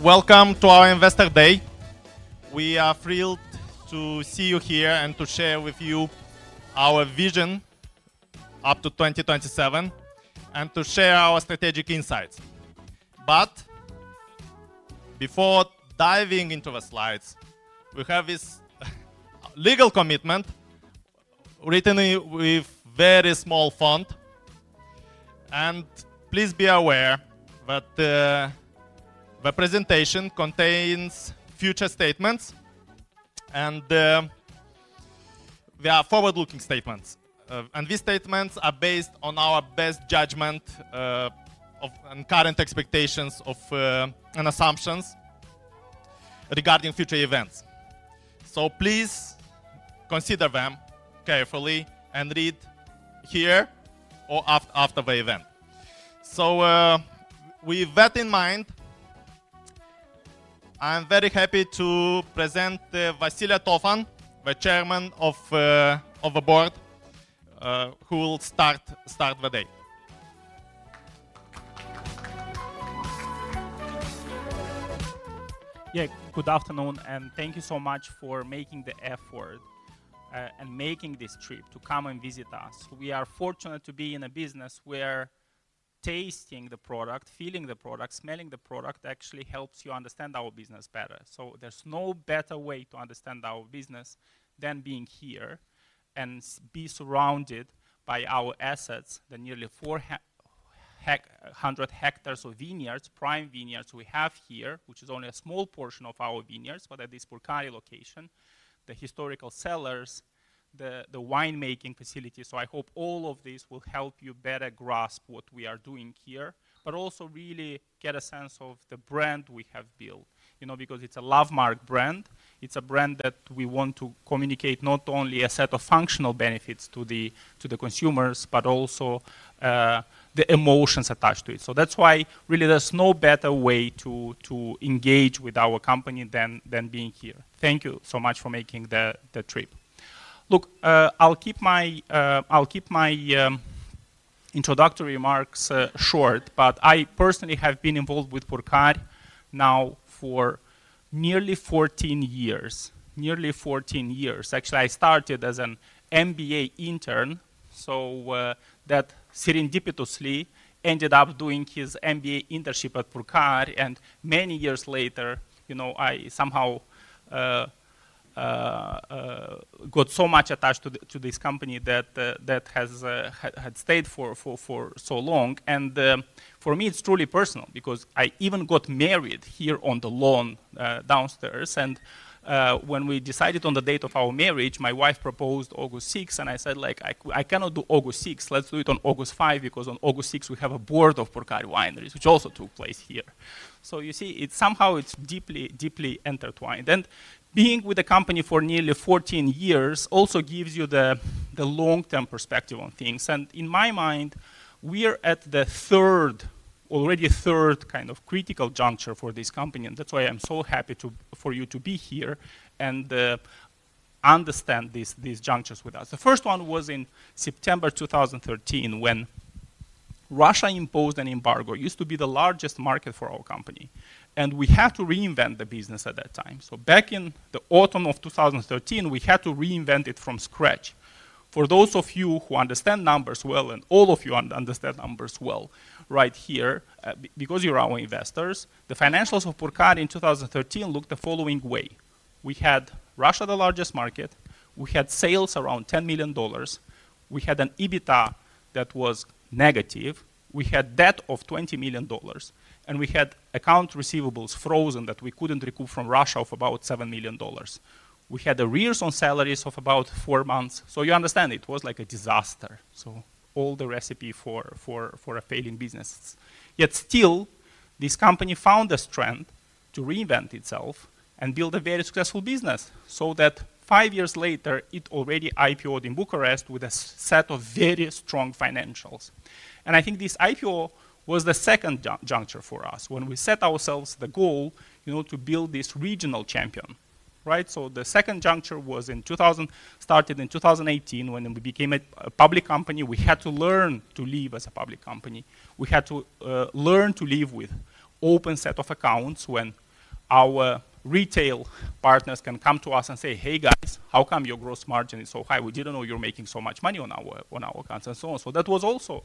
Welcome to our Investor Day. We are thrilled to see you here and to share with you our vision up to 2027, and to share our strategic insights. Before diving into the slides, we have this legal commitment, written with very small font. Please be aware that the presentation contains future statements, and they are forward-looking statements. These statements are based on our best judgment and current expectations and assumptions regarding future events. Please consider them carefully and read here or after the event. With that in mind, I'm very happy to present Vasile Tofan, the Chairman of the Board, who will start the day. Yeah, good afternoon, and thank you so much for making the effort and making this trip to come and visit us. We are fortunate to be in a business where tasting the product, feeling the product, smelling the product, actually helps you understand our business better. So there's no better way to understand our business than being here and being surrounded by our assets, the nearly four hundred hectares of vineyards, prime vineyards we have here, which is only a small portion of our vineyards, but at this Purcari location, the historical cellars, the wine-making facilities. So I hope all of this will help you better grasp what we are doing here, but also really get a sense of the brand we have built. You know, because it's a Lovemark brand. It's a brand that we want to communicate not only a set of functional benefits to the consumers, but also the emotions attached to it. So that's why really there's no better way to engage with our company than being here. Thank you so much for making the trip. Look, I'll keep my introductory remarks short, but I personally have been involved with Purcari now for nearly fourteen years. Actually, I started as an MBA intern, so that serendipitously ended up doing his MBA internship at Purcari, and many years later, you know, I somehow got so much attached to this company that had stayed for so long. For me, it's truly personal because I even got married here on the lawn downstairs, and when we decided on the date of our marriage, my wife proposed August sixth, and I said, like, "I cannot do August sixth. Let's do it on August five, because on August sixth, we have a board of Purcari Wineries," which also took place here, so you see, it's somehow deeply, deeply intertwined, and being with the company for nearly fourteen years also gives you the long-term perspective on things, and in my mind, we are at the third, already third kind of critical juncture for this company, and that's why I'm so happy to... for you to be here and understand these junctures with us. The first one was in September two thousand and thirteen, when Russia imposed an embargo. It used to be the largest market for our company, and we had to reinvent the business at that time. Back in the autumn of two thousand and thirteen, we had to reinvent it from scratch. For those of you who understand numbers well, and all of you understand numbers well, right here, because you're our investors, the financials of Purcari in two thousand and thirteen looked the following way: We had Russia, the largest market, we had sales around $10 million, we had an EBITDA that was negative, we had debt of $20 million, and we had accounts receivable frozen that we couldn't recoup from Russia of about $7 million. We had arrears on salaries of about four months. You understand, it was like a disaster. All the recipe for a failing business. Yet still, this company found the strength to reinvent itself and build a very successful business, so that five years later, it already IPO'd in Bucharest with a set of very strong financials. And I think this IPO was the second juncture for us when we set ourselves the goal, you know, to build this regional champion, right? So the second juncture was in 2018, when we became a public company. We had to learn to live as a public company. We had to learn to live with open set of accounts when our retail partners can come to us and say, "Hey, guys, how come your gross margin is so high? We didn't know you were making so much money on our accounts," and so on. So that was also,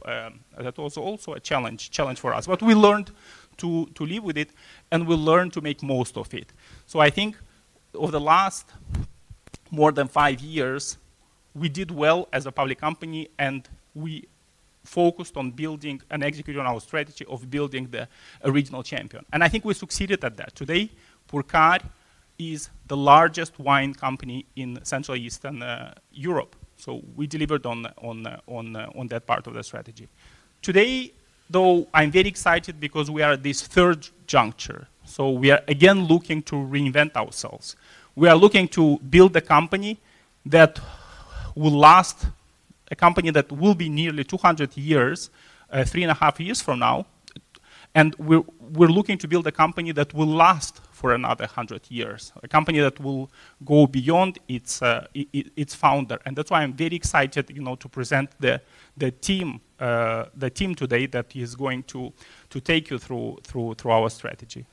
that was also a challenge for us, but we learned to live with it, and we learned to make the most of it. So I think over the last more than five years, we did well as a public company, and we focused on building and executing on our strategy of building a regional champion, and I think we succeeded at that. Today, Purcari is the largest wine company in Central Eastern Europe. So we delivered on that part of the strategy. Today, though, I'm very excited because we are at this third juncture, so we are again looking to reinvent ourselves. We are looking to build a company that will last, a company that will be nearly two hundred years three and a half years from now, and we're looking to build a company that will last for another hundred years, a company that will go beyond its founder. That's why I'm very excited, you know, to present the team today that is going to take you through our strategy.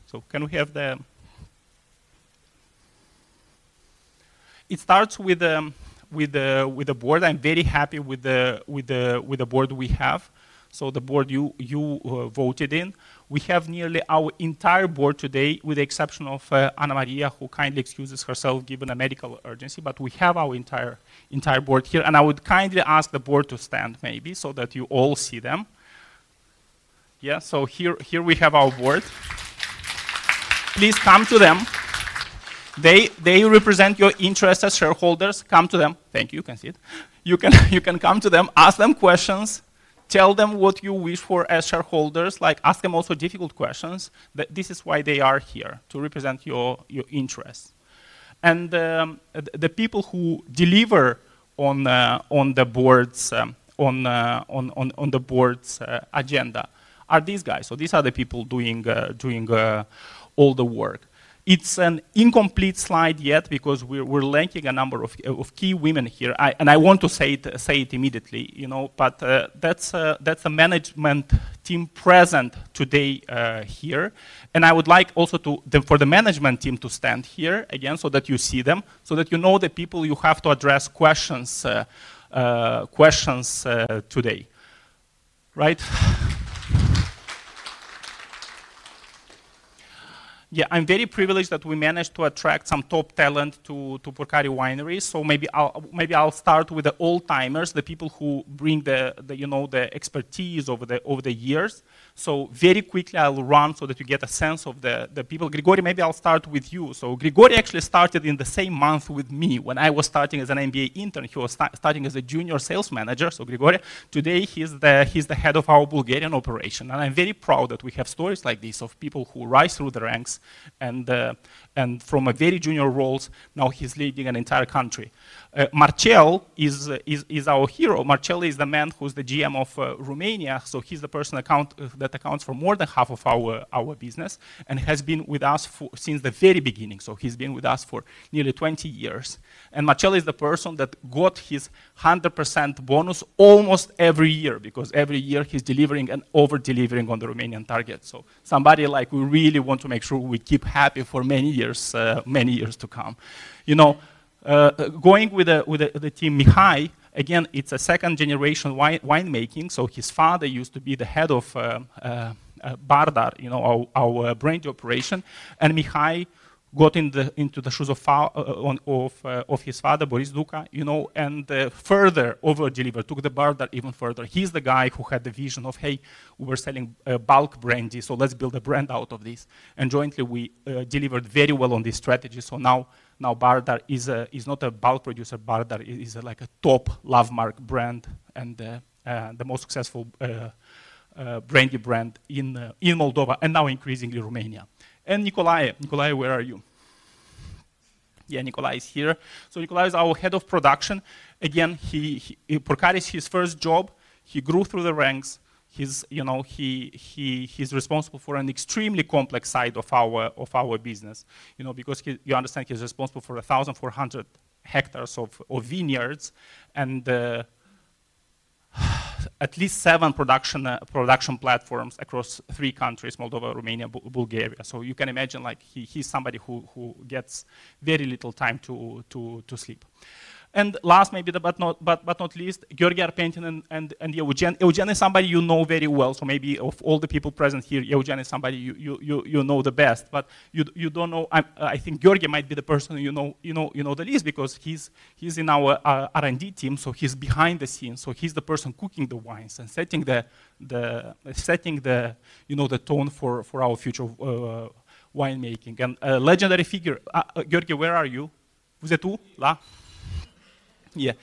It starts with the board. I'm very happy with the board we have. So the board you voted in. We have nearly our entire board today, with the exception Ana Maria, who kindly excuses herself given a medical urgency. But we have our entire board here, and I would kindly ask the board to stand maybe, so that you all see them. Yeah, so here we have our board. Please come to them. They represent your interest as shareholders. Come to them. Thank you, can sit. You can come to them, ask them questions, tell them what you wish for as shareholders. Like, ask them also difficult questions, but this is why they are here, to represent your interests. And the people who deliver on the board's agenda are these guys. So these are the people doing all the work. It's an incomplete slide yet because we're lacking a number of key women here. I... I want to say it immediately, you know, but that's the management team present today here. I would like also to. Then for the management team to stand here again, so that you see them, so that you know the people you have to address questions today. Right. Yeah, I'm very privileged that we managed to attract some top talent to Purcari Wineries. So maybe I'll start with the old-timers, the people who bring the you know, the expertise over the years. So very quickly, I'll run so that you get a sense of the people. Grigore, maybe I'll start with you. So Grigore actually started in the same month with me. When I was starting as an MBA intern, he was starting as a junior sales manager. Grigore, today, he is the head of our Bulgarian operation, and I am very proud that we have stories like this of people who rise through the ranks, and from a very junior roles, now he is leading an entire country. Marcel is our hero. Marcel is the man who is the GM of Romania, so he is the person that accounts for more than half of our business, and has been with us for since the very beginning. He has been with us for nearly 20 years. Marcel is the person that got his 100% bonus almost every year, because every year, he is delivering and over-delivering on the Romanian target. Somebody like we really want to make sure we keep happy for many years to come. You know, going with the team, Mihai, again, it's a second-generation winemaking. So his father used to be the head of Bardar, you know, our brandy operation. And Mihai got into the shoes of his father, Boris Duca, you know, and further over-delivered, took the Bardar even further. He's the guy who had the vision of, "Hey, we're selling bulk brandy, so let's build a brand out of this." And jointly, we delivered very well on this strategy. So now Bardar is not a bulk producer. Bardar is like a top love mark brand and the most successful brandy brand in Moldova, and now increasingly, Romania. And Nicolae. Nicolae, where are you? Yeah, Nicolae is here. So Nicolae is our head of production. Again, he, Purcari is his first job. He grew through the ranks. He's, you know, he's responsible for an extremely complex side of our business, you know, because you understand, he's responsible for a thousand four hundred hectares of vineyards and at least seven production platforms across three countries: Moldova, Romania, Bulgaria. So you can imagine, like, he's somebody who gets very little time to sleep. And last but not least, Gheorghe Arpentin and Eugen. Eugen is somebody you know very well, so maybe of all the people present here, Eugen is somebody you know the best, but you don't know... I think Gheorghe might be the person you know the least, because he's in our R&D team, so he's behind the scenes. So he's the person cooking the wines and setting the tone for our future winemaking. And a legendary figure, Gheorghe, where are you? Where are you? La. Yeah.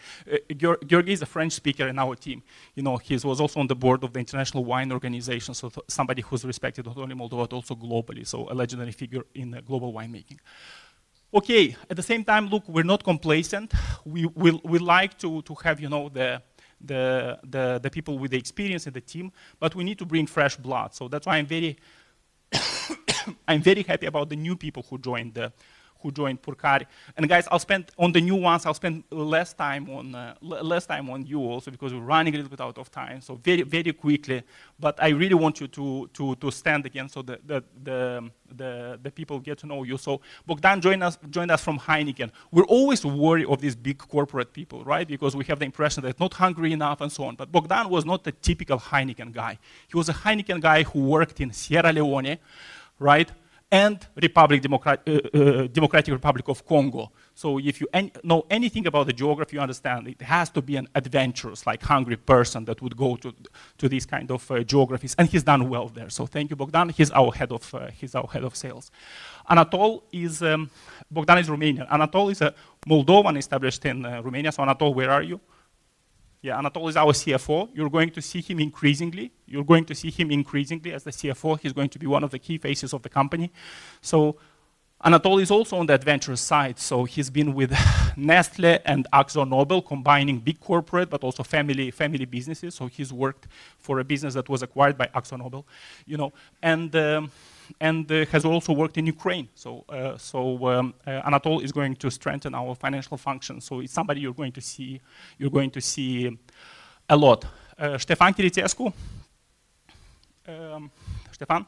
Gheorghe is a French speaker in our team. You know, he was also on the board of the International Wine Organization, so somebody who's respected not only in Moldova, but also globally, so a legendary figure in global winemaking. Okay, at the same time, look, we're not complacent. We like to have the people with the experience in the team, but we need to bring fresh blood. That's why I'm very, I'm very happy about the new people who joined Purcari. And guys, I'll spend... On the new ones, I'll spend less time on you also, because we're running a little bit out of time. Very, very quickly, but I really want you to stand again so that the people get to know you. So Bogdan joined us from Heineken. We're always worried of these big corporate people, right? Because we have the impression they're not hungry enough, and so on. But Bogdan was not the typical Heineken guy. He was a Heineken guy who worked in Sierra Leone, right, and Democratic Republic of the Congo. If you know anything about the geography, you understand it has to be an adventurous, like, hungry person that would go to these kind of geographies, and he's done well there. Thank you, Bogdan. He's our Head of Sales. Anatol is... Bogdan is Romanian. Anatol is a Moldovan established in Romania. Anatol, where are you? Yeah, Anatol is our CFO. You're going to see him increasingly. You're going to see him increasingly as the CFO. He's going to be one of the key faces of the company. Anatol is also on the adventurous side, so he's been with Nestlé and AkzoNobel, combining big corporate, but also family businesses. He's worked for a business that was acquired by AkzoNobel, you know, and has also worked in Ukraine. So, Anatol is going to strengthen our financial function. So he's somebody you're going to see a lot. Ștefan Chirițescu. Ștefan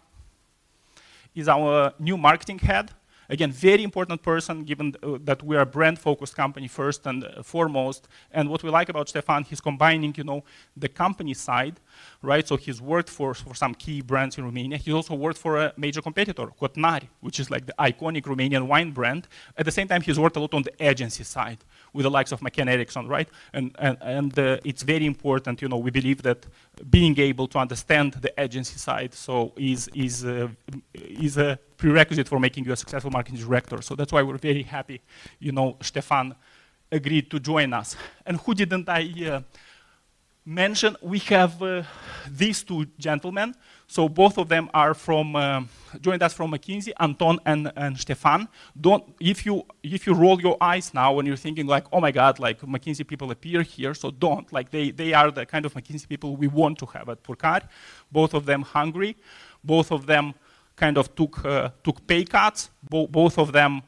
is our new marketing head. Again, very important person, given that we are a brand-focused company first and foremost. And what we like about Ștefan, he's combining, you know, the company side, right? So he's worked for some key brands in Romania. He also worked for a major competitor, Cotnari, which is, like, the iconic Romanian wine brand. At the same time, he's worked a lot on the agency side with the likes of McCann Erickson, right? And it's very important, you know, we believe that being able to understand the agency side, so is a prerequisite for making you a successful marketing director. So that's why we're very happy, you know, Ștefan agreed to join us. And who didn't I mention? We have these two gentlemen. So both of them joined us from McKinsey, Anton and Ștefan. Don't if you roll your eyes now, and you're thinking, like, "Oh, my God, like, McKinsey people appear here," so don't. Like, they are the kind of McKinsey people we want to have at Purcari. Both of them Hungary, both of them kind of took pay cuts. Both of them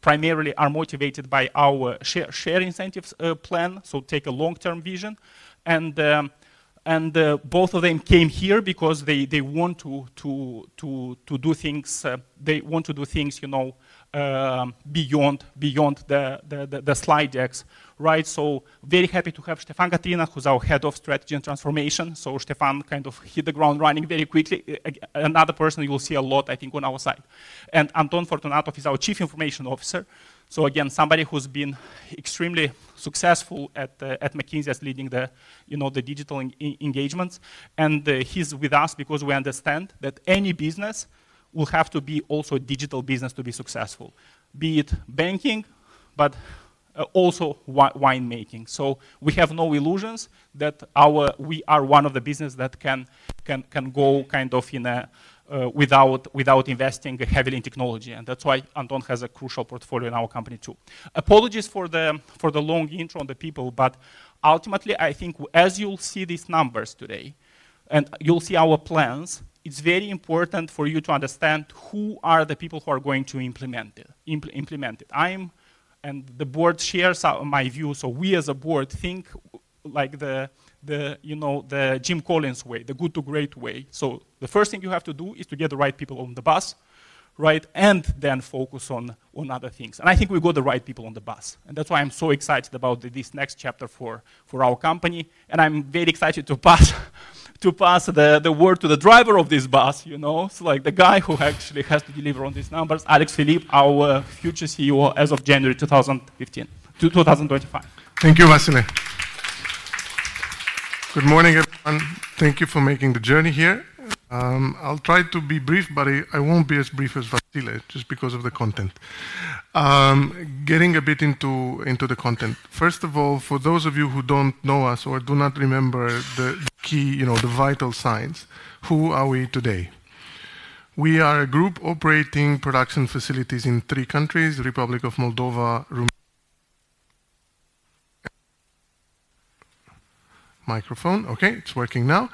primarily are motivated by our share incentives plan, so take a long-term vision. And both of them came here because they want to do things, they want to do things, you know, beyond the slide decks, right? Very happy to have Ștefan Catină, who's our head of strategy and transformation. Ștefan kind of hit the ground running very quickly. Another person you will see a lot, I think, on our side. And Anton Fortunatov is our chief information officer, so again, somebody who's been extremely successful at McKinsey as leading the, you know, the digital engagements. And he's with us because we understand that any business will have to be also a digital business to be successful, be it banking, but also winemaking. We have no illusions that we are one of the businesses that can go kind of in a without investing heavily in technology, and that's why Anton has a crucial portfolio in our company, too. Apologies for the long intro on the people, but ultimately, I think, as you'll see these numbers today, and you'll see our plans, it's very important for you to understand who are the people who are going to implement it, implement it. And the board shares my view, so we as a board think like the, you know, the Jim Collins way, the Good to Great way. So the first thing you have to do is to get the right people on the bus, right? And then focus on other things. And I think we've got the right people on the bus, and that's why I'm so excited about this next chapter for our company, and I'm very excited to pass the word to the driver of this bus, you know? So, like, the guy who actually has to deliver on these numbers, Alex Filip, our future CEO as of January 2025. Thank you, Vasile. Good morning, everyone. Thank you for making the journey here. I'll try to be brief, but I won't be as brief as Vasile, just because of the content. Getting a bit into the content. First of all, for those of you who don't know us or do not remember the key, you know, the vital signs, who are we today? We are a group operating production facilities in three countries: Republic of Moldova, Romania, Bulgaria.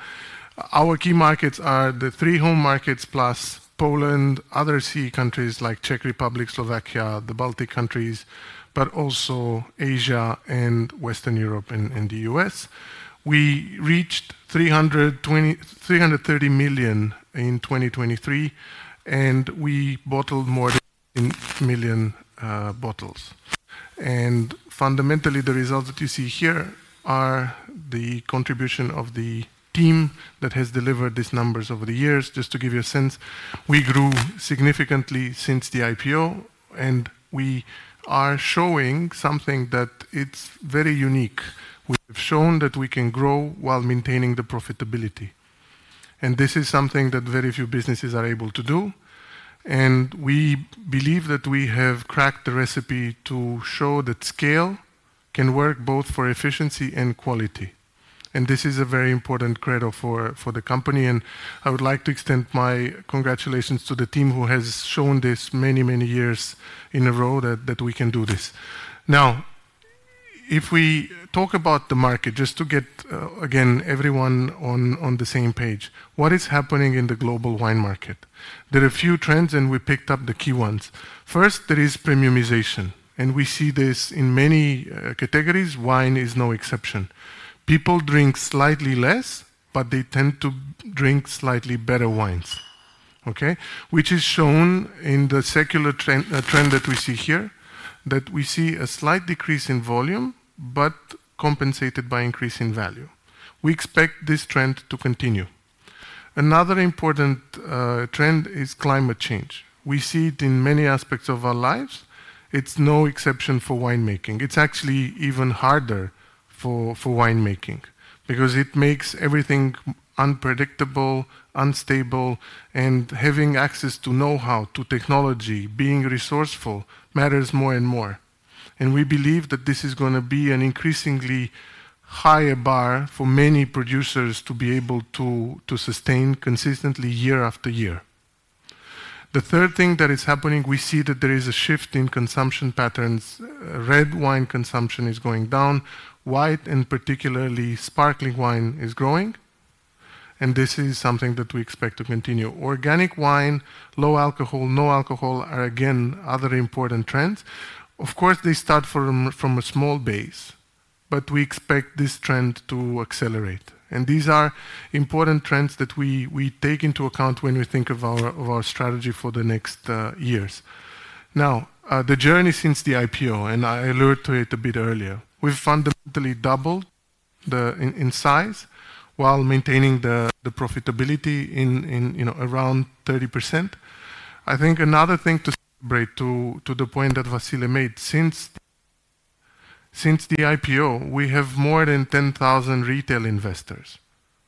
Our key markets are the three home markets, plus Poland, other key countries like Czech Republic, Slovakia, the Baltic countries, but also Asia and Western Europe, and the U.S. We reached RON 330 million in 2023, and we bottled more than million bottles. Fundamentally, the results that you see here are the contribution of the team that has delivered these numbers over the years. Just to give you a sense, we grew significantly since the IPO, and we are showing something that it's very unique. We've shown that we can grow while maintaining the profitability, and this is something that very few businesses are able to do. We believe that we have cracked the recipe to show that scale can work both for efficiency and quality, and this is a very important credo for the company. I would like to extend my congratulations to the team who has shown this many, many years in a row, that we can do this. Now, if we talk about the market, just to get again, everyone on the same page, what is happening in the global wine market? There are a few trends, and we picked up the key ones. First, there is premiumization, and we see this in many categories. Wine is no exception. People drink slightly less, but they tend to drink slightly better wines, okay? Which is shown in the secular trend that we see here, that we see a slight decrease in volume, but compensated by increase in value. We expect this trend to continue. Another important trend is climate change. We see it in many aspects of our lives. It's no exception for winemaking. It's actually even harder for winemaking because it makes everything unpredictable, unstable, and having access to know-how, to technology, being resourceful, matters more and more. We believe that this is gonna be an increasingly higher bar for many producers to be able to sustain consistently year after year. The third thing that is happening, we see that there is a shift in consumption patterns. Red wine consumption is going down. White, and particularly sparkling wine, is growing, and this is something that we expect to continue. Organic wine, low alcohol, no alcohol are, again, other important trends. Of course, they start from a small base, but we expect this trend to accelerate. And these are important trends that we take into account when we think of our strategy for the next years. Now, the journey since the IPO, and I alluded to it a bit earlier. We've fundamentally doubled the size while maintaining the profitability in, you know, around 30%. I think another thing to celebrate, to the point that Vasile made, since the IPO, we have more than 10,000 retail investors.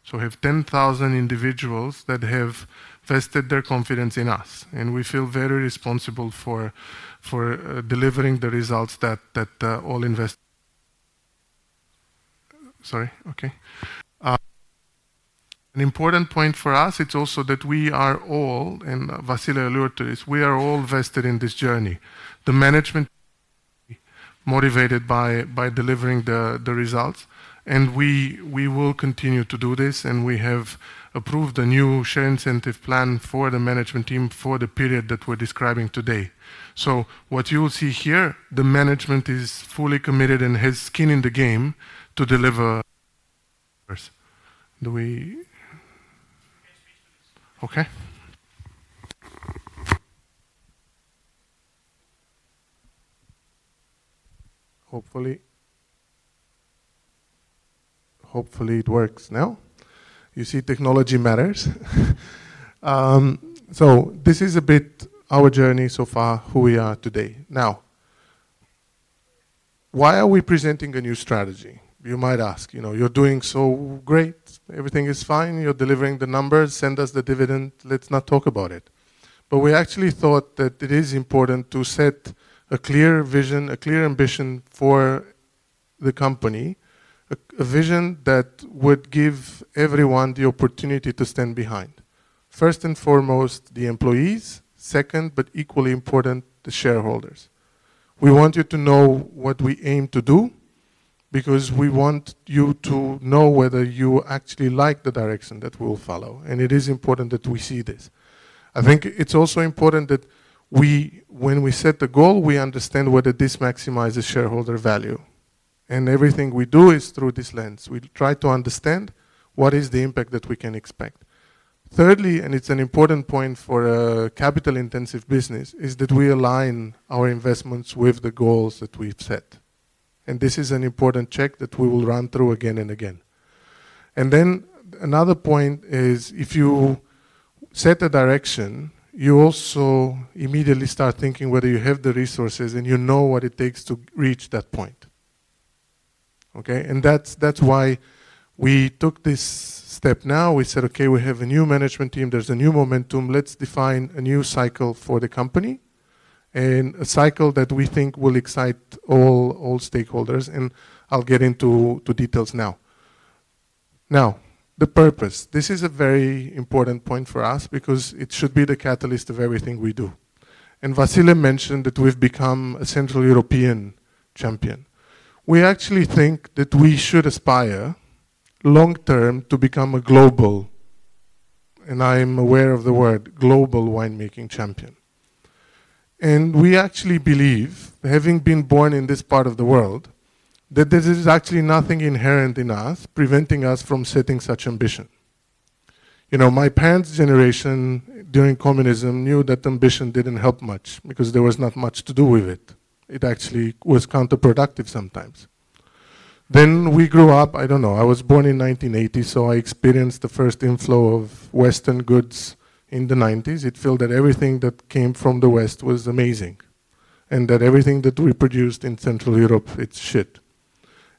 So we have 10,000 individuals that have vested their confidence in us, and we feel very responsible for delivering the results. An important point for us, it's also that we are all, and Vasile alluded to this, we are all vested in this journey. The management, motivated by delivering the results, and we will continue to do this, and we have approved a new share incentive plan for the management team for the period that we're describing today. So what you will see here, the management is fully committed and has skin in the game to deliver. Do we- You can switch to this. Okay. Hopefully, it works now. You see, technology matters. So this is a bit our journey so far, who we are today. Now, why are we presenting a new strategy? You might ask. You know, "You're doing so great. Everything is fine. You're delivering the numbers. Send us the dividend. Let's not talk about it." But we actually thought that it is important to set a clear vision, a clear ambition for the company, a vision that would give everyone the opportunity to stand behind. First and foremost, the employees. Second, but equally important, the shareholders. We want you to know what we aim to do because we want you to know whether you actually like the direction that we'll follow, and it is important that we see this. I think it's also important that we... When we set the goal, we understand whether this maximizes shareholder value, and everything we do is through this lens. We try to understand what is the impact that we can expect. Thirdly, and it's an important point for a capital-intensive business, is that we align our investments with the goals that we've set, and this is an important check that we will run through again and again, and then another point is, if you set a direction, you also immediately start thinking whether you have the resources, and you know what it takes to reach that point. Okay, and that's, that's why we took this step now. We said, "Okay, we have a new management team. There's a new momentum. Let's define a new cycle for the company, and a cycle that we think will excite all, all stakeholders," and I'll get into details now. Now, the purpose, this is a very important point for us because it should be the catalyst of everything we do. And Vasile mentioned that we've become a Central European champion. We actually think that we should aspire long term to become a global, and I'm aware of the word, global winemaking champion. And we actually believe, having been born in this part of the world, that this is actually nothing inherent in us, preventing us from setting such ambition. You know, my parents' generation, during communism, knew that ambition didn't help much because there was not much to do with it. It actually was counterproductive sometimes. Then we grew up... I don't know. I was born in nineteen eighty, so I experienced the first inflow of Western goods in the nineties. It felt that everything that came from the West was amazing, and that everything that we produced in Central Europe, it's shit.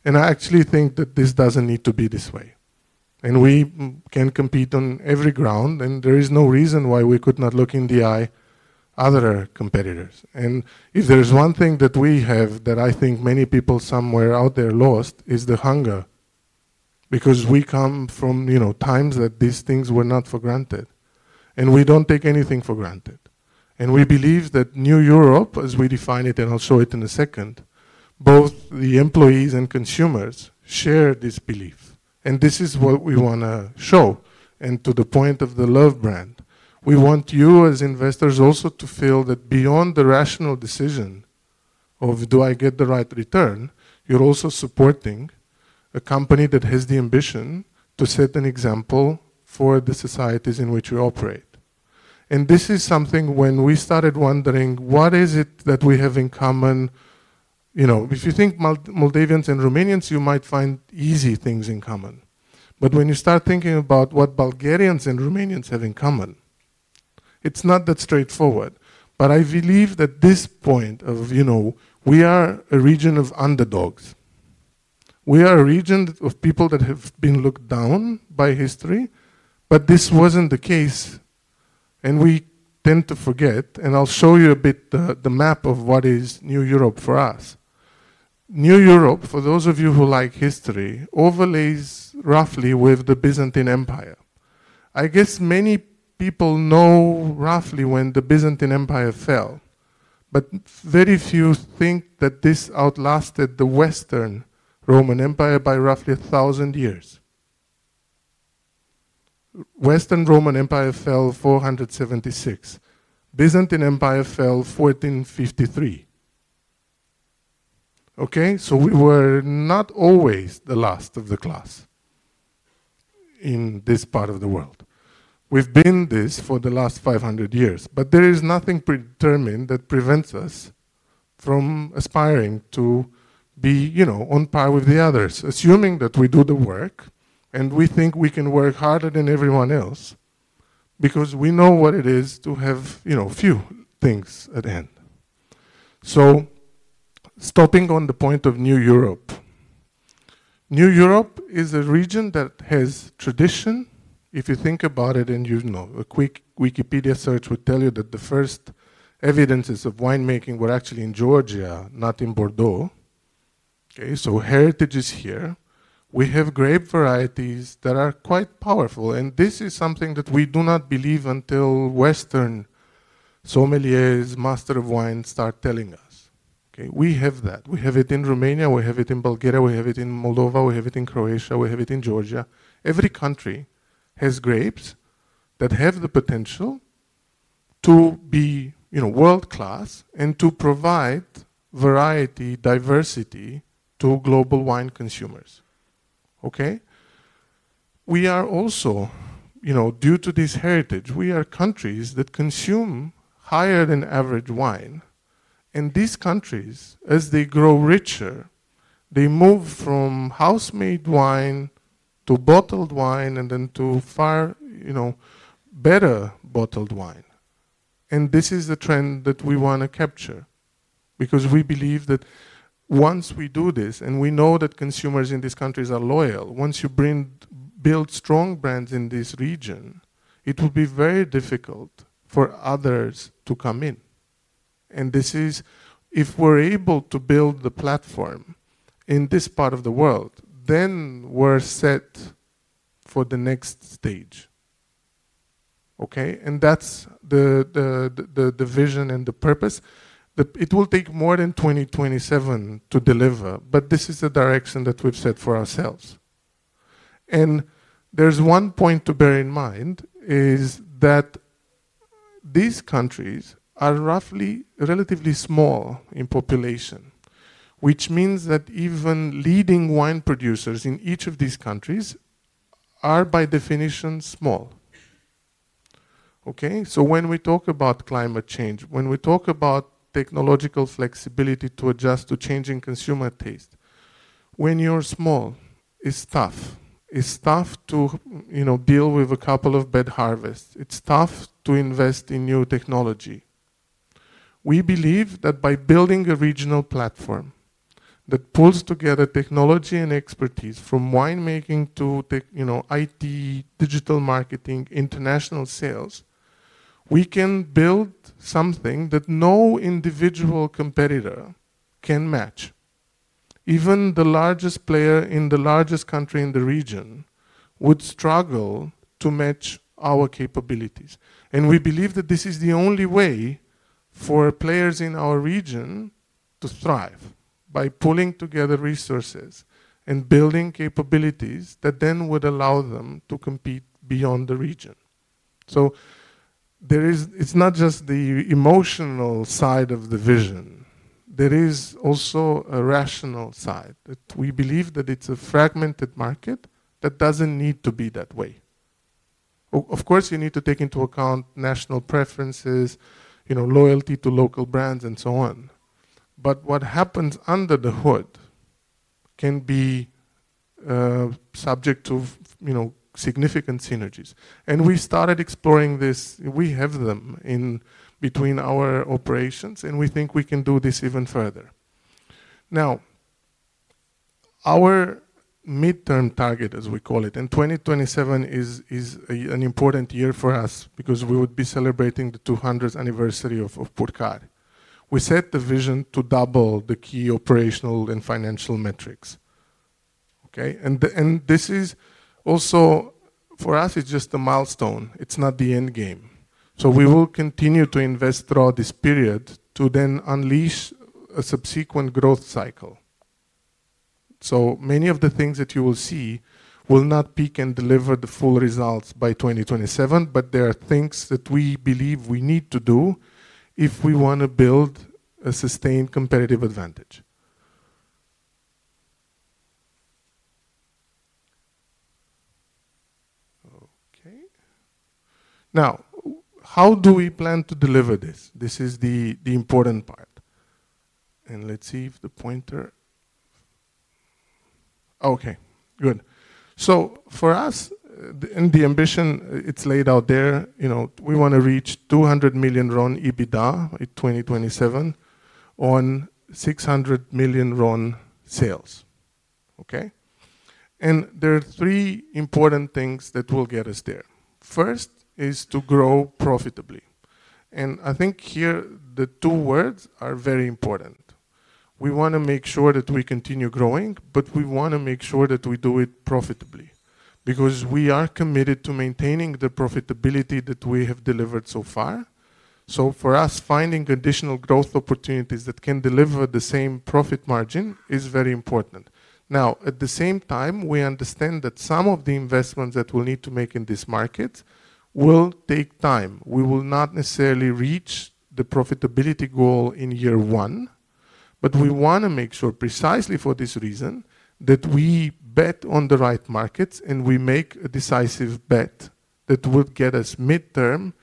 And I actually think that this doesn't need to be this way, and we can compete on every ground, and there is no reason why we could not look in the eye other competitors. And if there is one thing that we have that I think many people somewhere out there lost, is the hunger. Because we come from, you know, times that these things were not for granted, and we don't take anything for granted. And we believe that New Europe, as we define it, and I'll show it in a second, both the employees and consumers share this belief, and this is what we wanna show. And to the point of the love brand, we want you, as investors, also to feel that beyond the rational decision of, "Do I get the right return?" You're also supporting a company that has the ambition to set an example for the societies in which we operate. And this is something, when we started wondering, what is it that we have in common? You know, if you think Moldavians and Romanians, you might find easy things in common. But when you start thinking about what Bulgarians and Romanians have in common, it's not that straightforward. But I believe that this point of, you know, we are a region of underdogs. We are a region of people that have been looked down by history, but this wasn't the case, and we tend to forget, and I'll show you a bit the map of what is New Europe for us. New Europe, for those of you who like history, overlays roughly with the Byzantine Empire. I guess many people know roughly when the Byzantine Empire fell, but very few think that this outlasted the Western Roman Empire by roughly a thousand years. Western Roman Empire fell four hundred seventy-six. Byzantine Empire fell fourteen fifty-three. Okay? So we were not always the last of the class in this part of the world. We've been this for the last five hundred years, but there is nothing predetermined that prevents us from aspiring to be, you know, on par with the others, assuming that we do the work, and we think we can work harder than everyone else because we know what it is to have, you know, few things at hand. So stopping on the point of New Europe. New Europe is a region that has tradition. If you think about it, and you know, a quick Wikipedia search would tell you that the first evidence of winemaking was actually in Georgia, not in Bordeaux. Okay, so heritage is here. We have grape varieties that are quite powerful, and this is something that we do not believe until Western sommeliers, Masters of Wine, start telling us. Okay, we have that. We have it in Romania, we have it in Bulgaria, we have it in Moldova, we have it in Croatia, we have it in Georgia. Every country has grapes that have the potential to be, you know, world-class and to provide variety, diversity to global wine consumers. Okay? We are also. You know, due to this heritage, we are countries that consume higher than average wine. And these countries, as they grow richer, they move from house-made wine to bottled wine, and then to far, you know, better bottled wine. And this is the trend that we wanna capture, because we believe that once we do this, and we know that consumers in these countries are loyal, once you build strong brands in this region, it will be very difficult for others to come in. And this is, if we're able to build the platform in this part of the world, then we're set for the next stage. Okay? And that's the vision and the purpose. But it will take more than 2027 to deliver, but this is the direction that we've set for ourselves. And there's one point to bear in mind, is that these countries are roughly relatively small in population, which means that even leading wine producers in each of these countries are, by definition, small. Okay? So when we talk about climate change, when we talk about technological flexibility to adjust to changing consumer taste, when you're small, it's tough. It's tough to, you know, deal with a couple of bad harvests. It's tough to invest in new technology. We believe that by building a regional platform that pulls together technology and expertise, from wine making to tech, you know, IT, digital marketing, international sales, we can build something that no individual competitor can match. Even the largest player in the largest country in the region would struggle to match our capabilities, and we believe that this is the only way for players in our region to thrive, by pulling together resources and building capabilities that then would allow them to compete beyond the region. So there is. It's not just the emotional side of the vision, there is also a rational side, that we believe that it's a fragmented market that doesn't need to be that way. Of course, you need to take into account national preferences, you know, loyalty to local brands, and so on. But what happens under the hood can be subject to, you know, significant synergies. And we started exploring this. We have them in between our operations, and we think we can do this even further. Now, our midterm target, as we call it, and 2027 is an important year for us because we would be celebrating the two hundredth anniversary of Purcari. We set the vision to double the key operational and financial metrics, okay? And this is also, for us, it's just a milestone, it's not the end game. So we will continue to invest throughout this period to then unleash a subsequent growth cycle. So many of the things that you will see will not peak and deliver the full results by 2027, but there are things that we believe we need to do if we wanna build a sustained competitive advantage. Okay. Now, how do we plan to deliver this? This is the important part. And let's see if the pointer... Okay, good. So for us, and the ambition, it's laid out there, you know, we wanna reach 200 million RON EBITDA in 2027 on 600 million RON sales. Okay? And there are three important things that will get us there. First is to grow profitably, and I think here the two words are very important. We wanna make sure that we continue growing, but we wanna make sure that we do it profitably, because we are committed to maintaining the profitability that we have delivered so far... For us, finding additional growth opportunities that can deliver the same profit margin is very important. Now, at the same time, we understand that some of the investments that we'll need to make in this market will take time. We will not necessarily reach the profitability goal in year one, but we wanna make sure, precisely for this reason, that we bet on the right markets, and we make a decisive bet that will get us midterm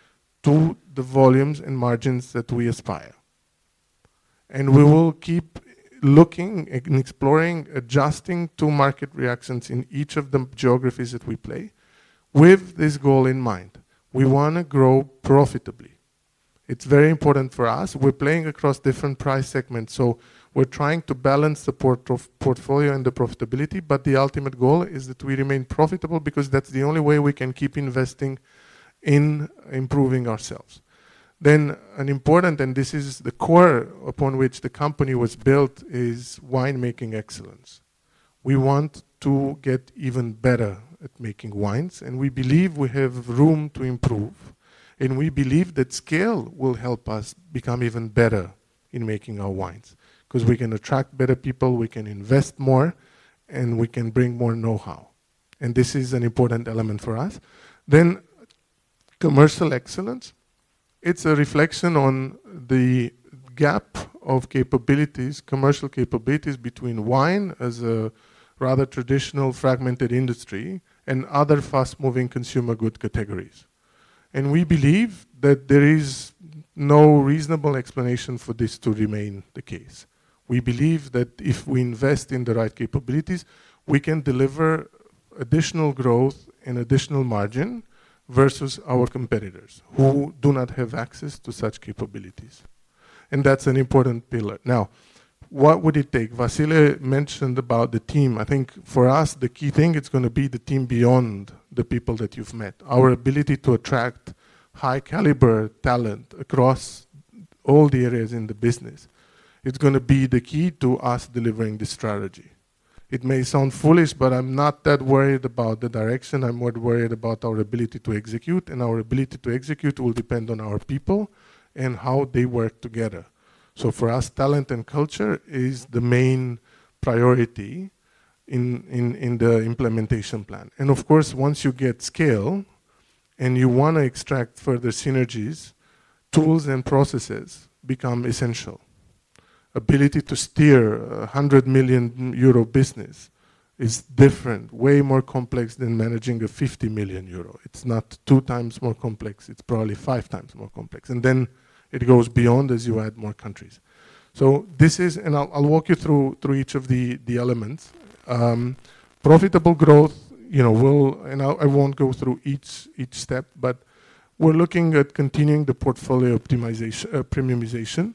to the volumes and margins that we aspire, and we will keep looking and exploring, adjusting to market reactions in each of the geographies that we play with this goal in mind. We wanna grow profitably. It's very important for us. We're playing across different price segments, so we're trying to balance the portfolio and the profitability, but the ultimate goal is that we remain profitable because that's the only way we can keep investing in improving ourselves. Then an important, and this is the core upon which the company was built, is winemaking excellence. We want to get even better at making wines, and we believe we have room to improve, and we believe that scale will help us become even better in making our wines. 'Cause we can attract better people, we can invest more, and we can bring more know-how, and this is an important element for us. Then, commercial excellence, it's a reflection on the gap of capabilities, commercial capabilities between wine as a rather traditional, fragmented industry and other fast-moving consumer goods categories. We believe that there is no reasonable explanation for this to remain the case. We believe that if we invest in the right capabilities, we can deliver additional growth and additional margin versus our competitors, who do not have access to such capabilities, and that's an important pillar. Now, what would it take? Vasile mentioned about the team. I think for us, the key thing, it's gonna be the team beyond the people that you've met. Our ability to attract high-caliber talent across all the areas in the business, it's gonna be the key to us delivering this strategy. It may sound foolish, but I'm not that worried about the direction. I'm more worried about our ability to execute, and our ability to execute will depend on our people and how they work together. So for us, talent and culture is the main priority in the implementation plan. And of course, once you get scale and you wanna extract further synergies, tools and processes become essential. Ability to steer a 100 million euro business is different, way more complex than managing a 50 million euro. It's not two times more complex. It's probably five times more complex, and then it goes beyond as you add more countries. So this is. And I'll walk you through each of the elements. Profitable growth, you know, we'll. And I won't go through each step, but we're looking at continuing the portfolio optimization, premiumization.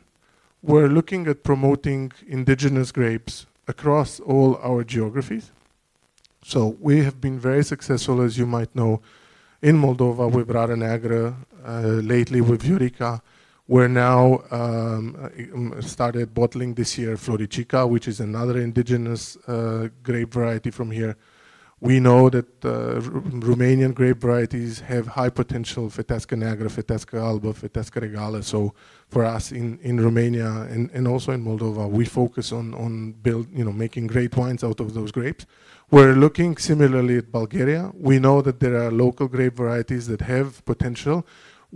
We're looking at promoting indigenous grapes across all our geographies. So we have been very successful, as you might know, in Moldova with Rară Neagră lately with Viorica. We're now started bottling this year Floricica, which is another indigenous grape variety from here. We know that Romanian grape varieties have high potential for Fetească Neagră, Fetească Albă, Fetească Regală. So for us in Romania and also in Moldova, we focus on build, you know, making great wines out of those grapes. We're looking similarly at Bulgaria. We know that there are local grape varieties that have potential.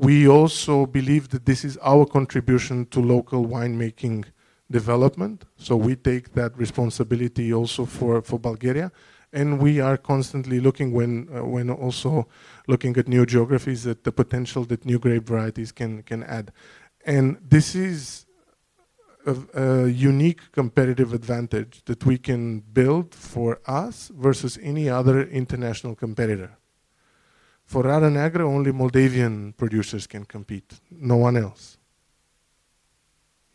We also believe that this is our contribution to local winemaking development, so we take that responsibility also for Bulgaria, and we are constantly looking when also looking at new geographies, that the potential that new grape varieties can add. And this is a unique competitive advantage that we can build for us versus any other international competitor. For Rară Neagră, only Moldovan producers can compete, no one else.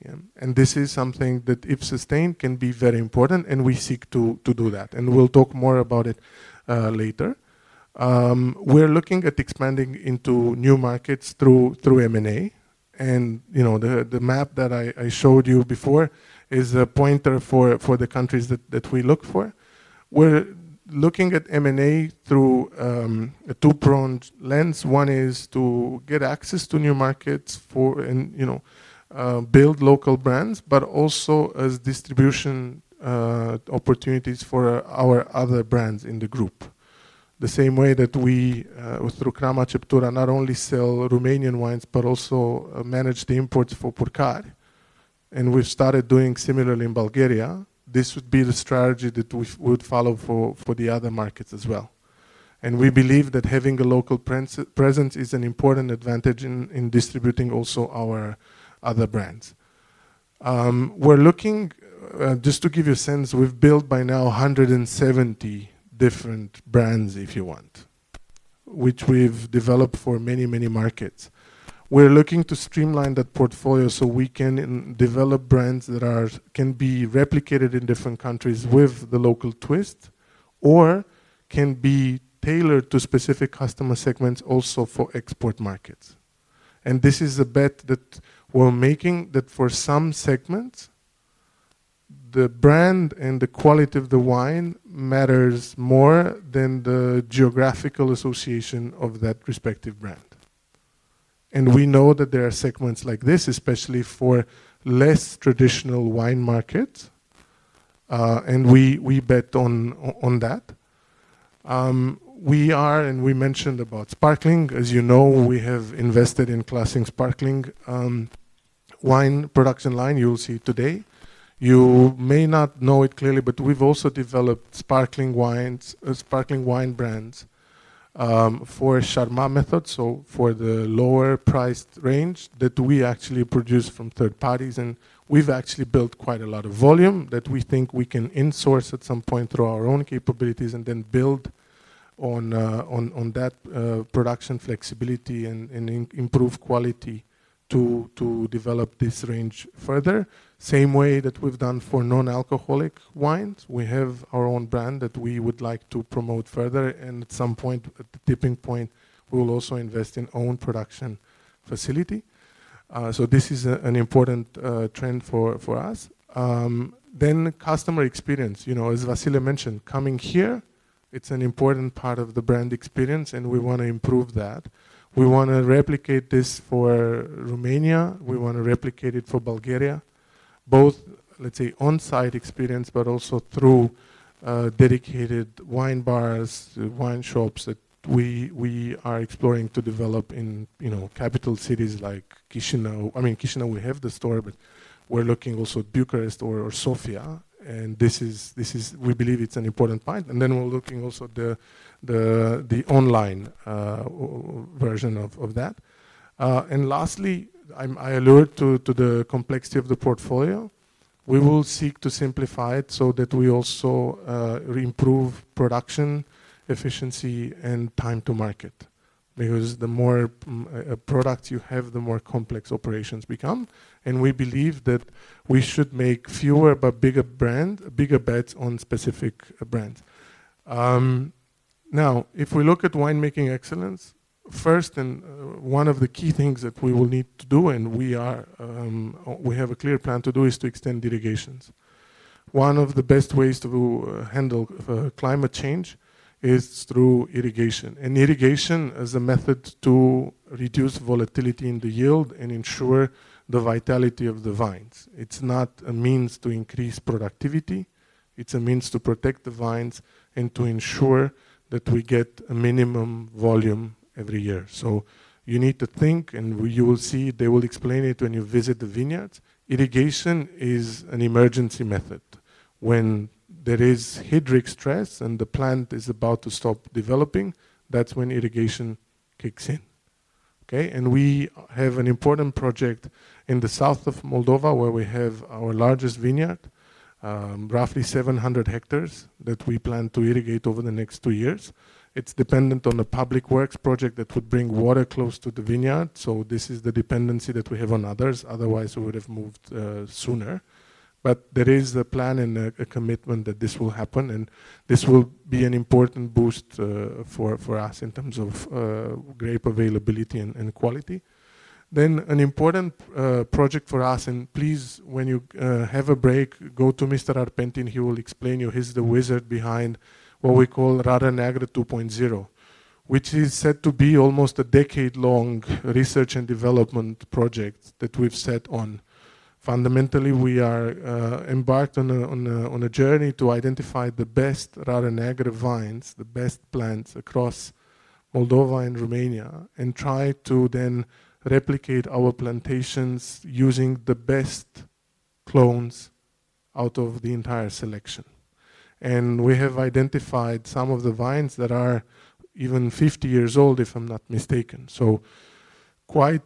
Yeah, and this is something that, if sustained, can be very important, and we seek to do that, and we'll talk more about it later. We're looking at expanding into new markets through M&A, and, you know, the map that I showed you before is a pointer for the countries that we look for. We're looking at M&A through a two-pronged lens. One is to get access to new markets for and, you know, build local brands, but also as distribution opportunities for our other brands in the group. The same way that we through Crama Ceptura, not only sell Romanian wines, but also manage the imports for Purcari, and we've started doing similarly in Bulgaria. This would be the strategy that we would follow for the other markets as well. And we believe that having a local presence is an important advantage in distributing also our other brands. We're looking just to give you a sense, we've built by now 170 different brands, if you want, which we've developed for many, many markets. We're looking to streamline that portfolio so we can develop brands that are can be replicated in different countries with the local twist or can be tailored to specific customer segments also for export markets. And this is a bet that we're making, that for some segments the brand and the quality of the wine matters more than the geographical association of that respective brand. We know that there are segments like this, especially for less traditional wine markets, and we bet on that. We are, and we mentioned about sparkling. As you know, we have invested in classic sparkling wine production line. You will see today. You may not know it clearly, but we've also developed sparkling wines, sparkling wine brands, for Charmat method, so for the lower priced range that we actually produce from third parties, and we've actually built quite a lot of volume that we think we can insource at some point through our own capabilities and then build on that production flexibility and improve quality to develop this range further. Same way that we've done for non-alcoholic wines. We have our own brand that we would like to promote further, and at some point, at the tipping point, we will also invest in own production facility. So this is an important trend for us. Then customer experience. You know, as Vasile mentioned, coming here, it's an important part of the brand experience, and we want to improve that. We wanna replicate this for Romania, we wanna replicate it for Bulgaria, both, let's say, on-site experience, but also through dedicated wine bars, wine shops that we are exploring to develop in, you know, capital cities like Chișinău. I mean, Chișinău we have the store, but we're looking also Bucharest or Sofia, and this is. We believe it's an important point. And then we're looking also the online version of that. And lastly, I allude to the complexity of the portfolio. We will seek to simplify it so that we also re-improve production efficiency and time to market, because the more products you have, the more complex operations become, and we believe that we should make fewer but bigger bets on specific brands. Now, if we look at winemaking excellence first, and one of the key things that we will need to do, and we have a clear plan to do, is to extend irrigations. One of the best ways to handle climate change is through irrigation, and irrigation is a method to reduce volatility in the yield and ensure the vitality of the vines. It's not a means to increase productivity, it's a means to protect the vines and to ensure that we get a minimum volume every year. So you need to think, and you will see, they will explain it when you visit the vineyards, irrigation is an emergency method. When there is hydric stress, and the plant is about to stop developing, that's when irrigation kicks in. Okay? And we have an important project in the south of Moldova, where we have our largest vineyard, roughly 700 hectares that we plan to irrigate over the next two years. It's dependent on a public works project that would bring water close to the vineyard, so this is the dependency that we have on others. Otherwise, we would have moved sooner. But there is a plan and a commitment that this will happen, and this will be an important boost for us in terms of grape availability and quality. Then an important project for us, and please, when you have a break, go to Mr. Arpentin. He will explain you. He's the wizard behind what we call Rară Neagră 2.0, which is said to be almost a decade-long research and development project that we've set on. Fundamentally, we are embarked on a journey to identify the best Rară Neagră vines, the best plants across Moldova and Romania, and try to then replicate our plantations using the best clones out of the entire selection. We have identified some of the vines that are even fifty years old, if I'm not mistaken. So quite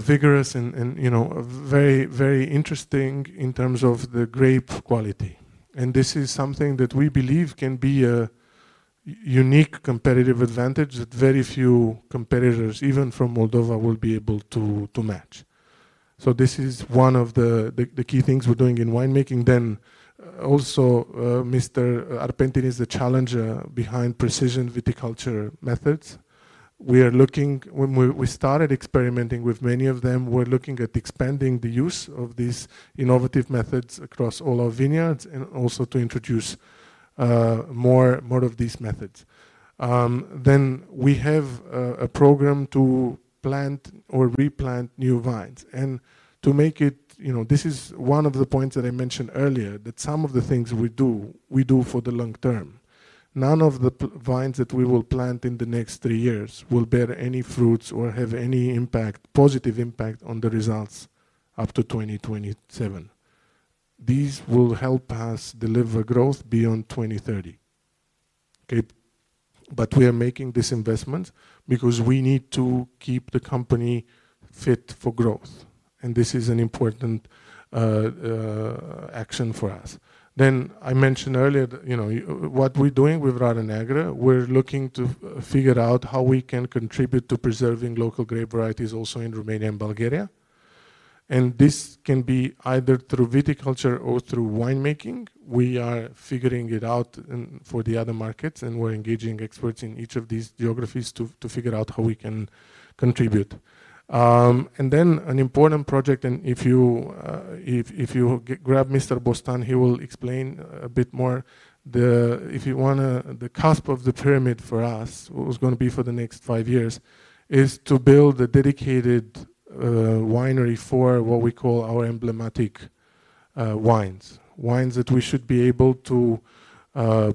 vigorous and you know very interesting in terms of the grape quality. And this is something that we believe can be a unique competitive advantage that very few competitors, even from Moldova, will be able to match. So this is one of the key things we're doing in winemaking. Then also Mr. Arpentin is the challenger behind precision viticulture methods. We are looking. When we started experimenting with many of them, we're looking at expanding the use of these innovative methods across all our vineyards and also to introduce more of these methods. Then we have a program to plant or replant new vines and to make it you know this is one of the points that I mentioned earlier, that some of the things we do, we do for the long term. None of the vines that we will plant in the next three years will bear any fruits or have any impact, positive impact on the results up to 2027. These will help us deliver growth beyond 2030. Okay? But we are making this investment because we need to keep the company fit for growth, and this is an important action for us. Then I mentioned earlier, you know, what we're doing with Rară Neagră. We're looking to figure out how we can contribute to preserving local grape varieties, also in Romania and Bulgaria, and this can be either through viticulture or through winemaking. We are figuring it out for the other markets, and we're engaging experts in each of these geographies to figure out how we can contribute. And then an important project, and if you grab Mr. Bostan, he will explain a bit more. The cusp of the pyramid for us, what was gonna be for the next five years, is to build a dedicated winery for what we call our emblematic wines. Wines that we should be able to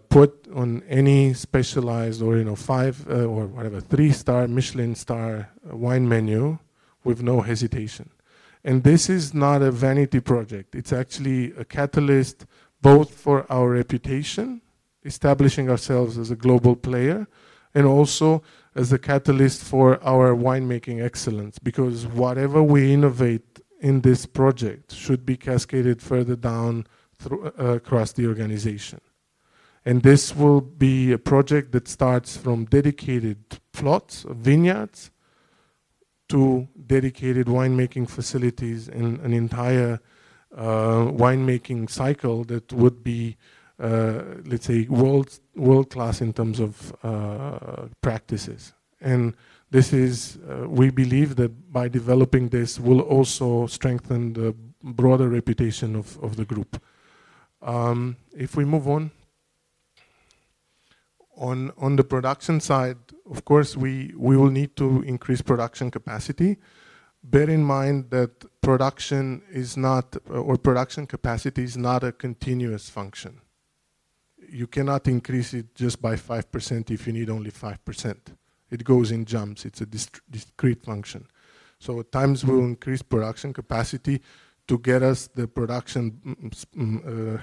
put on any specialized or, you know, five or whatever, three-star, Michelin-star wine menu with no hesitation. And this is not a vanity project. It's actually a catalyst both for our reputation, establishing ourselves as a global player, and also as a catalyst for our winemaking excellence, because whatever we innovate in this project should be cascaded further down through across the organization. This will be a project that starts from dedicated plots of vineyards to dedicated winemaking facilities and an entire winemaking cycle that would be, let's say, world-class in terms of practices. This is. We believe that by developing this, we'll also strengthen the broader reputation of the group. If we move on. On the production side, of course, we will need to increase production capacity. Bear in mind that production is not, or production capacity is not a continuous function. You cannot increase it just by 5% if you need only 5%. It goes in jumps. It's a discrete function. So at times, we'll increase production capacity to get us the production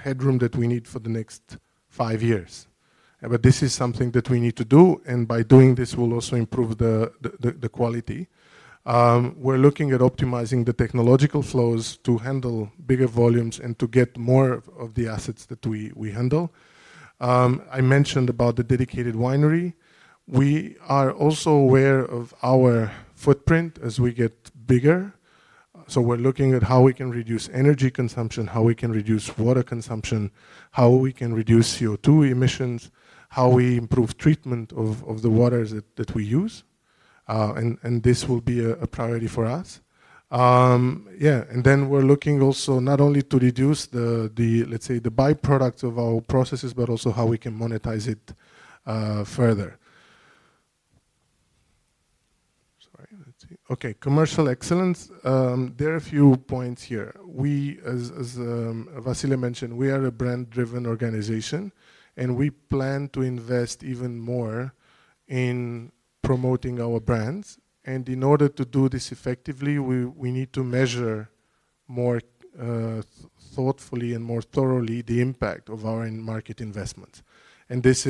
headroom that we need for the next five years. But this is something that we need to do, and by doing this, we'll also improve the quality. We're looking at optimizing the technological flows to handle bigger volumes and to get more of the assets that we handle. I mentioned about the dedicated winery. We are also aware of our footprint as we get bigger, so we're looking at how we can reduce energy consumption, how we can reduce water consumption, how we can reduce CO2 emissions, how we improve treatment of the waters that we use, and this will be a priority for us. And then we're looking also not only to reduce the, let's say, the byproducts of our processes, but also how we can monetize it further. Sorry, let's see. Okay, commercial excellence. There are a few points here. We, as Vasile mentioned, we are a brand-driven organization, and we plan to invest even more in promoting our brands. In order to do this effectively, we need to measure more thoughtfully and more thoroughly the impact of our in-market investments, and this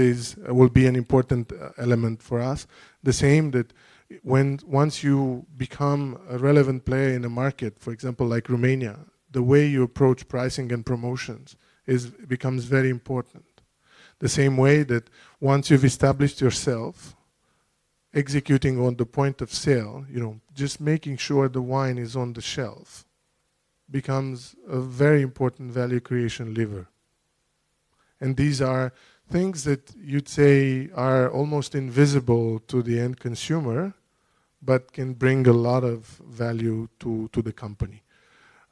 will be an important element for us. The same that once you become a relevant player in a market, for example, like Romania, the way you approach pricing and promotions becomes very important. The same way that once you've established yourself, executing on the point of sale, you know, just making sure the wine is on the shelf, becomes a very important value creation lever. These are things that you'd say are almost invisible to the end consumer, but can bring a lot of value to the company.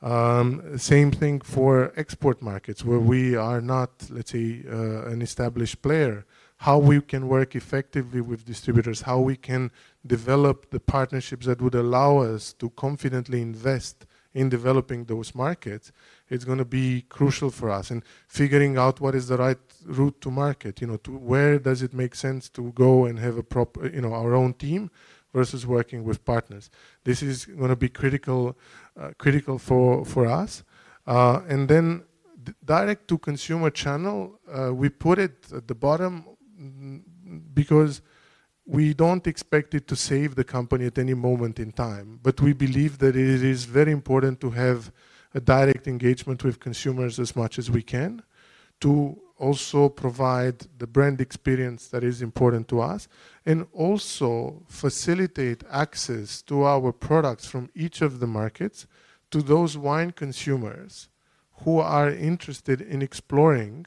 Same thing for export markets, where we are not, let's say, an established player. How we can work effectively with distributors, how we can develop the partnerships that would allow us to confidently invest in developing those markets, is gonna be crucial for us. And figuring out what is the right route to market, you know, to where does it make sense to go and have our own team versus working with partners. This is gonna be critical, critical for us. And then direct-to-consumer channel, we put it at the bottom, because we don't expect it to save the company at any moment in time. But we believe that it is very important to have a direct engagement with consumers as much as we can, to also provide the brand experience that is important to us, and also facilitate access to our products from each of the markets to those wine consumers who are interested in exploring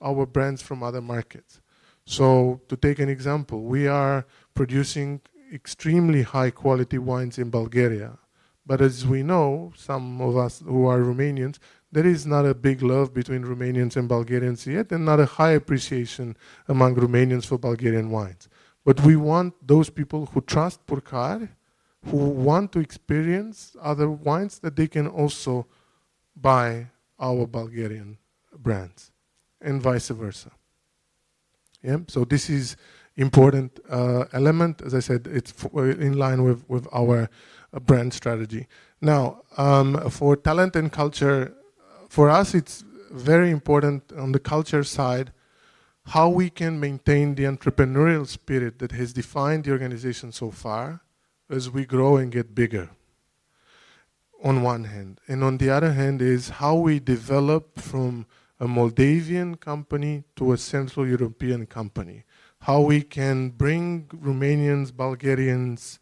our brands from other markets. So to take an example, we are producing extremely high-quality wines in Bulgaria, but as we know, some of us who are Romanians, there is not a big love between Romanians and Bulgarians yet, and not a high appreciation among Romanians for Bulgarian wines. But we want those people who trust Purcari, who want to experience other wines, that they can also buy our Bulgarian brands and vice versa. Yeah? So this is important element. As I said, it's in line with our brand strategy. Now, for talent and culture, for us, it's very important on the culture side, how we can maintain the entrepreneurial spirit that has defined the organization so far as we grow and get bigger, on one hand, and on the other hand, is how we develop from a Moldovan company to a Central European company. How we can bring Romanians, Bulgarians,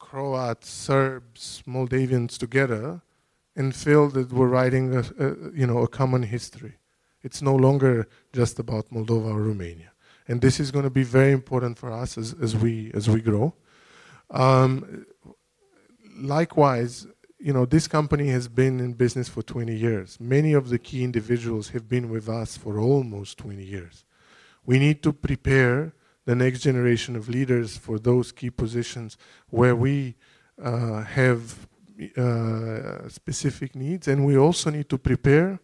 Croats, Serbs, Moldovans together and feel that we're writing a, you know, a common history. It's no longer just about Moldova or Romania, and this is gonna be very important for us as we grow. Likewise, you know, this company has been in business for twenty years. Many of the key individuals have been with us for almost twenty years. We need to prepare the next generation of leaders for those key positions where we have specific needs, and we also need to prepare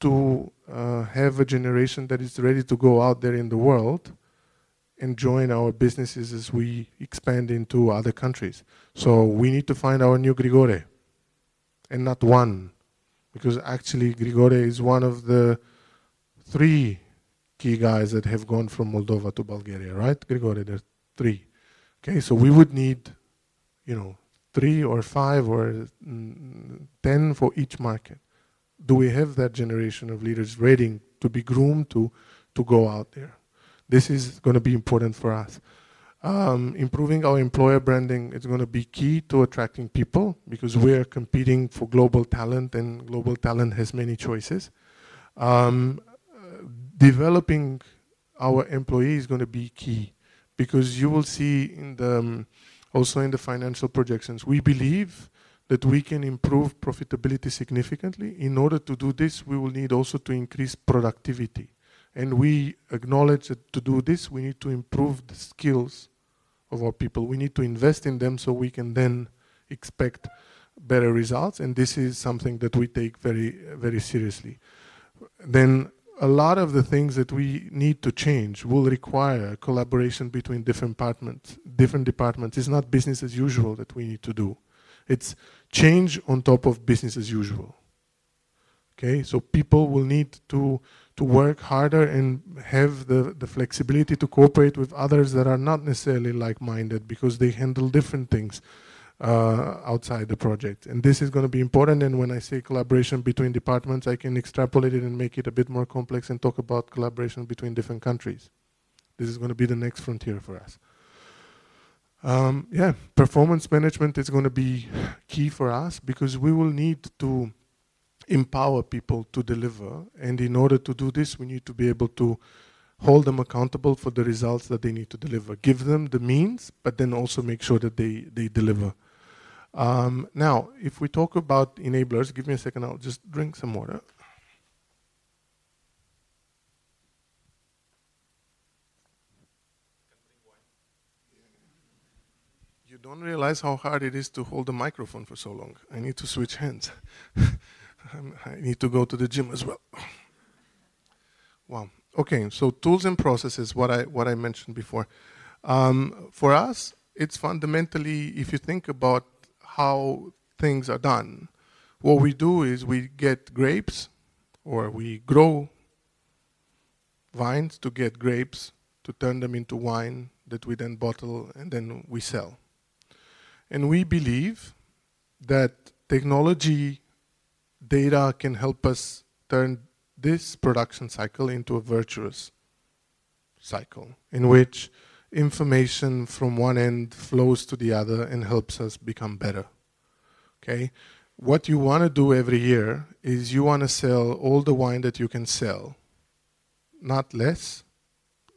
to have a generation that is ready to go out there in the world and join our businesses as we expand into other countries, so we need to find our new Grigore, and not one, because actually, Grigore is one of the three key guys that have gone from Moldova to Bulgaria, right, Grigore? There are three. Okay, so we would need, you know, three or five or 10 for each market. Do we have that generation of leaders waiting to be groomed to go out there? This is gonna be important for us. Improving our employer branding is gonna be key to attracting people because we are competing for global talent, and global talent has many choices. Developing our employees is gonna be key because you will see in the... Also, in the financial projections, we believe that we can improve profitability significantly. In order to do this, we will need also to increase productivity, and we acknowledge that to do this, we need to improve the skills of our people. We need to invest in them so we can then expect better results, and this is something that we take very, very seriously. Then, a lot of the things that we need to change will require collaboration between different departments. It's not business as usual that we need to do. It's change on top of business as usual, okay? So people will need to work harder and have the flexibility to cooperate with others that are not necessarily like-minded because they handle different things outside the project. And this is gonna be important, and when I say collaboration between departments, I can extrapolate it and make it a bit more complex and talk about collaboration between different countries. This is gonna be the next frontier for us. Performance management is gonna be key for us because we will need to empower people to deliver, and in order to do this, we need to be able to hold them accountable for the results that they need to deliver. Give them the means, but then also make sure that they, they deliver. Now, if we talk about enablers... Give me a second, I'll just drink some water. You don't realize how hard it is to hold a microphone for so long. I need to switch hands. I need to go to the gym as well. Okay. So tools and processes, what I mentioned before. For us, it's fundamentally, if you think about how things are done, what we do is we get grapes, or we grow vines to get grapes, to turn them into wine, that we then bottle, and then we sell. And we believe that technology data can help us turn this production cycle into a virtuous cycle, in which information from one end flows to the other and helps us become better, okay? What you wanna do every year is you wanna sell all the wine that you can sell, not less,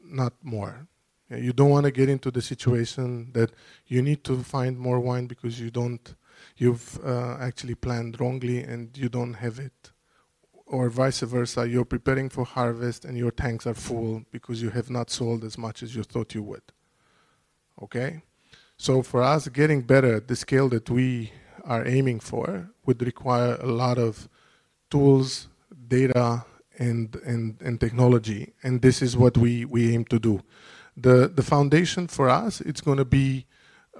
not more. You don't wanna get into the situation that you need to find more wine because you don't... You've actually planned wrongly and you don't have it. Or vice versa, you're preparing for harvest, and your tanks are full because you have not sold as much as you thought you would. Okay? So for us, getting better at the scale that we are aiming for would require a lot of tools, data, and technology, and this is what we aim to do. The foundation for us, it's gonna be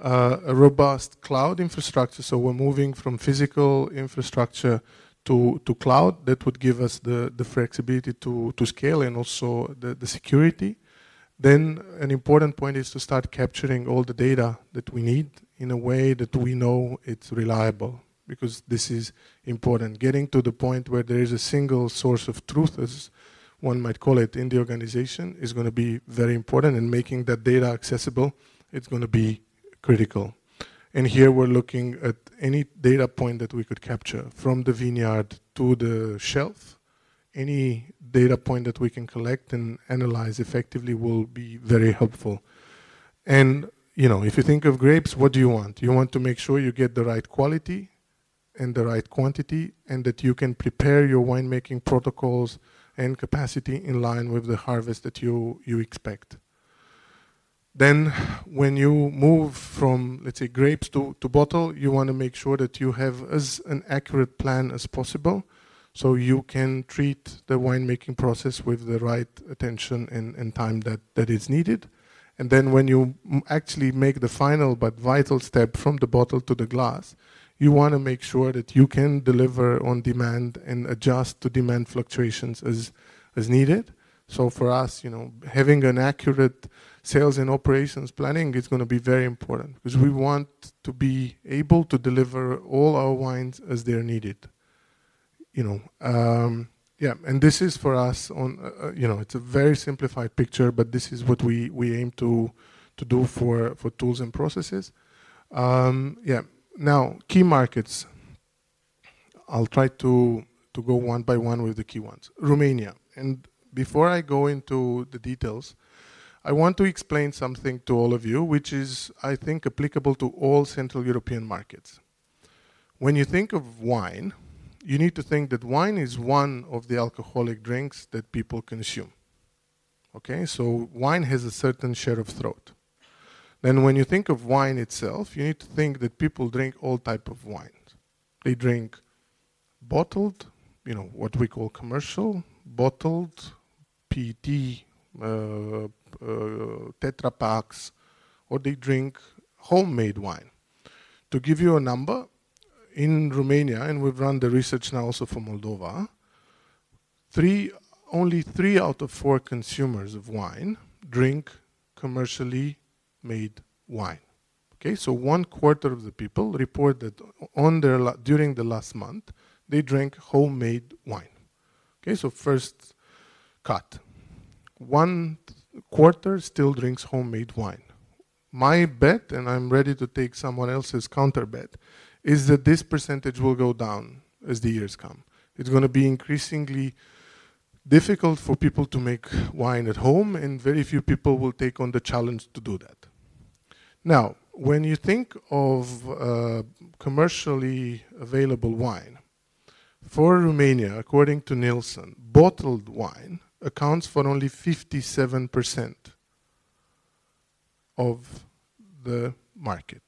a robust cloud infrastructure, so we're moving from physical infrastructure to cloud. That would give us the flexibility to scale and also the security. Then an important point is to start capturing all the data that we need in a way that we know it's reliable, because this is important. Getting to the point where there is a single source of truth, as one might call it, in the organization, is gonna be very important, and making that data accessible, it's gonna be critical. And here, we're looking at any data point that we could capture, from the vineyard to the shelf. Any data point that we can collect and analyze effectively will be very helpful. And, you know, if you think of grapes, what do you want? You want to make sure you get the right quality and the right quantity, and that you can prepare your wine-making protocols and capacity in line with the harvest that you expect. Then, when you move from, let's say, grapes to bottle, you wanna make sure that you have as an accurate plan as possible, so you can treat the wine-making process with the right attention and time that is needed. And then when you actually make the final, but vital step from the bottle to the glass, you wanna make sure that you can deliver on demand and adjust to demand fluctuations as needed. So for us, you know, having an accurate sales and operations planning is gonna be very important, 'cause we want to be able to deliver all our wines as they're needed. You know, yeah, and this is for us on, you know, it's a very simplified picture, but this is what we aim to do for tools and processes. Yeah. Now, key markets. I'll try to go one by one with the key ones. Romania, and before I go into the details, I want to explain something to all of you, which is, I think, applicable to all Central European markets. When you think of wine, you need to think that wine is one of the alcoholic drinks that people consume. Okay? So wine has a certain share of throat. Then when you think of wine itself, you need to think that people drink all type of wines. They drink bottled, you know, what we call commercial, bottled, PET, Tetra Paks, or they drink homemade wine. To give you a number, in Romania, and we've run the research now also for Moldova, only three out of four consumers of wine drink commercially made wine. Okay? So one quarter of the people report that during the last month, they drank homemade wine. Okay, so first cut, one quarter still drinks homemade wine. My bet, and I'm ready to take someone else's counter bet, is that this percentage will go down as the years come. It's gonna be increasingly difficult for people to make wine at home, and very few people will take on the challenge to do that. Now, when you think of commercially available wine, for Romania, according to Nielsen, bottled wine accounts for only 57% of the market.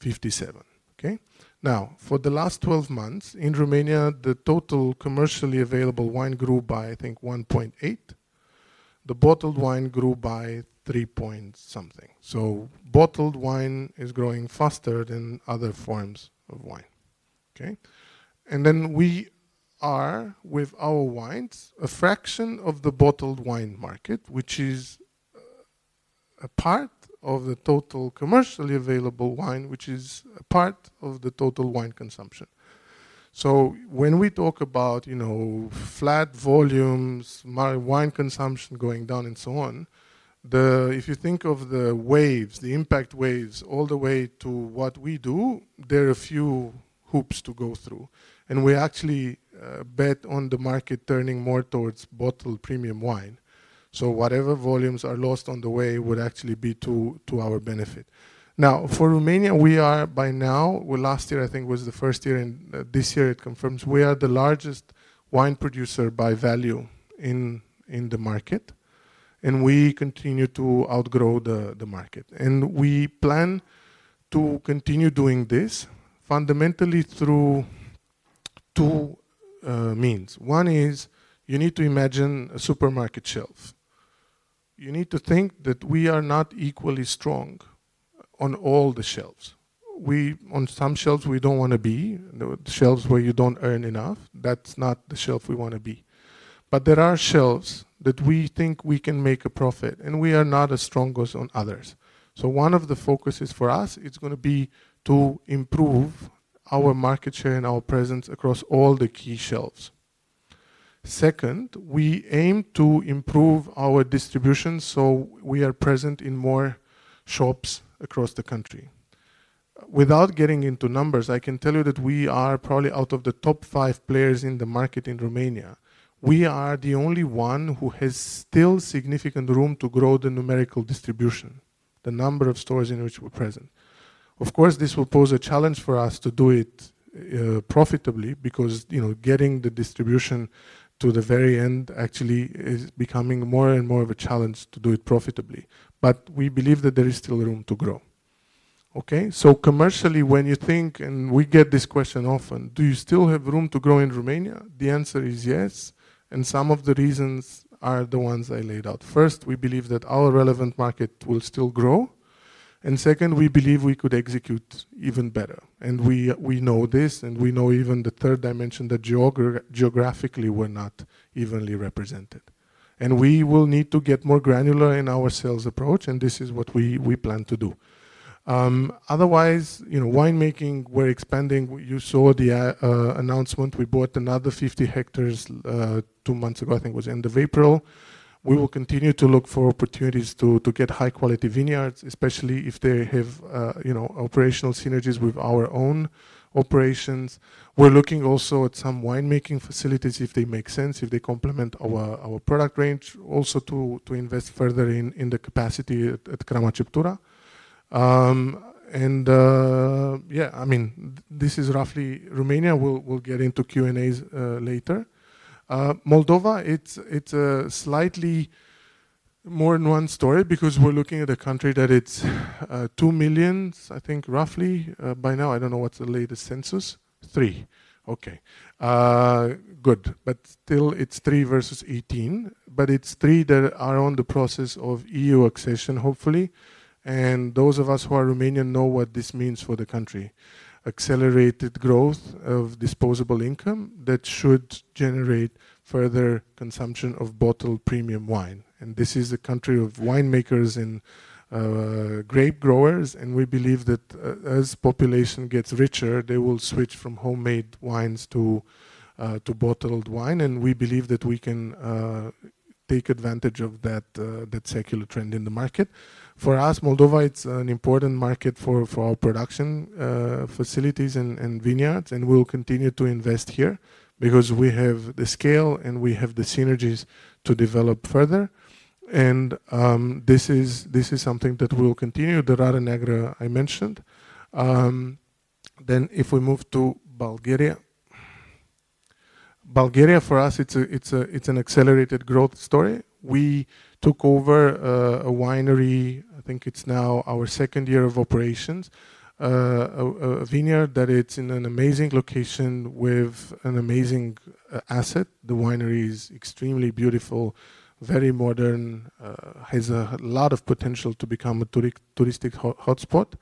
Fifty-seven, okay? Now, for the last twelve months, in Romania, the total commercially available wine grew by, I think, 1.8%. The bottled wine grew by three point something. So bottled wine is growing faster than other forms of wine, okay? And then we are, with our wines, a fraction of the bottled wine market, which is a part of the total commercially available wine, which is a part of the total wine consumption. So when we talk about, you know, flat volumes, wine consumption going down, and so on. If you think of the waves, the impact waves, all the way to what we do, there are a few hoops to go through, and we actually bet on the market turning more towards bottled premium wine. So whatever volumes are lost on the way would actually be to our benefit. Now, for Romania, we are by now. Well, last year, I think, was the first year, and this year it confirms we are the largest wine producer by value in the market, and we continue to outgrow the market. We plan to continue doing this fundamentally through two means. One is, you need to imagine a supermarket shelf. You need to think that we are not equally strong on all the shelves. We, on some shelves, we don't wanna be. The shelves where you don't earn enough, that's not the shelf we wanna be. But there are shelves that we think we can make a profit, and we are not as strong as on others. So one of the focuses for us, it's gonna be to improve our market share and our presence across all the key shelves. Second, we aim to improve our distribution, so we are present in more shops across the country. Without getting into numbers, I can tell you that we are probably out of the top five players in the market in Romania. We are the only one who has still significant room to grow the numerical distribution, the number of stores in which we're present. Of course, this will pose a challenge for us to do it profitably, because, you know, getting the distribution to the very end actually is becoming more and more of a challenge to do it profitably, but we believe that there is still room to grow. Okay? So commercially, when you think, and we get this question often: "Do you still have room to grow in Romania?" The answer is yes, and some of the reasons are the ones I laid out. First, we believe that our relevant market will still grow, and second, we believe we could execute even better. We know this, and we know even the third dimension, that geographically, we're not evenly represented. And we will need to get more granular in our sales approach, and this is what we plan to do. Otherwise, you know, wine-making, we're expanding. You saw the announcement. We bought another 50 hectares two months ago, I think it was end of April. We will continue to look for opportunities to get high-quality vineyards, especially if they have, you know, operational synergies with our own operations. We're looking also at some wine-making facilities, if they make sense, if they complement our product range, also to invest further in the capacity at Crama Ceptura. And, I mean, this is roughly Romania. We'll get into Q&As later. Moldova, it's a slightly more than one story because we're looking at a country that it's two million, I think, roughly, by now. I don't know what's the latest census. Three. Okay. Good, but still it's three versus 18, but it's three that are on the process of E.U. accession, hopefully, and those of us who are Romanian know what this means for the country. Accelerated growth of disposable income that should generate further consumption of bottled premium wine, and this is a country of winemakers and grape growers, and we believe that as population gets richer, they will switch from homemade wines to bottled wine, and we believe that we can take advantage of that secular trend in the market. For us, Moldova, it's an important market for our production facilities and vineyards, and we will continue to invest here because we have the scale, and we have the synergies to develop further. This is something that we will continue. The Rară Neagră, I mentioned. If we move to Bulgaria. Bulgaria, for us, it's an accelerated growth story. We took over a winery. I think it's now our second year of operations. A vineyard that it's in an amazing location with an amazing asset. The winery is extremely beautiful, very modern, has a lot of potential to become a touristic hotspot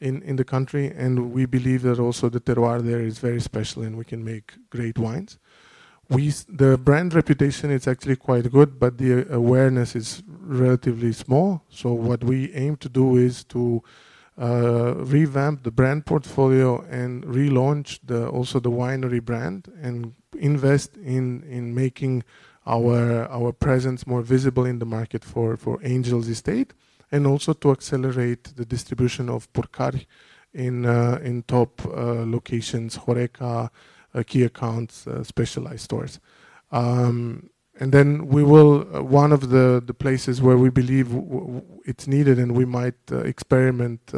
in the country, and we believe that also the terroir there is very special, and we can make great wines. The brand reputation is actually quite good, but the awareness is relatively small. What we aim to do is to revamp the brand portfolio and relaunch the... also the winery brand and invest in making our presence more visible in the market for Angel's Estate, and also to accelerate the distribution of Purcari in top locations, HoReCa, key accounts, specialized stores. And then we will. One of the places where we believe it's needed, and we might experiment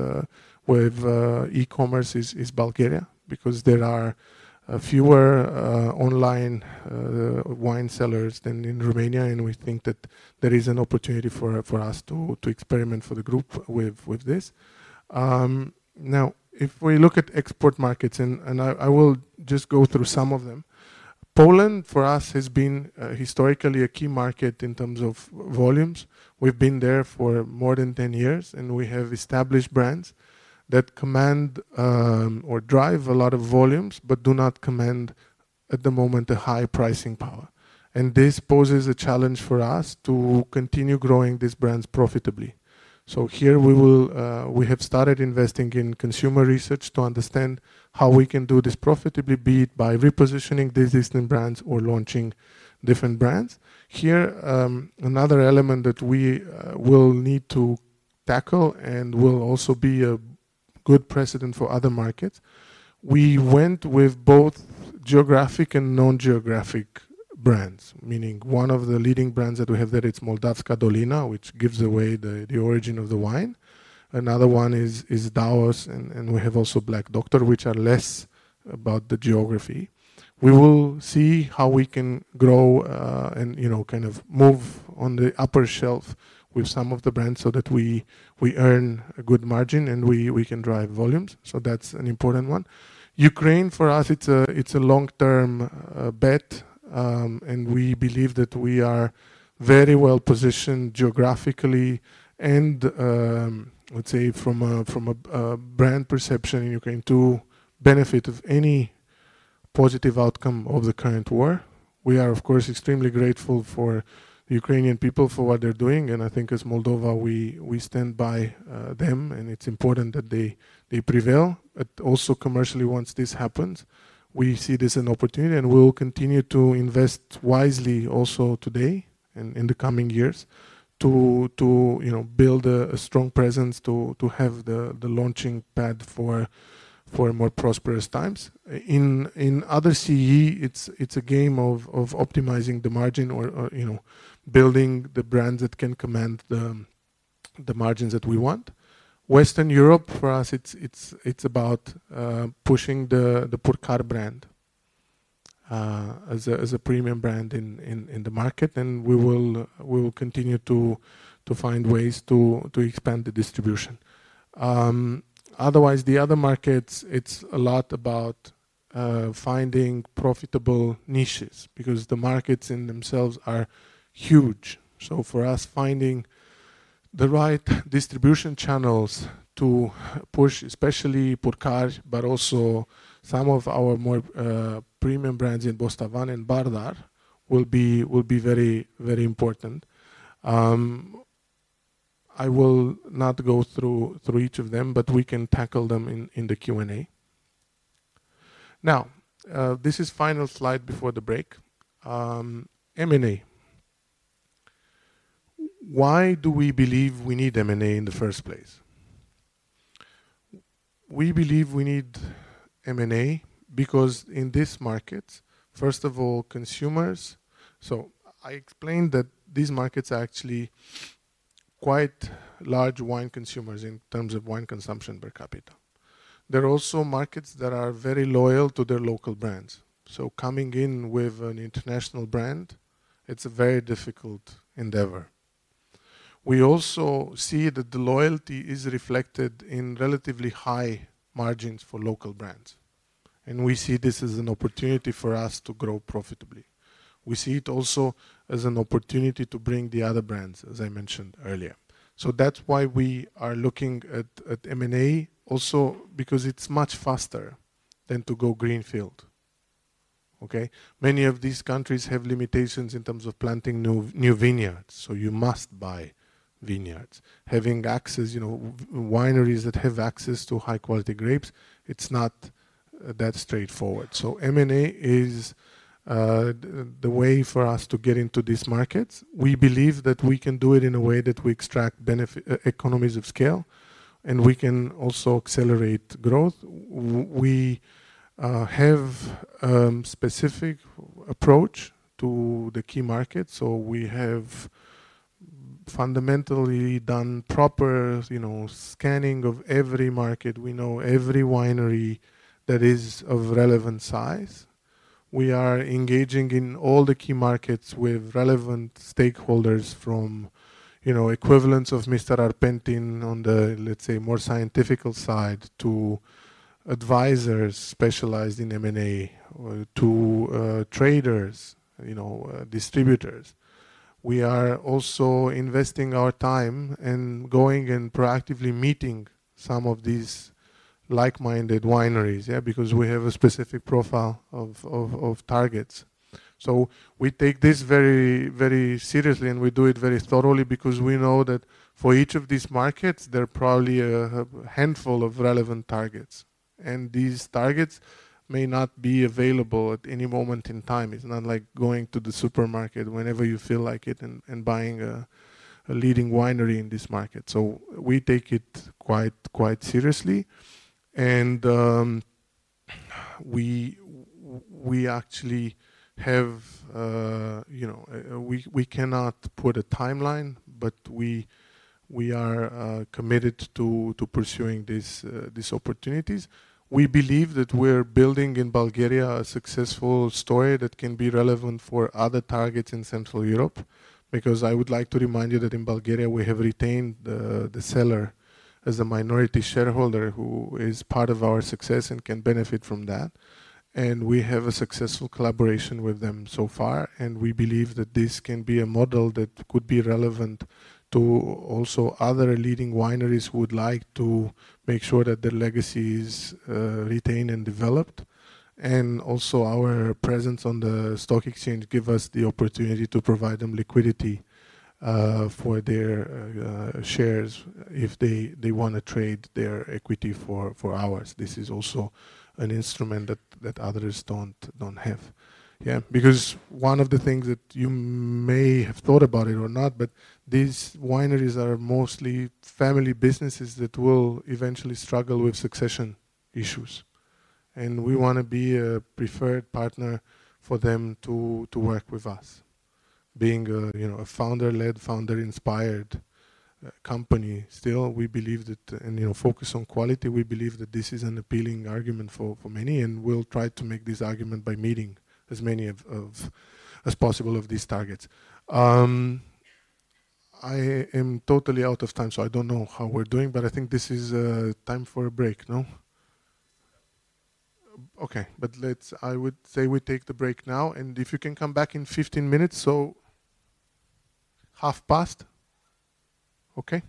with e-commerce is Bulgaria because there are fewer online wine sellers than in Romania, and we think that there is an opportunity for us to experiment for the group with this. Now, if we look at export markets, and I will just go through some of them. Poland, for us, has been historically a key market in terms of volumes. We've been there for more than 10 years, and we have established brands that command or drive a lot of volumes but do not command, at the moment, a high pricing power. And this poses a challenge for us to continue growing these brands profitably. So here we will. We have started investing in consumer research to understand how we can do this profitably, be it by repositioning the existing brands or launching different brands. Here, another element that we will need to tackle and will also be a good precedent for other markets, we went with both geographic and non-geographic brands, meaning one of the leading brands that we have there, it's Moldavska Dolina, which gives away the origin of the wine. Another one is Daos, and we have also Black Doctor, which are less about the geography. We will see how we can grow, and, you know, kind of move on the upper shelf with some of the brands so that we earn a good margin, and we can drive volumes, so that's an important one. Ukraine, for us, it's a long-term bet, and we believe that we are very well-positioned geographically and, let's say from a brand perception in Ukraine to benefit from any positive outcome of the current war. We are, of course, extremely grateful for the Ukrainian people for what they're doing, and I think as Moldova, we stand by them, and it's important that they prevail. But also commercially, once this happens, we see this as an opportunity, and we will continue to invest wisely also today and in the coming years, to you know build a strong presence, to have the launching pad for more prosperous times. In other CE, it's a game of optimizing the margin or you know building the brands that can command the margins that we want. Western Europe, for us, it's about pushing the Purcari brand as a premium brand in the market, and we will continue to find ways to expand the distribution. Otherwise, the other markets, it's a lot about finding profitable niches because the markets in themselves are huge. So for us, finding the right distribution channels to push, especially Purcari, but also some of our more premium brands in Bostavan and Bardar will be very, very important. I will not go through each of them, but we can tackle them in the Q&A. Now, this is the final slide before the break. M&A. Why do we believe we need M&A in the first place? We believe we need M&A because in this market, first of all, consumers. So I explained that these markets are actually quite large wine consumers in terms of wine consumption per capita. They're also markets that are very loyal to their local brands. So coming in with an international brand, it's a very difficult endeavor. We also see that the loyalty is reflected in relatively high margins for local brands, and we see this as an opportunity for us to grow profitably. We see it also as an opportunity to bring the other brands, as I mentioned earlier. So that's why we are looking at M&A, also because it's much faster than to go greenfield. Okay? Many of these countries have limitations in terms of planting new vineyards, so you must buy vineyards. Having access, you know, wineries that have access to high-quality grapes, that's straightforward. So M&A is the way for us to get into these markets. We believe that we can do it in a way that we extract benefits, economies of scale, and we can also accelerate growth. We have specific approach to the key markets, so we have fundamentally done proper, you know, scanning of every market. We know every winery that is of relevant size. We are engaging in all the key markets with relevant stakeholders from, you know, equivalents of Mr. Arpentin on the, let's say, more scientific side, to advisors specialized in M&A, to traders, you know, distributors. We are also investing our time and going and proactively meeting some of these like-minded wineries, yeah, because we have a specific profile of targets. So we take this very, very seriously, and we do it very thoroughly because we know that for each of these markets, there are probably a handful of relevant targets, and these targets may not be available at any moment in time. It's not like going to the supermarket whenever you feel like it and buying a leading winery in this market. So we take it quite seriously, and we actually have, you know. We cannot put a timeline, but we are committed to pursuing these opportunities. We believe that we're building in Bulgaria a successful story that can be relevant for other targets in Central Europe. Because I would like to remind you that in Bulgaria, we have retained the seller as a minority shareholder, who is part of our success and can benefit from that, and we have a successful collaboration with them so far. And we believe that this can be a model that could be relevant to also other leading wineries who would like to make sure that their legacy is retained and developed. And also, our presence on the stock exchange give us the opportunity to provide them liquidity for their shares if they wanna trade their equity for ours. This is also an instrument that others don't have. Yeah, because one of the things that you may have thought about it or not, but these wineries are mostly family businesses that will eventually struggle with succession issues, and we wanna be a preferred partner for them to work with us. Being a, you know, a founder-led, founder-inspired company, still, we believe that... And, you know, focus on quality, we believe that this is an appealing argument for many, and we'll try to make this argument by meeting as many as possible of these targets. I am totally out of time, so I don't know how we're doing, but I think this is time for a break, no? Okay, but let's. I would say we take the break now, and if you can come back in 15 minutes, so half past, okay.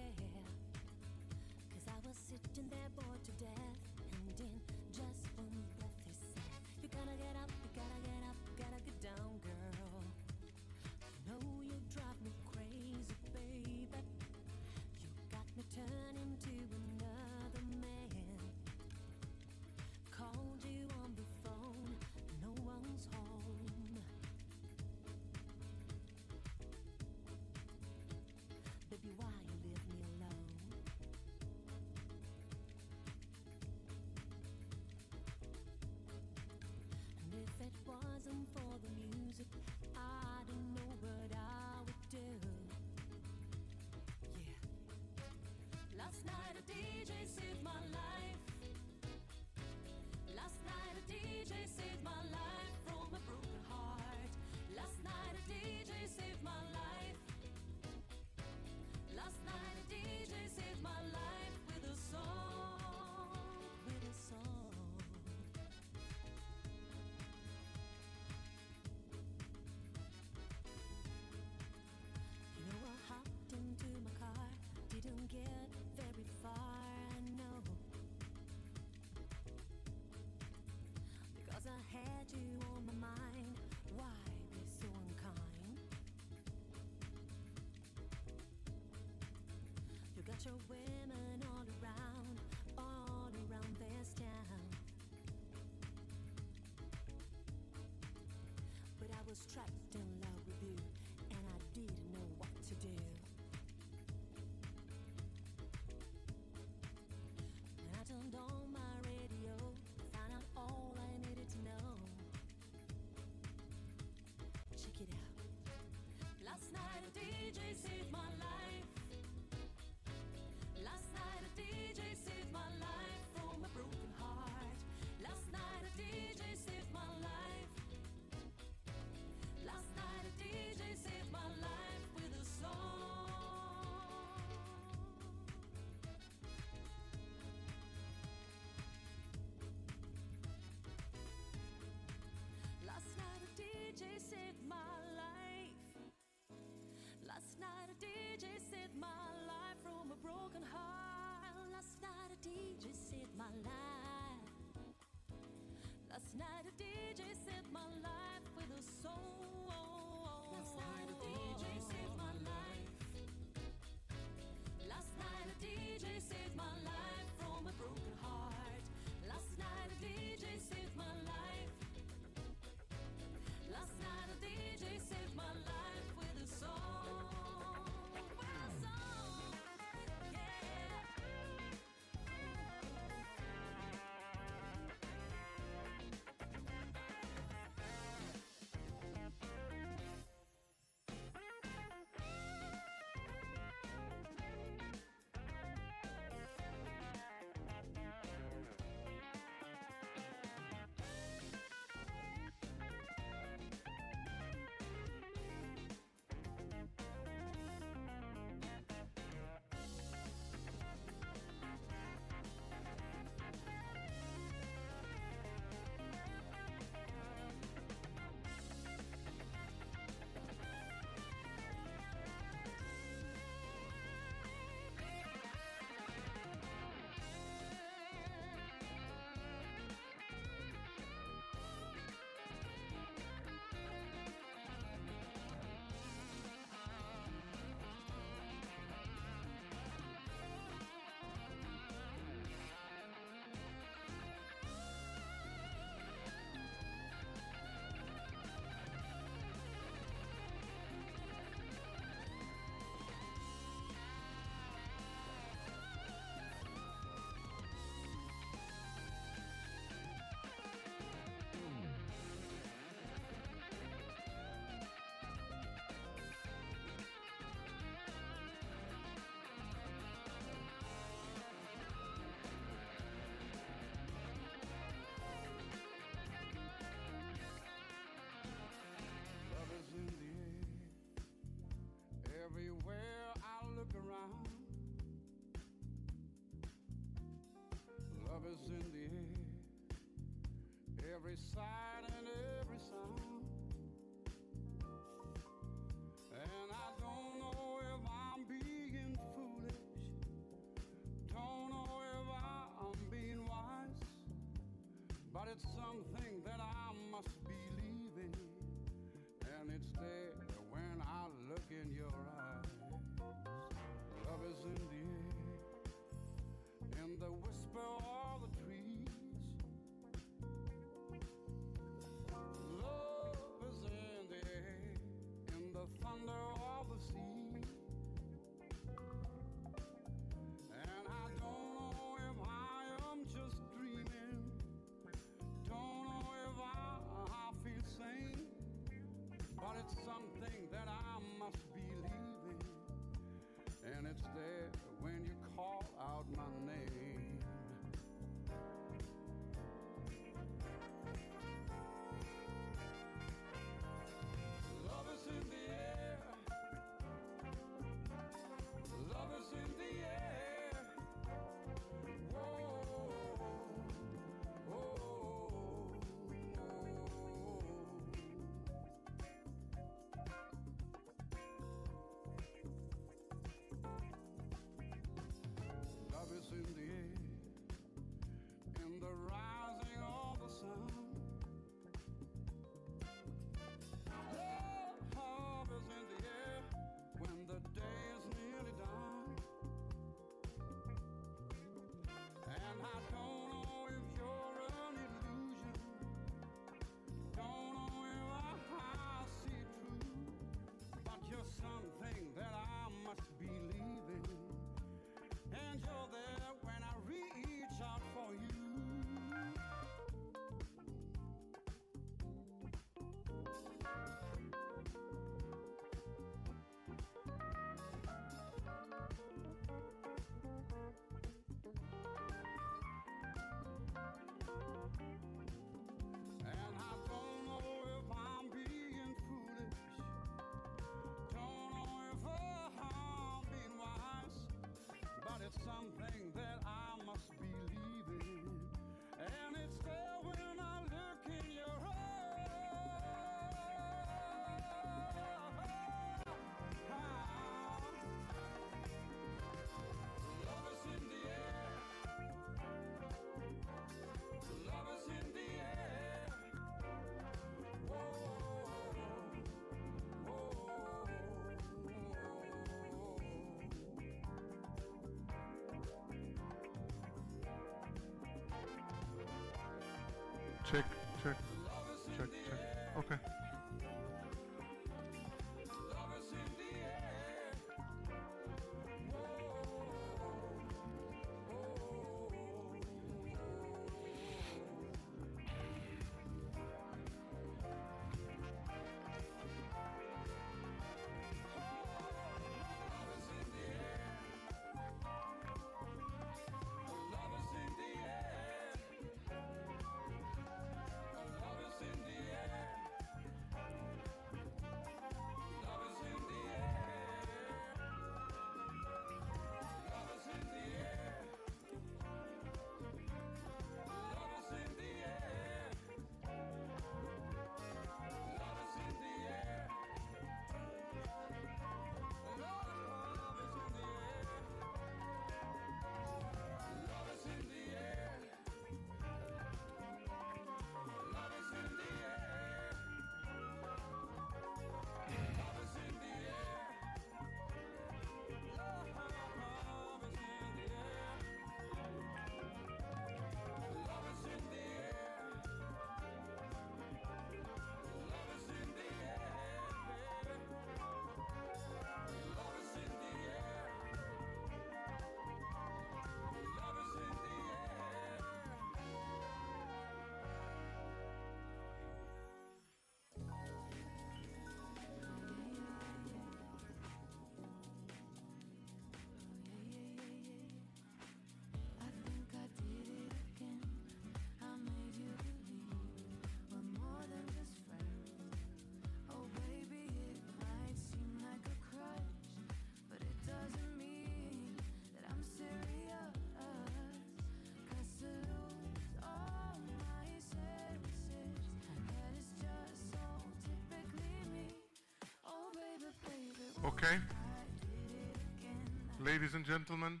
Ladies and gentlemen,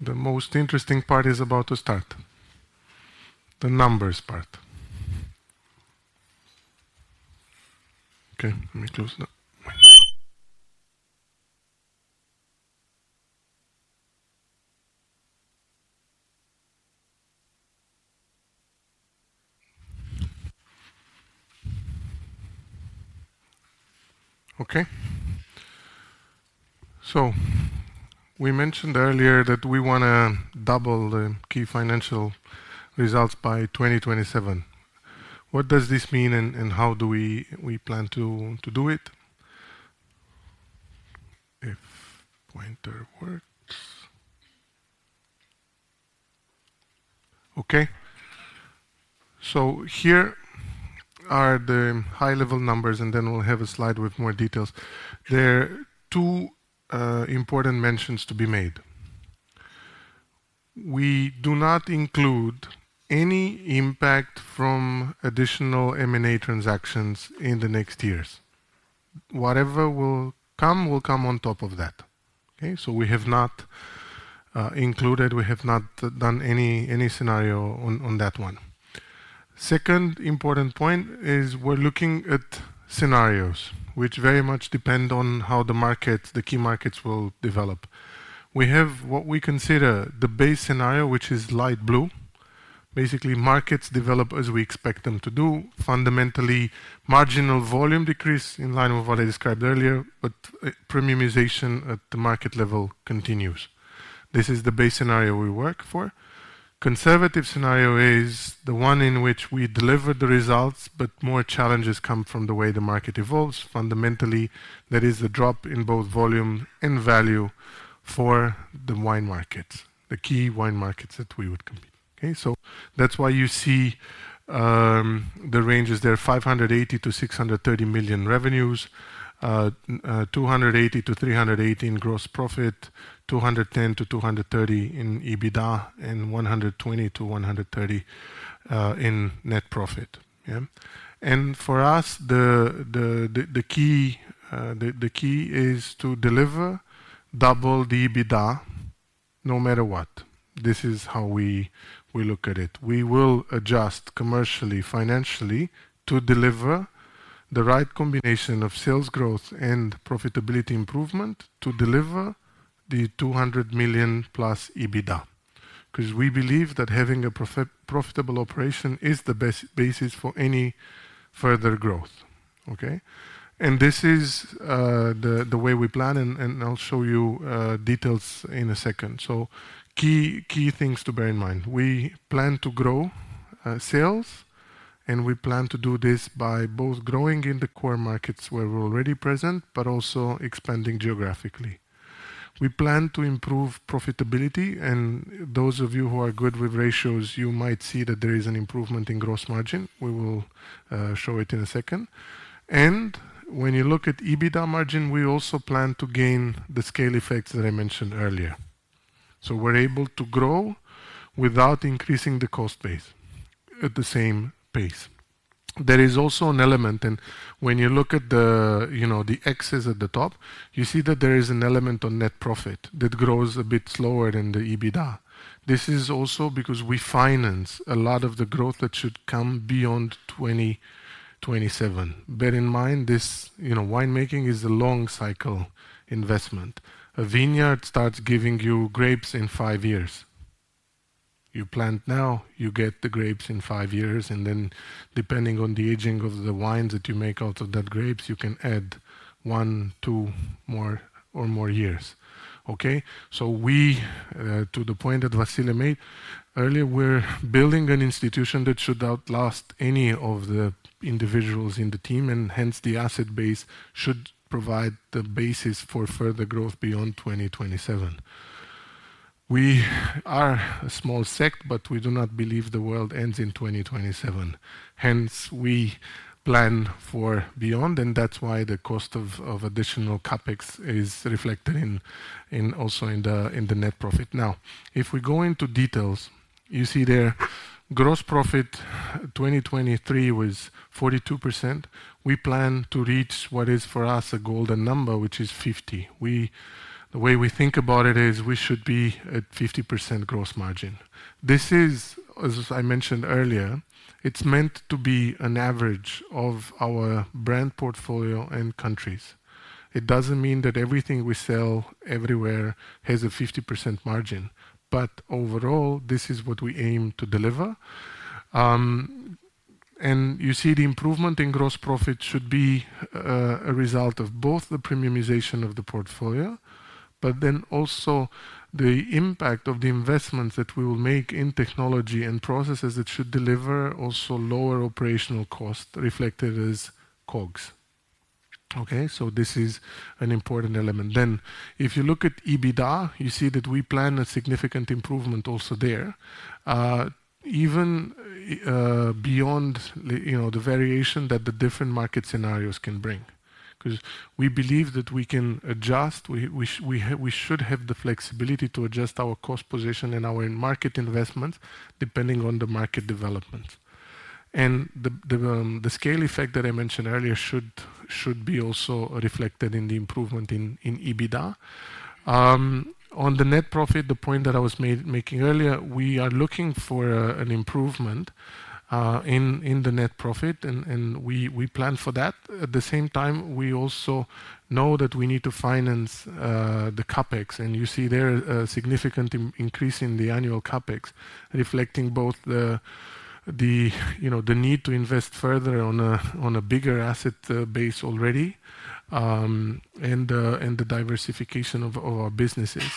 the most interesting part is about to start, the numbers part. Okay, let me close that. Okay. So we mentioned earlier that we wanna double the key financial results by 2027. What does this mean, and how do we plan to do it? Okay. So here are the high-level numbers, and then we'll have a slide with more details. There are two important mentions to be made. We do not include any impact from additional M&A transactions in the next years. Whatever will come will come on top of that, okay? So we have not included, we have not done any scenario on that one. Second important point is we're looking at scenarios which very much depend on how the markets, the key markets will develop. We have what we consider the base scenario, which is light blue. Basically, markets develop as we expect them to do. Fundamentally, marginal volume decrease in line with what I described earlier, but premiumization at the market level continues. This is the base scenario we work for. Conservative scenario is the one in which we deliver the results, but more challenges come from the way the market evolves. Fundamentally, there is a drop in both volume and value for the wine markets, the key wine markets that we would compete, okay? So that's why you see the ranges there, 580-630 million revenues, 280-318 gross profit, 210-230 in EBITDA, and 120-130 in net profit. Yeah? And for us, the key is to deliver double the EBITDA, no matter what. This is how we look at it. We will adjust commercially, financially, to deliver the right combination of sales growth and profitability improvement to deliver the 200 million plus EBITDA. 'Cause we believe that having a profitable operation is the best basis for any further growth, okay? And this is the way we plan, and I'll show you details in a second. Key things to bear in mind: We plan to grow sales, and we plan to do this by both growing in the core markets where we're already present, but also expanding geographically. We plan to improve profitability, and those of you who are good with ratios, you might see that there is an improvement in gross margin. We will show it in a second, and when you look at EBITDA margin, we also plan to gain the scale effects that I mentioned earlier, so we're able to grow without increasing the cost base at the same pace. There is also an element, and when you look at the, you know, the X's at the top, you see that there is an element on net profit that grows a bit slower than the EBITDA. This is also because we finance a lot of the growth that should come beyond 2027. Bear in mind, this, you know, wine making is a long cycle investment. A vineyard starts giving you grapes in five years. You plant now, you get the grapes in five years, and then depending on the aging of the wines that you make out of that grapes, you can add one, two more or more years. Okay? To the point that Vasile made earlier, we're building an institution that should outlast any of the individuals in the team, and hence the asset base should provide the basis for further growth beyond 2027. We are a small sect, but we do not believe the world ends in 2027. Hence, we plan for beyond, and that's why the cost of additional CapEx is reflected also in the net profit. Now, if we go into details, you see there, gross profit, 2023 was 42%. We plan to reach what is for us, a golden number, which is 50%. The way we think about it is we should be at 50% gross margin. This is, as I mentioned earlier, it's meant to be an average of our brand portfolio and countries. It doesn't mean that everything we sell everywhere has a 50% margin, but overall, this is what we aim to deliver. And you see the improvement in gross profit should be a result of both the premiumization of the portfolio, but then also the impact of the investments that we will make in technology and processes that should deliver also lower operational cost, reflected as COGS. Okay? So this is an important element. Then, if you look at EBITDA, you see that we plan a significant improvement also there. Even beyond the, you know, the variation that the different market scenarios can bring, 'cause we believe that we can adjust. We should have the flexibility to adjust our cost position and our market investments depending on the market developments. The scale effect that I mentioned earlier should also be reflected in the improvement in EBITDA. On the net profit, the point that I was making earlier, we are looking for an improvement in the net profit, and we plan for that. At the same time, we also know that we need to finance the CapEx, and you see there a significant increase in the annual CapEx, reflecting both you know the need to invest further on a bigger asset base already and the diversification of our businesses.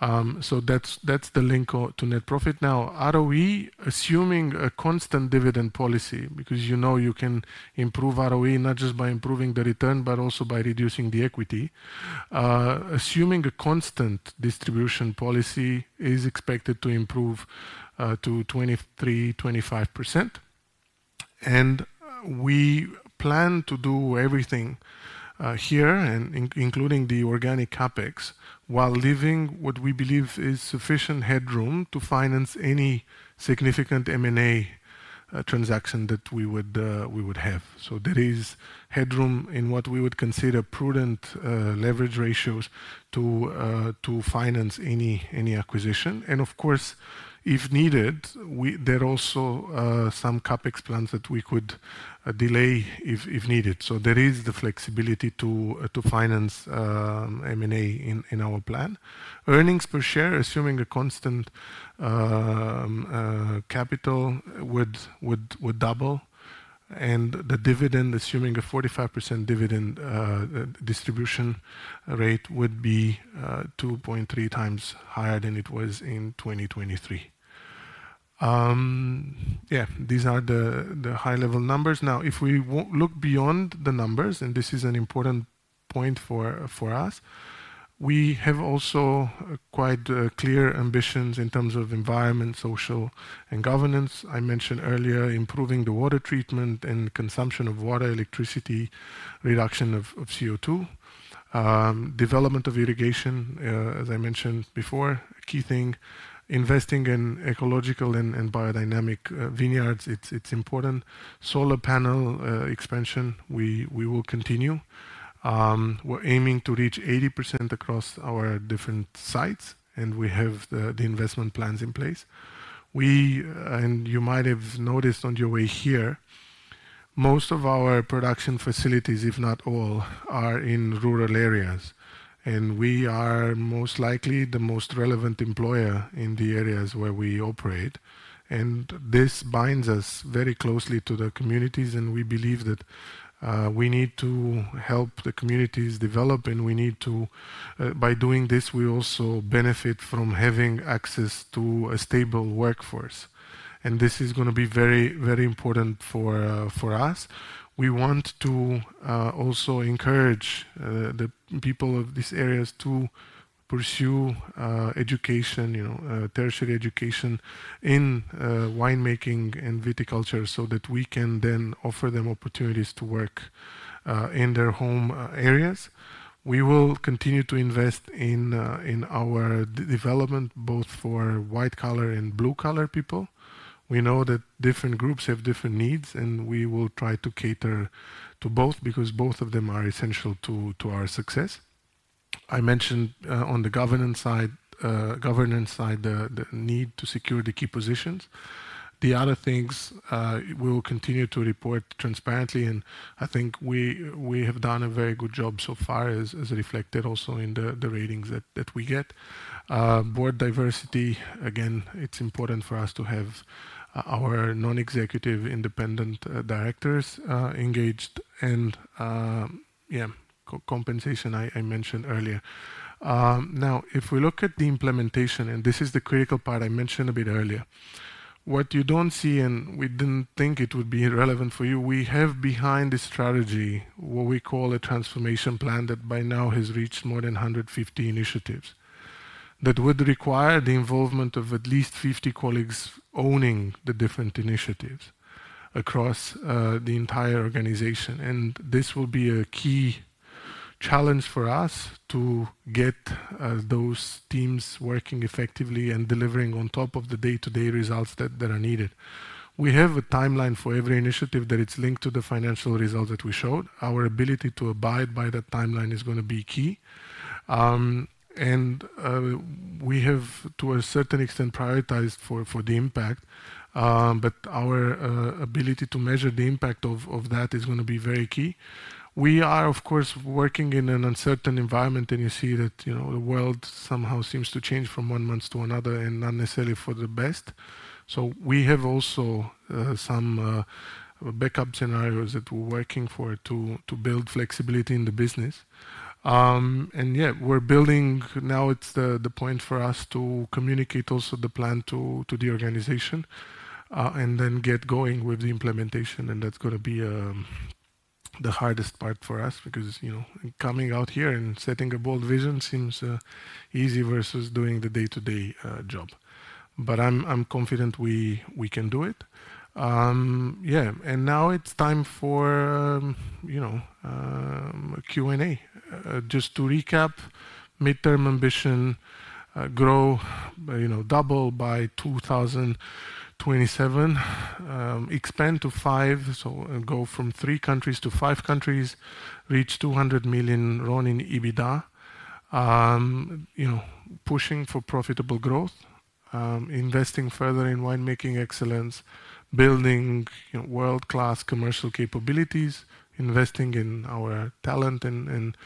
Yeah. So that's the link to net profit. Now, ROE, assuming a constant dividend policy, because, you know, you can improve ROE not just by improving the return, but also by reducing the equity. Assuming a constant distribution policy is expected to improve to 23%-25%, and we plan to do everything here and including the organic CapEx, while leaving what we believe is sufficient headroom to finance any significant M&A transaction that we would have. So there is headroom in what we would consider prudent leverage ratios to finance any acquisition, and of course, if needed, we... There are also some CapEx plans that we could delay if needed. So there is the flexibility to finance M&A in our plan. Earnings per share, assuming a constant capital, would double, and the dividend, assuming a 45% dividend distribution rate, would be 2.3 times higher than it was in 2023. Yeah, these are the high-level numbers. Now, if we look beyond the numbers, and this is an important point for us, we have also quite clear ambitions in terms of environment, social and governance. I mentioned earlier, improving the water treatment and consumption of water, electricity, reduction of CO2. Development of irrigation, as I mentioned before, a key thing. Investing in ecological and biodynamic vineyards, it's important. Solar panel expansion, we will continue. We're aiming to reach 80% across our different sites, and we have the investment plans in place. We and you might have noticed on your way here, most of our production facilities, if not all, are in rural areas, and we are most likely the most relevant employer in the areas where we operate, and this binds us very closely to the communities, and we believe that we need to help the communities develop, and by doing this, we also benefit from having access to a stable workforce, and this is gonna be very, very important for us. We want to also encourage the people of these areas to pursue education, you know, tertiary education in wine making and viticulture, so that we can then offer them opportunities to work in their home areas. We will continue to invest in our development, both for white-collar and blue-collar people. We know that different groups have different needs, and we will try to cater to both, because both of them are essential to our success. I mentioned on the governance side the need to secure the key positions. The other things we will continue to report transparently, and I think we have done a very good job so far, as reflected also in the ratings that we get. Board diversity, again, it's important for us to have our non-executive independent directors engaged, and yeah, compensation, I mentioned earlier. Now, if we look at the implementation, and this is the critical part I mentioned a bit earlier, what you don't see, and we didn't think it would be relevant for you, we have behind the strategy, what we call a transformation plan, that by now has reached more than 150 initiatives, that would require the involvement of at least 50 colleagues owning the different initiatives across the entire organization, and this will be a key challenge for us to get those teams working effectively and delivering on top of the day-to-day results that are needed. We have a timeline for every initiative, that it's linked to the financial results that we showed. Our ability to abide by that timeline is gonna be key. And we have, to a certain extent, prioritized for the impact, but our ability to measure the impact of that is gonna be very key. We are, of course, working in an uncertain environment, and you see that, you know, the world somehow seems to change from one month to another, and not necessarily for the best. We have also some backup scenarios that we're working for, to build flexibility in the business. And yeah, we're building. Now, it's the point for us to communicate also the plan to the organization, and then get going with the implementation, and that's gonna be the hardest part for us because, you know, coming out here and setting a bold vision seems easy versus doing the day-to-day job. But I'm confident we can do it. Yeah, and now it's time for, you know, Q&A. Just to recap, midterm ambition, grow, you know, double by 2027. Expand to five, so go from three countries to five countries. Reach 200 million RON in EBITDA. You know, pushing for profitable growth, investing further in winemaking excellence, building, you know, world-class commercial capabilities, investing in our talent and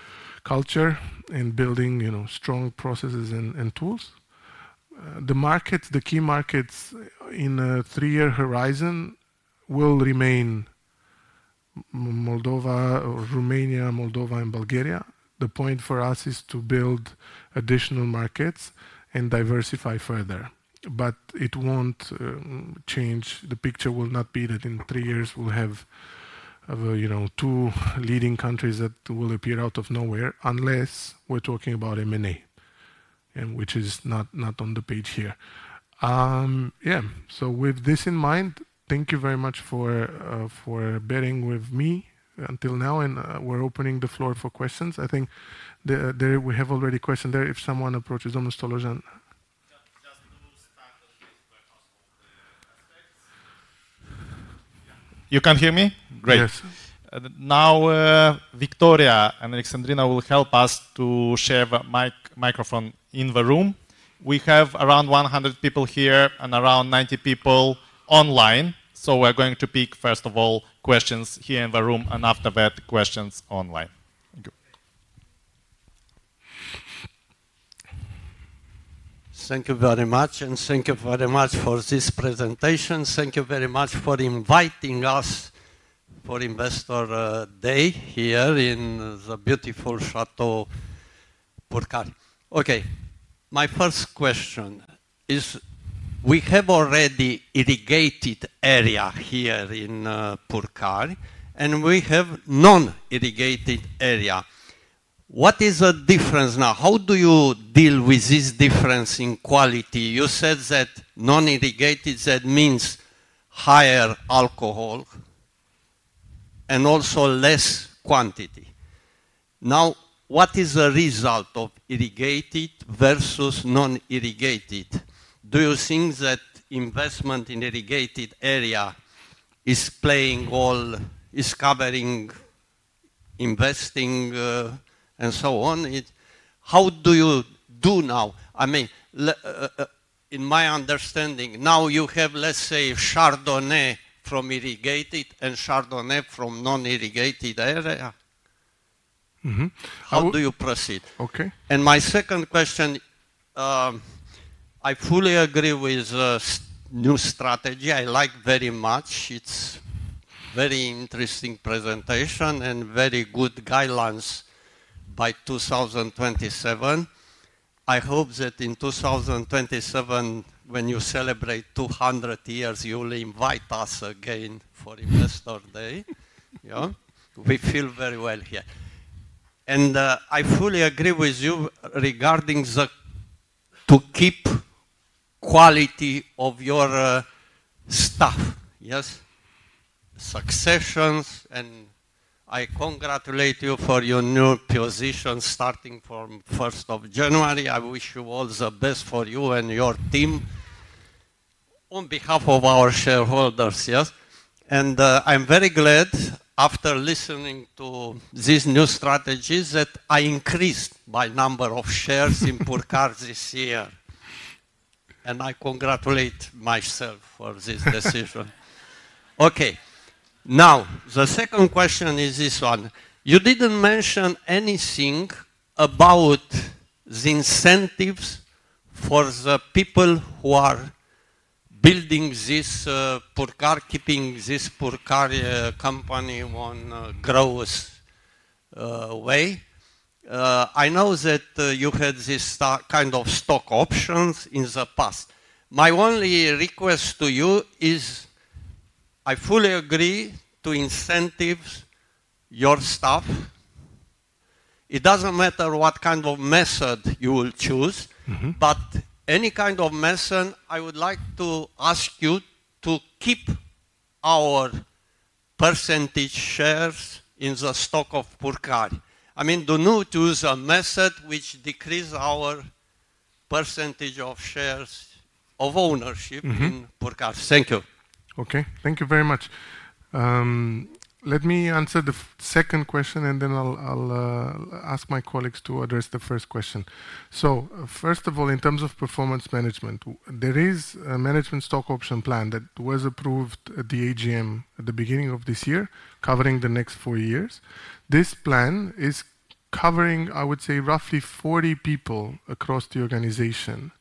culture, and building, you know, strong processes and tools. The markets, the key markets in a three-year horizon will remain Moldova, Romania and Bulgaria. The point for us is to build additional markets and diversify further, but it won't change. The picture will not be that in three years we'll have, you know, two leading countries that will appear out of nowhere, unless we're talking about M&A, and which is not on the page here. Yeah, so with this in mind, thank you very much for bearing with me until now, and we're opening the floor for questions. I think there we have already a question there, if someone approaches Mr. Stolojan. Just to start on this aspects. Yeah. You can hear me? Great! Yes. Now, Victoria and Alexandrina will help us to share the microphone in the room. We have around 100 people here and around 90 people online, so we're going to pick, first of all, questions here in the room and after that, questions online. Thank you. Thank you very much, and thank you very much for this presentation. Thank you very much for inviting us for Investor Day here in the beautiful Chateau Purcari. Okay, my first question is, we have already irrigated area here in Purcari, and we have non-irrigated area. What is the difference now? How do you deal with this difference in quality? You said that non-irrigated, that means higher alcohol and also less quantity. Now, what is the result of irrigated versus non-irrigated? Do you think that investment in irrigated area is playing all... Is covering, investing, and so on? How do you do now? I mean, in my understanding, now you have, let's say, Chardonnay from irrigated and Chardonnay from non-irrigated area. How do you proceed? Okay. And my second question, I fully agree with the new strategy. I like very much. It's very interesting presentation and very good guidelines by two thousand twenty-seven. I hope that in two thousand twenty-seven, when you celebrate two hundred years, you'll invite us again for Investor Day. Yeah, we feel very well here. And, I fully agree with you regarding the. To keep quality of your, staff. Yes, successions, and I congratulate you for your new position starting from first of January. I wish you all the best for you and your team on behalf of our shareholders, yes? And, I'm very glad after listening to these new strategies, that I increased my number of shares in Purcari this year, and I congratulate myself for this decision. Okay. Now, the second question is this one: You didn't mention anything about the incentives for the people who are building this Purcari, keeping this Purcari company on a growth way. I know that you had this kind of stock options in the past. My only request to you is, I fully agree to incentive your staff. It doesn't matter what kind of method you will choose- but any kind of method, I would like to ask you to keep our percentage shares in the stock of Purcari. I mean, do not use a method which decrease our percentage of shares, of ownership in Purcari. Thank you. Okay, thank you very much. Let me answer the second question, and then I'll ask my colleagues to address the first question. So first of all, in terms of performance management, there is a management stock option plan that was approved at the AGM at the beginning of this year, covering the next four years. This plan is covering, I would say, roughly 40 people across the organization,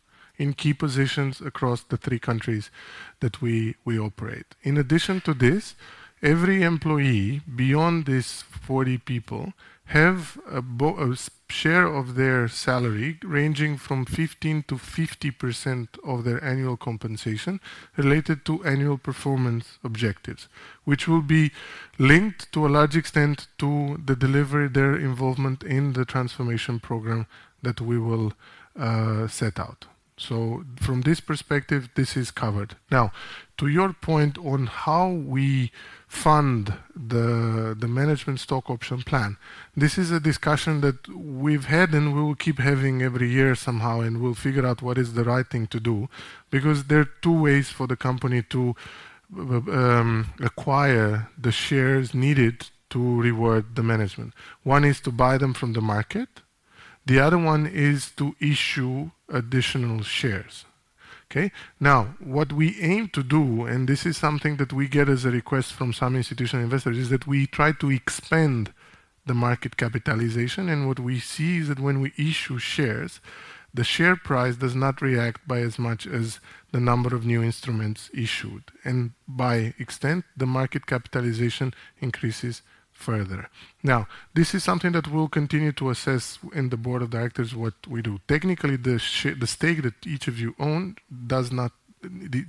in key positions across the three countries that we operate. In addition to this, every employee beyond these 40 people have a share of their salary, ranging from 15% to 50% of their annual compensation, related to annual performance objectives, which will be linked to a large extent to the delivery, their involvement in the transformation program that we will set out. So from this perspective, this is covered. Now, to your point on how we fund the management stock option plan, this is a discussion that we've had, and we will keep having every year somehow, and we'll figure out what is the right thing to do, because there are two ways for the company to acquire the shares needed to reward the management. One is to buy them from the market, the other one is to issue additional shares. Okay? Now, what we aim to do, and this is something that we get as a request from some institutional investors, is that we try to expand the market capitalization, and what we see is that when we issue shares, the share price does not react by as much as the number of new instruments issued, and by extension, the market capitalization increases further. Now, this is something that we'll continue to assess in the board of directors, what we do. Technically, the stake that each of you own does not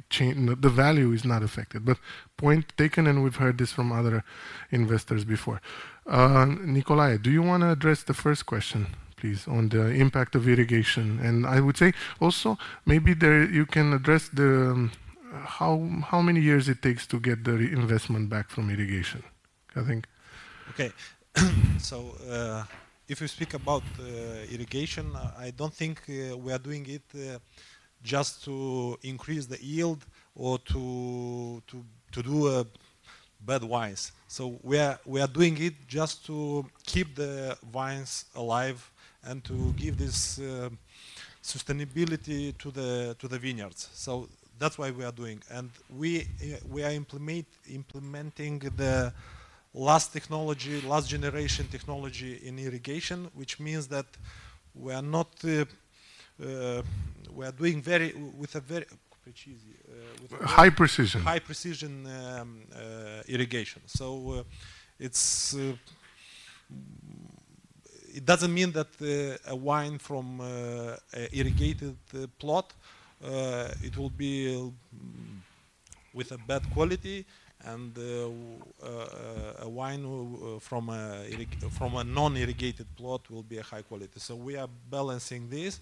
change. The value is not affected. But point taken, and we've heard this from other investors before. Nicolae, do you wanna address the first question, please, on the impact of irrigation? And I would say also, maybe you can address how many years it takes to get the investment back from irrigation, I think. Okay. So, if you speak about irrigation, I don't think we are doing it just to increase the yield or to do bad wines. So we are doing it just to keep the vines alive and to give this sustainability to the vineyards. So that's why we are doing. And we are implementing the last technology, last generation technology in irrigation, which means that we are not. We are doing very, with a very- High precision. High precision irrigation. So, it doesn't mean that a wine from an irrigated plot will be with a bad quality, and a wine from a non-irrigated plot will be a high quality. So we are balancing this.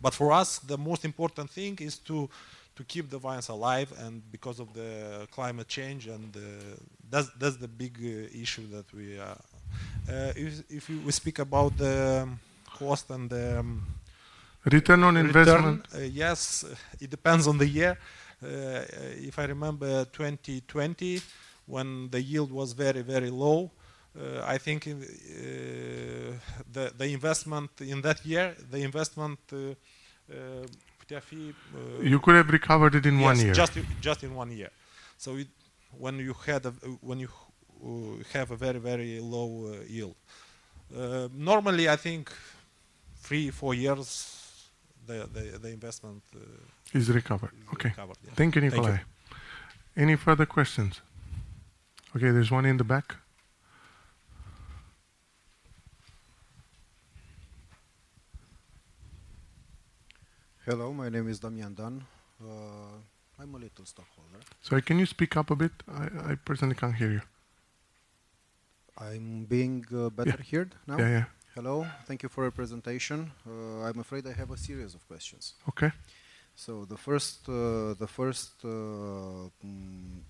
But for us, the most important thing is to keep the vines alive, and because of the climate change, and that's the big issue that we are. If we speak about the cost and the, Return on Investment return, yes, it depends on the year. If I remember 2020, when the yield was very, very low, I think the investment in that year. You could have recovered it in one year. Yes, just in, just in one year. So it. When you had a, when you have a very, very low yield. Normally, I think three, four years, the, the, the investment. Is recovered. Is recovered. Okay. Thank you. Thank you, Nicolae. Any further questions? Okay, there's one in the back. Hello, my name is Damian Dan. I'm a little stockholder. Sorry, can you speak up a bit? I, I personally can't hear you. I'm being. Yeah better heard now? Yeah, yeah. Hello. Thank you for your presentation. I'm afraid I have a series of questions. Okay. So the first.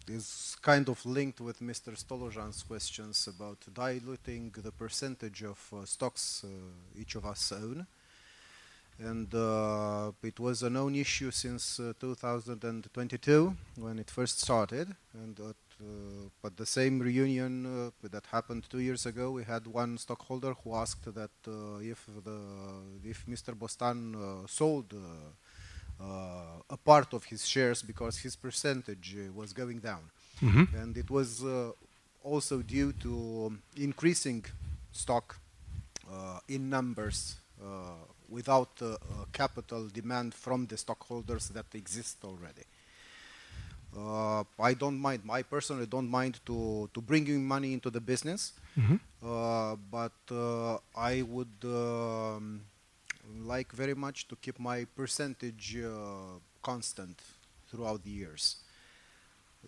It's kind of linked with Mr. Stolojan's questions about diluting the percentage of stocks each of us own. And it was a known issue since two thousand and twenty-two when it first started, and but the same reunion that happened two years ago, we had one stockholder who asked that if Mr. Bostan sold a part of his shares because his percentage was going down. It was also due to increasing stock in numbers without capital demand from the stockholders that exist already. I don't mind. I personally don't mind to bringing money into the business- but I would like very much to keep my percentage constant throughout the years.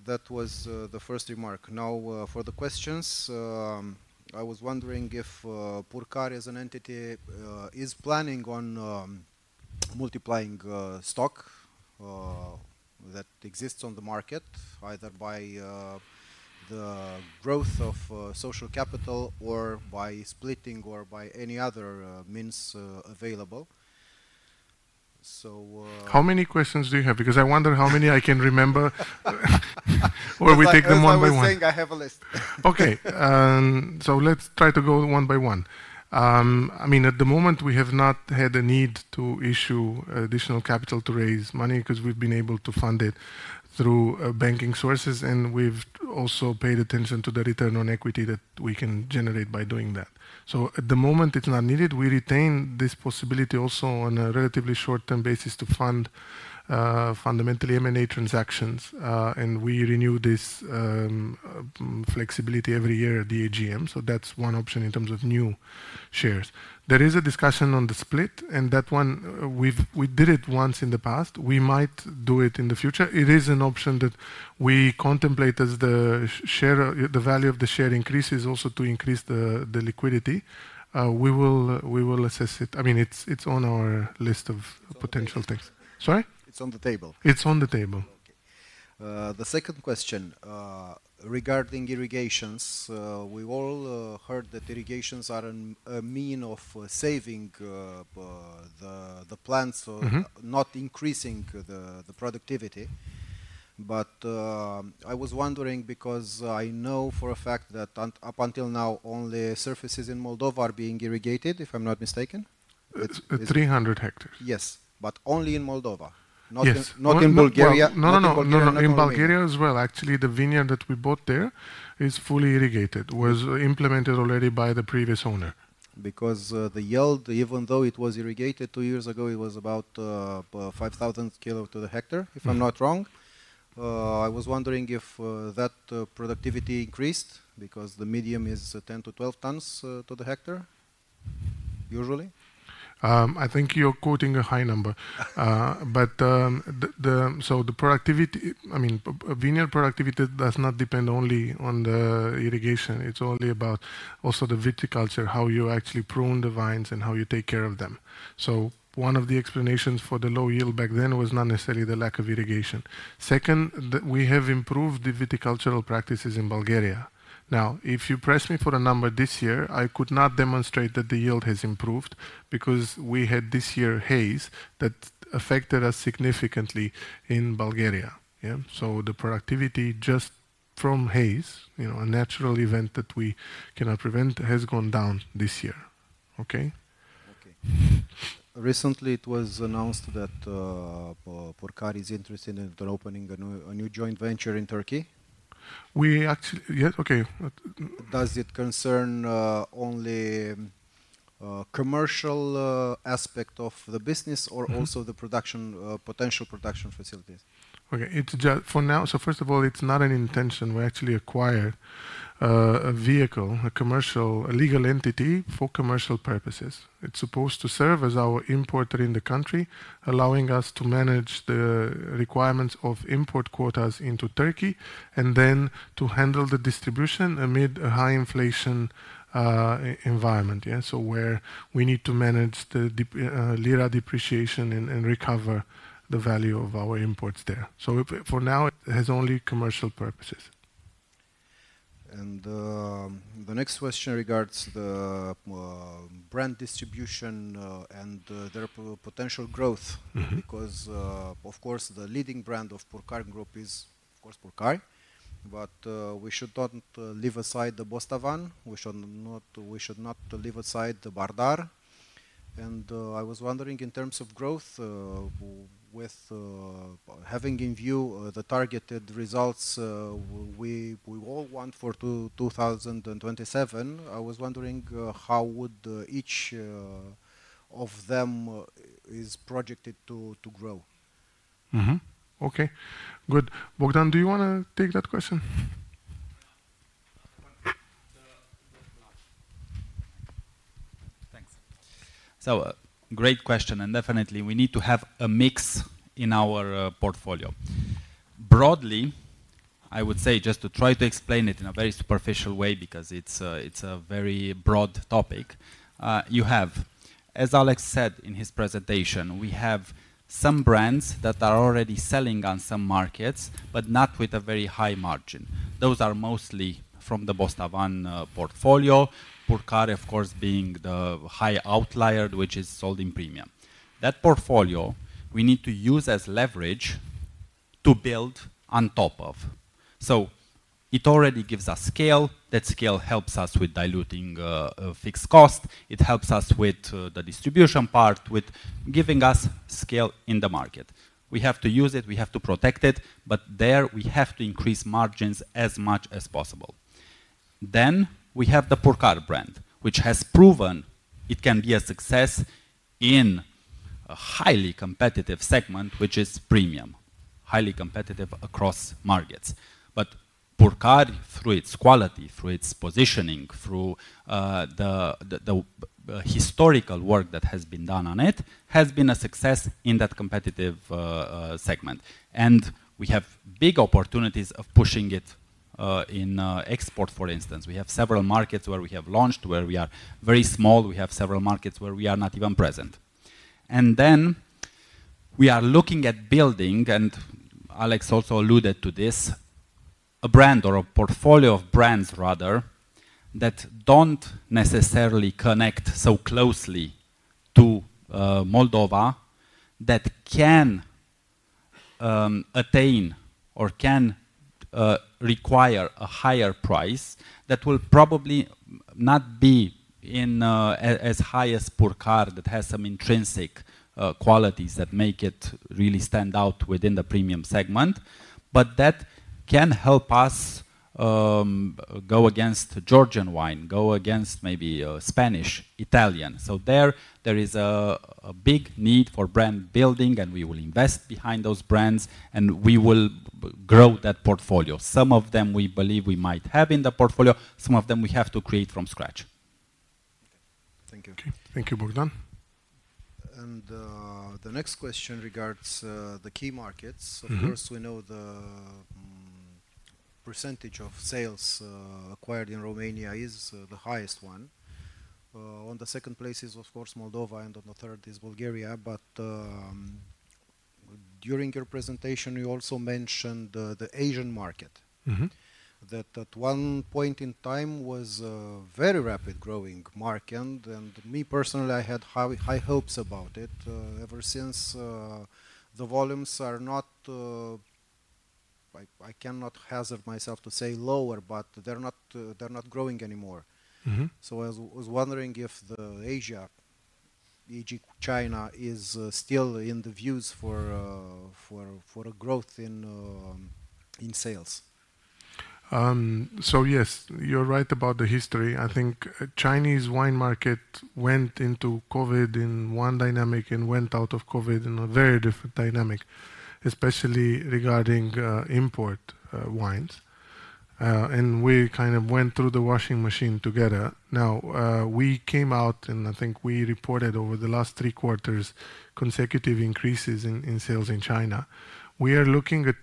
That was the first remark. Now, for the questions, I was wondering if Purcari as an entity is planning on multiplying stock that exists on the market, either by the growth of share capital or by splitting or by any other means available. So, How many questions do you have? Because I wonder how many I can remember. Or we take them one by one. That's why we're saying I have a list. Okay, so let's try to go one by one. I mean, at the moment, we have not had a need to issue additional capital to raise money 'cause we've been able to fund it through banking sources, and we've also paid attention to the return on equity that we can generate by doing that, so at the moment, it's not needed. We retain this possibility also on a relatively short-term basis to fund fundamentally M&A transactions, and we renew this flexibility every year at the AGM, so that's one option in terms of new shares. There is a discussion on the split, and that one, we did it once in the past. We might do it in the future. It is an option that we contemplate as the value of the share increases, also to increase the liquidity. We will assess it. I mean, it's on our list of potential things. It's on the table. Sorry? It's on the table. It's on the table. Okay. The second question, regarding irrigation, we've all heard that irrigation is a means of saving the plants- not increasing the productivity. But, I was wondering because I know for a fact that up until now, only surfaces in Moldova are being irrigated, if I'm not mistaken. It's, it's- 300 hectares. Yes, but only in Moldova. Yes. Not in Bulgaria- Well, no, no, no. Not in Bulgaria, not in Romania. No, no, in Bulgaria as well. Actually, the vineyard that we bought there is fully irrigated. Was implemented already by the previous owner. Because, the yield, even though it was irrigated two years ago, it was about, 5,000 kilo to the hectare- if I'm not wrong. I was wondering if that productivity increased because the medium is 10-12 tons to the hectare, usually. I think you're quoting a high number. But the productivity, I mean, vineyard productivity does not depend only on the irrigation. It's only about also the viticulture, how you actually prune the vines and how you take care of them. So one of the explanations for the low yield back then was not necessarily the lack of irrigation. Second, we have improved the viticultural practices in Bulgaria. Now, if you press me for a number this year, I could not demonstrate that the yield has improved because we had this year hail that affected us significantly in Bulgaria. Yeah? So the productivity just from hail, you know, a natural event that we cannot prevent, has gone down this year. Okay? Okay. Recently, it was announced that Purcari is interested in opening a new joint venture in Turkey. We actually... Yes, okay. Does it concern only commercial aspect of the business? or also the production, potential production facilities? Okay. It's just for now. So first of all, it's not an intention. We actually acquired a vehicle, a commercial, a legal entity for commercial purposes. It's supposed to serve as our importer in the country, allowing us to manage the requirements of import quotas into Turkey, and then to handle the distribution amid a high inflation environment. Yeah, so where we need to manage the lira depreciation and recover the value of our imports there. So for now, it has only commercial purposes. And, the next question regards the brand distribution and their potential growth. Because, of course, the leading brand of Purcari Group is, of course, Purcari, but, we should not leave aside the Bostavan, we should not leave aside the Bardar. And, I was wondering, in terms of growth, with having in view the targeted results we all want for 2027, I was wondering, how would each of them is projected to grow? Okay, good. Bogdan, do you wanna take that question? Thanks. So great question, and definitely, we need to have a mix in our portfolio. Broadly, I would say, just to try to explain it in a very superficial way, because it's a very broad topic. As Alex said in his presentation, we have some brands that are already selling on some markets, but not with a very high margin. Those are mostly from the Bostavan portfolio. Purcari, of course, being the high outlier, which is sold in premium. That portfolio, we need to use as leverage to build on top of. So it already gives us scale. That scale helps us with diluting fixed cost, it helps us with the distribution part, with giving us scale in the market. We have to use it, we have to protect it, but there we have to increase margins as much as possible. Then, we have the Purcari brand, which has proven it can be a success in a highly competitive segment, which is premium. Highly competitive across markets. But Purcari, through its quality, through its positioning, through the historical work that has been done on it, has been a success in that competitive segment, and we have big opportunities of pushing it in export, for instance. We have several markets where we have launched, where we are very small. We have several markets where we are not even present. And then we are looking at building, and Alex also alluded to this, a brand or a portfolio of brands rather, that don't necessarily connect so closely to Moldova, that can attain or can require a higher price, that will probably not be in as high as Purcari, that has some intrinsic qualities that make it really stand out within the premium segment, but that can help us go against Georgian wine, go against maybe Spanish, Italian. So there is a big need for brand building, and we will invest behind those brands, and we will grow that portfolio. Some of them we believe we might have in the portfolio, some of them we have to create from scratch. Thank you. Okay. Thank you, Bogdan. The next question regards the key markets. Of course, we know the percentage of sales acquired in Romania is the highest one. On the second place is, of course, Moldova, and on the third is Bulgaria. But, during your presentation, you also mentioned the Asian market. That at one point in time was a very rapid growing market, and me personally, I had high hopes about it. Ever since, the volumes are not. I cannot hazard myself to say lower, but they're not growing anymore. So I was wondering if Asia, e.g., China, is still in the views for a growth in sales. So yes, you're right about the history. I think Chinese wine market went into COVID in one dynamic and went out of COVID in a very different dynamic, especially regarding import wines. And we kind of went through the washing machine together. Now, we came out, and I think we reported over the last three quarters consecutive increases in sales in China. We are looking at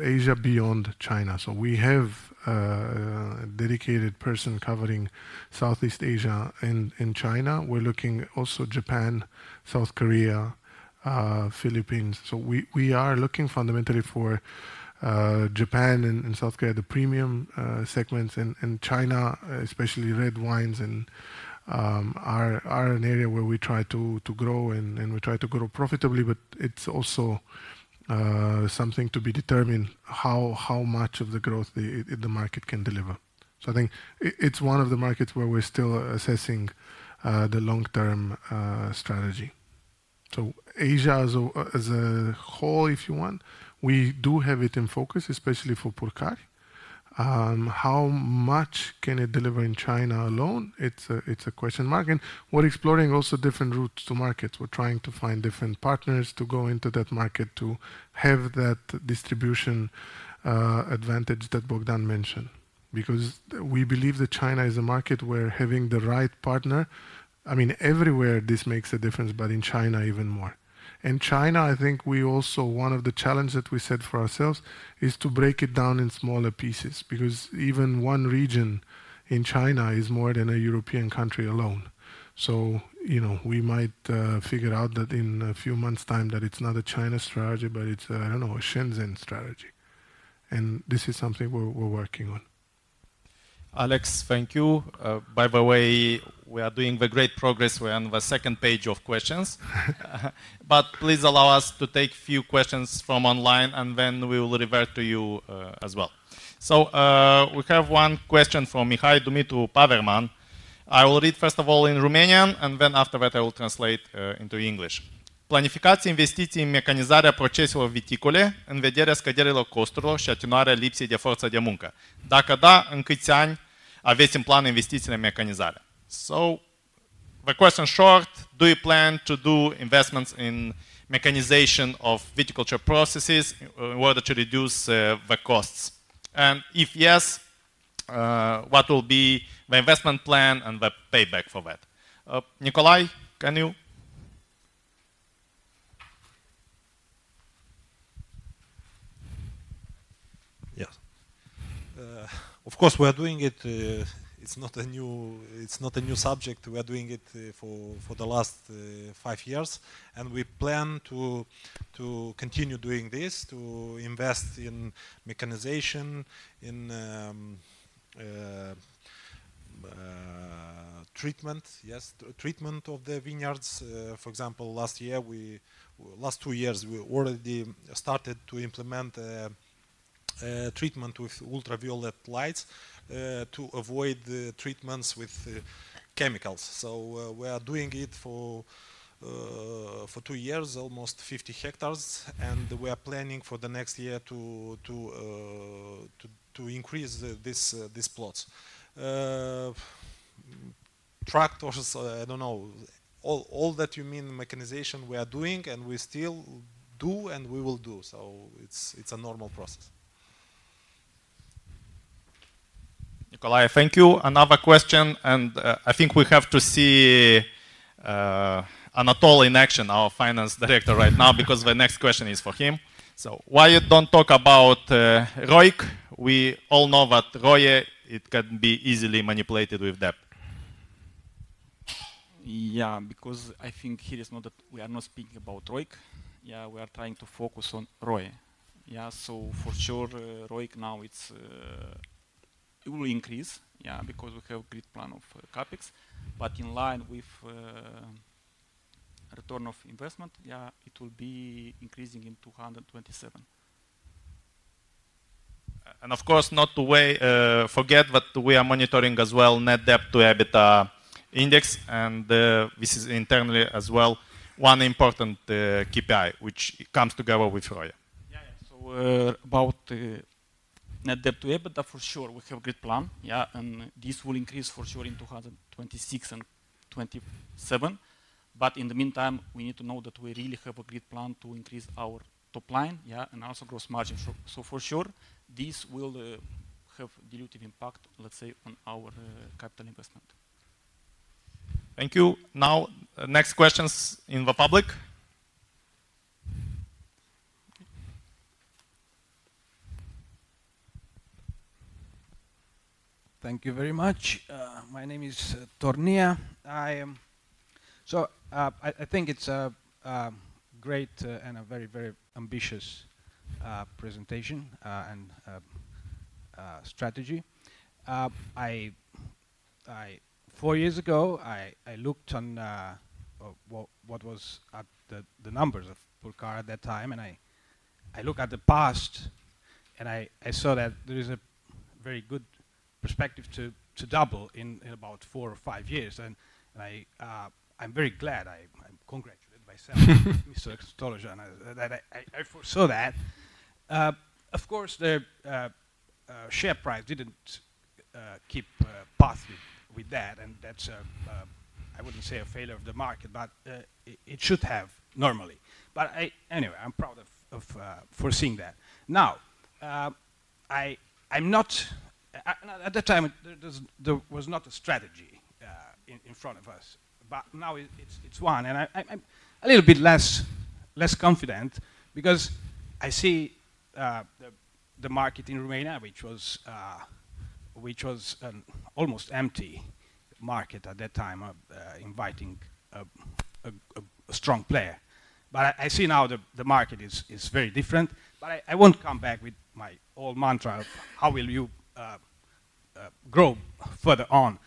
Asia beyond China, so we have a dedicated person covering Southeast Asia and China. We're looking also Japan, South Korea, Philippines. So we are looking fundamentally for Japan and South Korea, the premium segments. China, especially red wines, is an area where we try to grow, and we try to grow profitably, but it's also something to be determined, how much of the growth the market can deliver. I think it's one of the markets where we're still assessing the long-term strategy. Asia as a whole, if you want, we do have it in focus, especially for Purcari. How much can it deliver in China alone? It's a question mark, and we're exploring also different routes to markets. We're trying to find different partners to go into that market, to have that distribution advantage that Bogdan mentioned. Because we believe that China is a market where having the right partner, I mean, everywhere this makes a difference, but in China even more. In China, I think we also. One of the challenges that we set for ourselves is to break it down in smaller pieces, because even one region in China is more than a European country alone. So, you know, we might figure out that in a few months' time, that it's not a China strategy, but it's, I don't know, a Shenzhen strategy. And this is something we're working on. Alex, thank you. By the way, we are doing the great progress. We are on the second page of questions. But please allow us to take few questions from online, and then we will revert to you, as well. So, we have one question from Mihai Dumitru Paverman. I will read, first of all, in Romanian, and then afterward I will translate into English. "în vederea scăderii costurilor și atenuarea lipsei de forță de muncă. Dacă da, în câți ani aveți în plan investițiile în mecanizare?" So the question short: Do you plan to do investments in mechanization of viticulture processes in order to reduce the costs? And if yes, what will be the investment plan and the payback for that? Nicolae, can you- Yes. Of course, we are doing it. It's not a new subject. We are doing it for the last five years, and we plan to continue doing this, to invest in mechanization, in treatment. Yes, treatment of the vineyards. For example, last two years, we already started to implement treatment with ultraviolet lights to avoid the treatments with chemicals. So, we are doing it for two years, almost 50 hectares, and we are planning for the next year to increase these plots. Tractors, I don't know. All that you mean mechanization we are doing, and we still do, and we will do, so it's a normal process. Nicolae, thank you. Another question, and, I think we have to see, Anatol in action, our finance director, right now, because the next question is for him. So why you don't talk about ROIC? We all know that ROE, it can be easily manipulated with debt. Yeah, because I think here is not a... We are not speaking about ROIC. Yeah, we are trying to focus on ROE. Yeah, so for sure, ROIC now it's... It will increase, yeah, because we have great plan of CapEx. But in line with return of investment, yeah, it will be increasing in 2027. Of course, not to say, forget, but we are monitoring as well net debt to EBITDA index, and this is internally as well one important KPI, which comes together with ROE. Yeah, yeah. So, about net debt to EBITDA, for sure, we have great plan. Yeah, and this will increase for sure in 2026 and 2027. But in the meantime, we need to know that we really have a great plan to increase our top line, yeah, and also gross margin. So, for sure, this will have dilutive impact, let's say, on our capital investment. Thank you. Now, next questions in the public. Thank you very much. My name is Stolojan. I am. So, I think it's a great and a very ambitious presentation and strategy. Four years ago, I looked on what were the numbers of Bostavan at that time, and I look at the past, and I saw that there is a very good perspective to double in about four or five years. I'm very glad. I congratulate myself and Mr. Bostan that I foresaw that. Of course, the share price didn't keep pace with that, and that's. I wouldn't say a failure of the market, but it should have, normally. But I. Anyway, I'm proud of foreseeing that. Now, I'm not. At that time, there was not a strategy in front of us, but now it's one. And I'm a little bit less confident because I see the market in Romania, which was an almost empty market at that time of inviting a strong player. But I see now the market is very different. But I won't come back with my old mantra of how will you grow further on.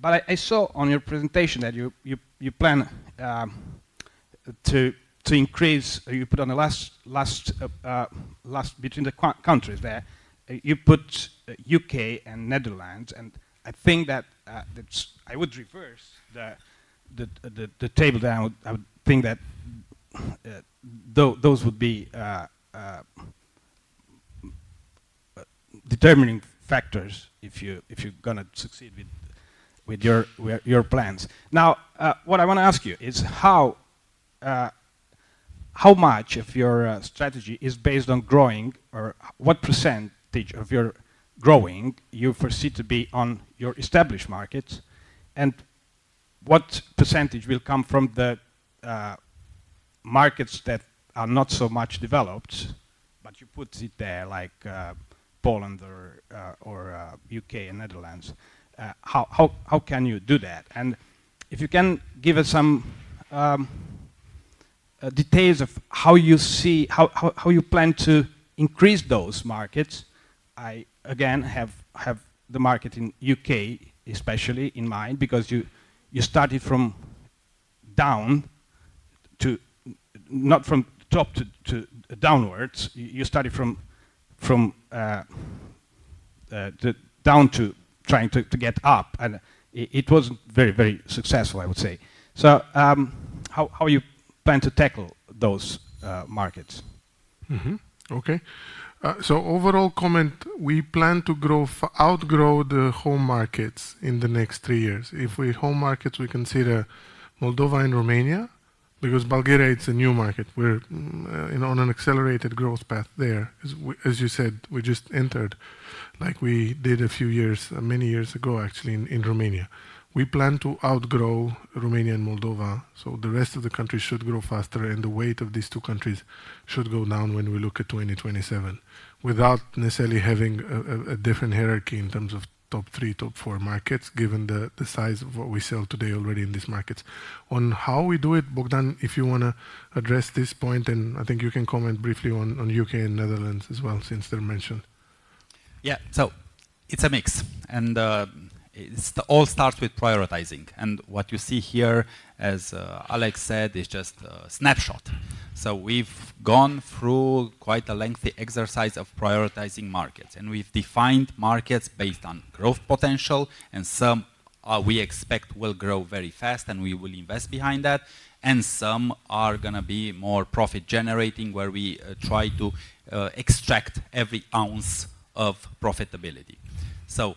But I saw on your presentation that you plan to increase, or you put on the last between the countries there, you put UK and Netherlands, and I think that that's... I would reverse the table down. I would think that those would be determining factors if you're gonna succeed with your plans. Now, what I wanna ask you is how much of your strategy is based on growing, or what percentage of your growing you foresee to be on your established markets? And what percentage will come from the markets that are not so much developed, but you put it there, like Poland or U.K. and Netherlands? How can you do that? And if you can give us some details of how you see how you plan to increase those markets. I again have the market in U.K., especially in mind, because you started from down to... Not from top to down. You started from the bottom, trying to get up, and it was very successful, I would say. So, how you plan to tackle those markets? Okay. So overall comment, we plan to outgrow the home markets in the next three years. Home markets, we consider Moldova and Romania, because Bulgaria, it's a new market. We're, you know, on an accelerated growth path there. As we, as you said, we just entered like we did a few years, many years ago, actually, in Romania. We plan to outgrow Romania and Moldova, so the rest of the countries should grow faster, and the weight of these two countries should go down when we look at 2027, without necessarily having a different hierarchy in terms of top three, top four markets, given the size of what we sell today already in these markets. On how we do it, Bogdan, if you wanna address this point, and I think you can comment briefly on U.K. and Netherlands as well, since they're mentioned. Yeah. So it's a mix, and it all starts with prioritizing. And what you see here, as Alex said, is just a snapshot. So we've gone through quite a lengthy exercise of prioritizing markets, and we've defined markets based on growth potential, and some we expect will grow very fast, and we will invest behind that, and some are gonna be more profit-generating, where we try to extract every ounce of profitability. So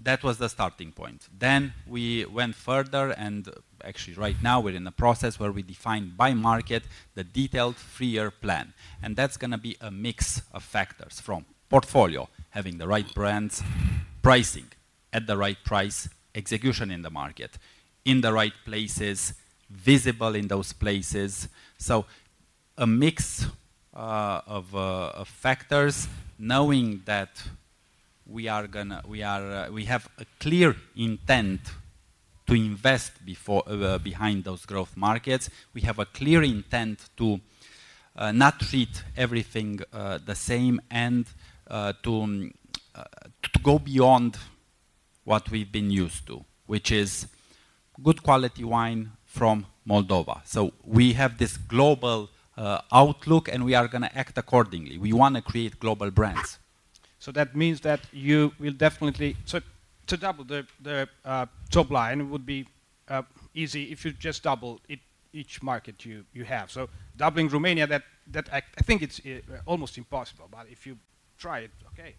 that was the starting point. Then we went further, and actually, right now, we're in the process where we define by market the detailed three-year plan. And that's gonna be a mix of factors from portfolio, having the right brands, pricing at the right price, execution in the market, in the right places, visible in those places. So a mix of factors, knowing that we are gonna We are. We have a clear intent to invest behind those growth markets. We have a clear intent to not treat everything the same and to go beyond what we've been used to, which is good quality wine from Moldova. So we have this global outlook, and we are gonna act accordingly. We wanna create global brands. So that means that you will definitely, so, to double the top line would be easy if you just double each market you have. So doubling Romania, that I think it's almost impossible, but if you try it, okay.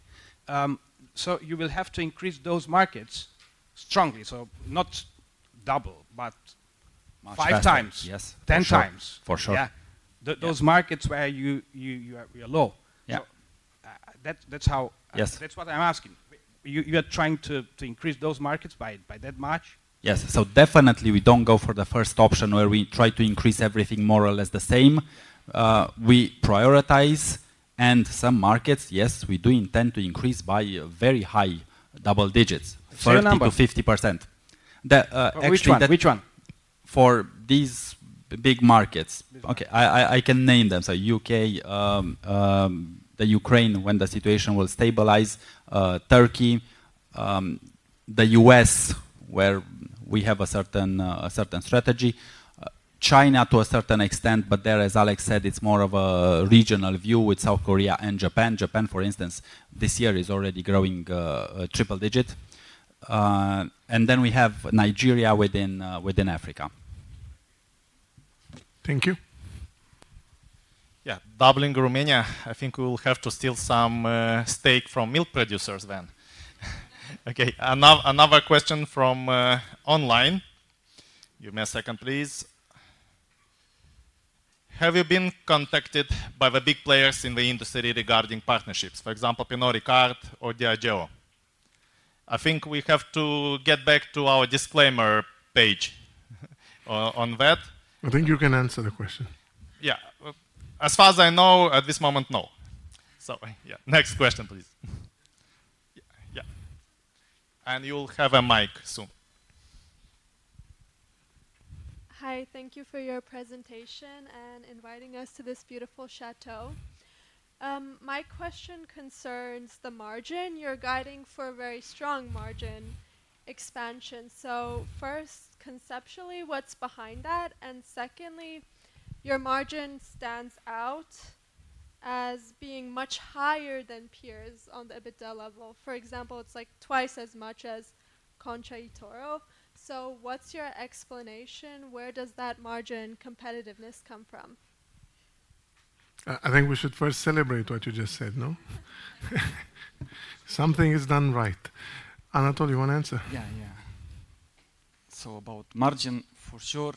So you will have to increase those markets strongly, so not double, but- Much faster. Five times. Yes. Ten times. For sure. Yeah. Yeah. Those markets where you are low. Yeah. So, that's how- Yes. That's what I'm asking. You are trying to increase those markets by that much? Yes. So definitely we don't go for the first option, where we try to increase everything more or less the same. We prioritize, and some markets, yes, we do intend to increase by a very high double digits- Say a number. 30%-50%. The, actually, that- Which one? Which one? For these big markets- Big markets. Okay, I can name them. So U.K., the Ukraine, when the situation will stabilize, Turkey, the U.S., where we have a certain, a certain strategy, China, to a certain extent, but there, as Alex said, it's more of a regional view with South Korea and Japan. Japan, for instance, this year is already growing triple digit. And then we have Nigeria within Africa. Thank you. Yeah, doubling Romania, I think we will have to steal some steak from milk producers then. Okay, another question from online. Give me a second, please. "Have you been contacted by the big players in the industry regarding partnerships, for example, Pernod Ricard or Diageo?" I think we have to get back to our disclaimer page on that. I think you can answer the question. Yeah. Well, as far as I know, at this moment, no. So yeah, next question, please. Yeah, yeah. And you'll have a mic soon. Hi, thank you for your presentation and inviting us to this beautiful château. My question concerns the margin. You're guiding for a very strong margin expansion, so first, conceptually, what's behind that? And secondly, your margin stands out as being much higher than peers on the EBITDA level. For example, it's like twice as much as Concha y Toro. So what's your explanation? Where does that margin competitiveness come from? I think we should first celebrate what you just said, no? Something is done right. Anatol, you wanna answer? Yeah, yeah. So about margin, for sure,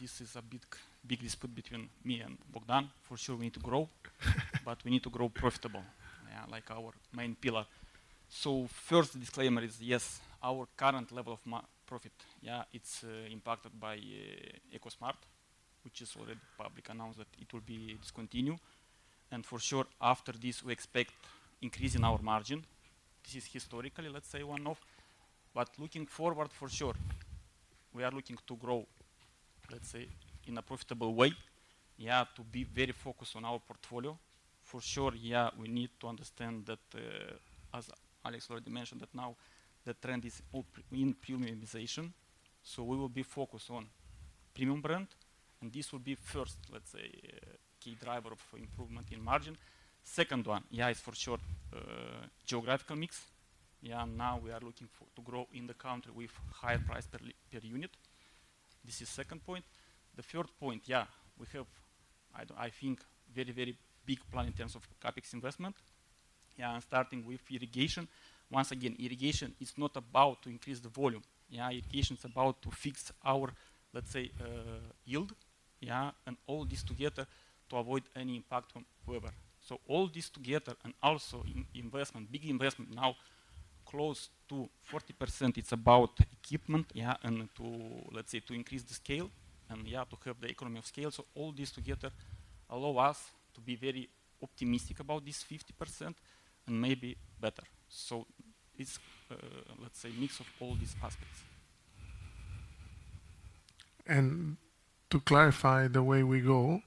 this is a big, big dispute between me and Bogdan. For sure, we need to grow but we need to grow profitable, yeah, like our main pillar. So first disclaimer is, yes, our current level of margin profit, yeah, it's impacted by Ecosmart, which is already publicly announced that it will be discontinued, and for sure, after this, we expect increase in our margin. This is historically, let's say, one-off. But looking forward, for sure, we are looking to grow, let's say, in a profitable way. We have to be very focused on our portfolio. For sure, yeah, we need to understand that, as Alex already mentioned, that now the trend is all in premiumization. So we will be focused on premium brand, and this will be first, let's say, key driver of improvement in margin. Second one, yeah, is for sure, geographical mix. Yeah, now we are looking for, to grow in the country with higher price per liter per unit. This is second point. The third point, yeah, we have, I think, very, very big plan in terms of CapEx investment, yeah, and starting with irrigation. Once again, irrigation is not about to increase the volume, yeah? Irrigation is about to fix our, let's say, yield, yeah, and all this together to avoid any impact on weather. So all this together and also investment, big investment now, close to 40% it's about equipment, yeah, and to, let's say, to increase the scale and, yeah, to have the economy of scale. So all this together allow us to be very optimistic about this 50% and maybe better. So it's, let's say, mix of all these aspects. And to clarify the way we go,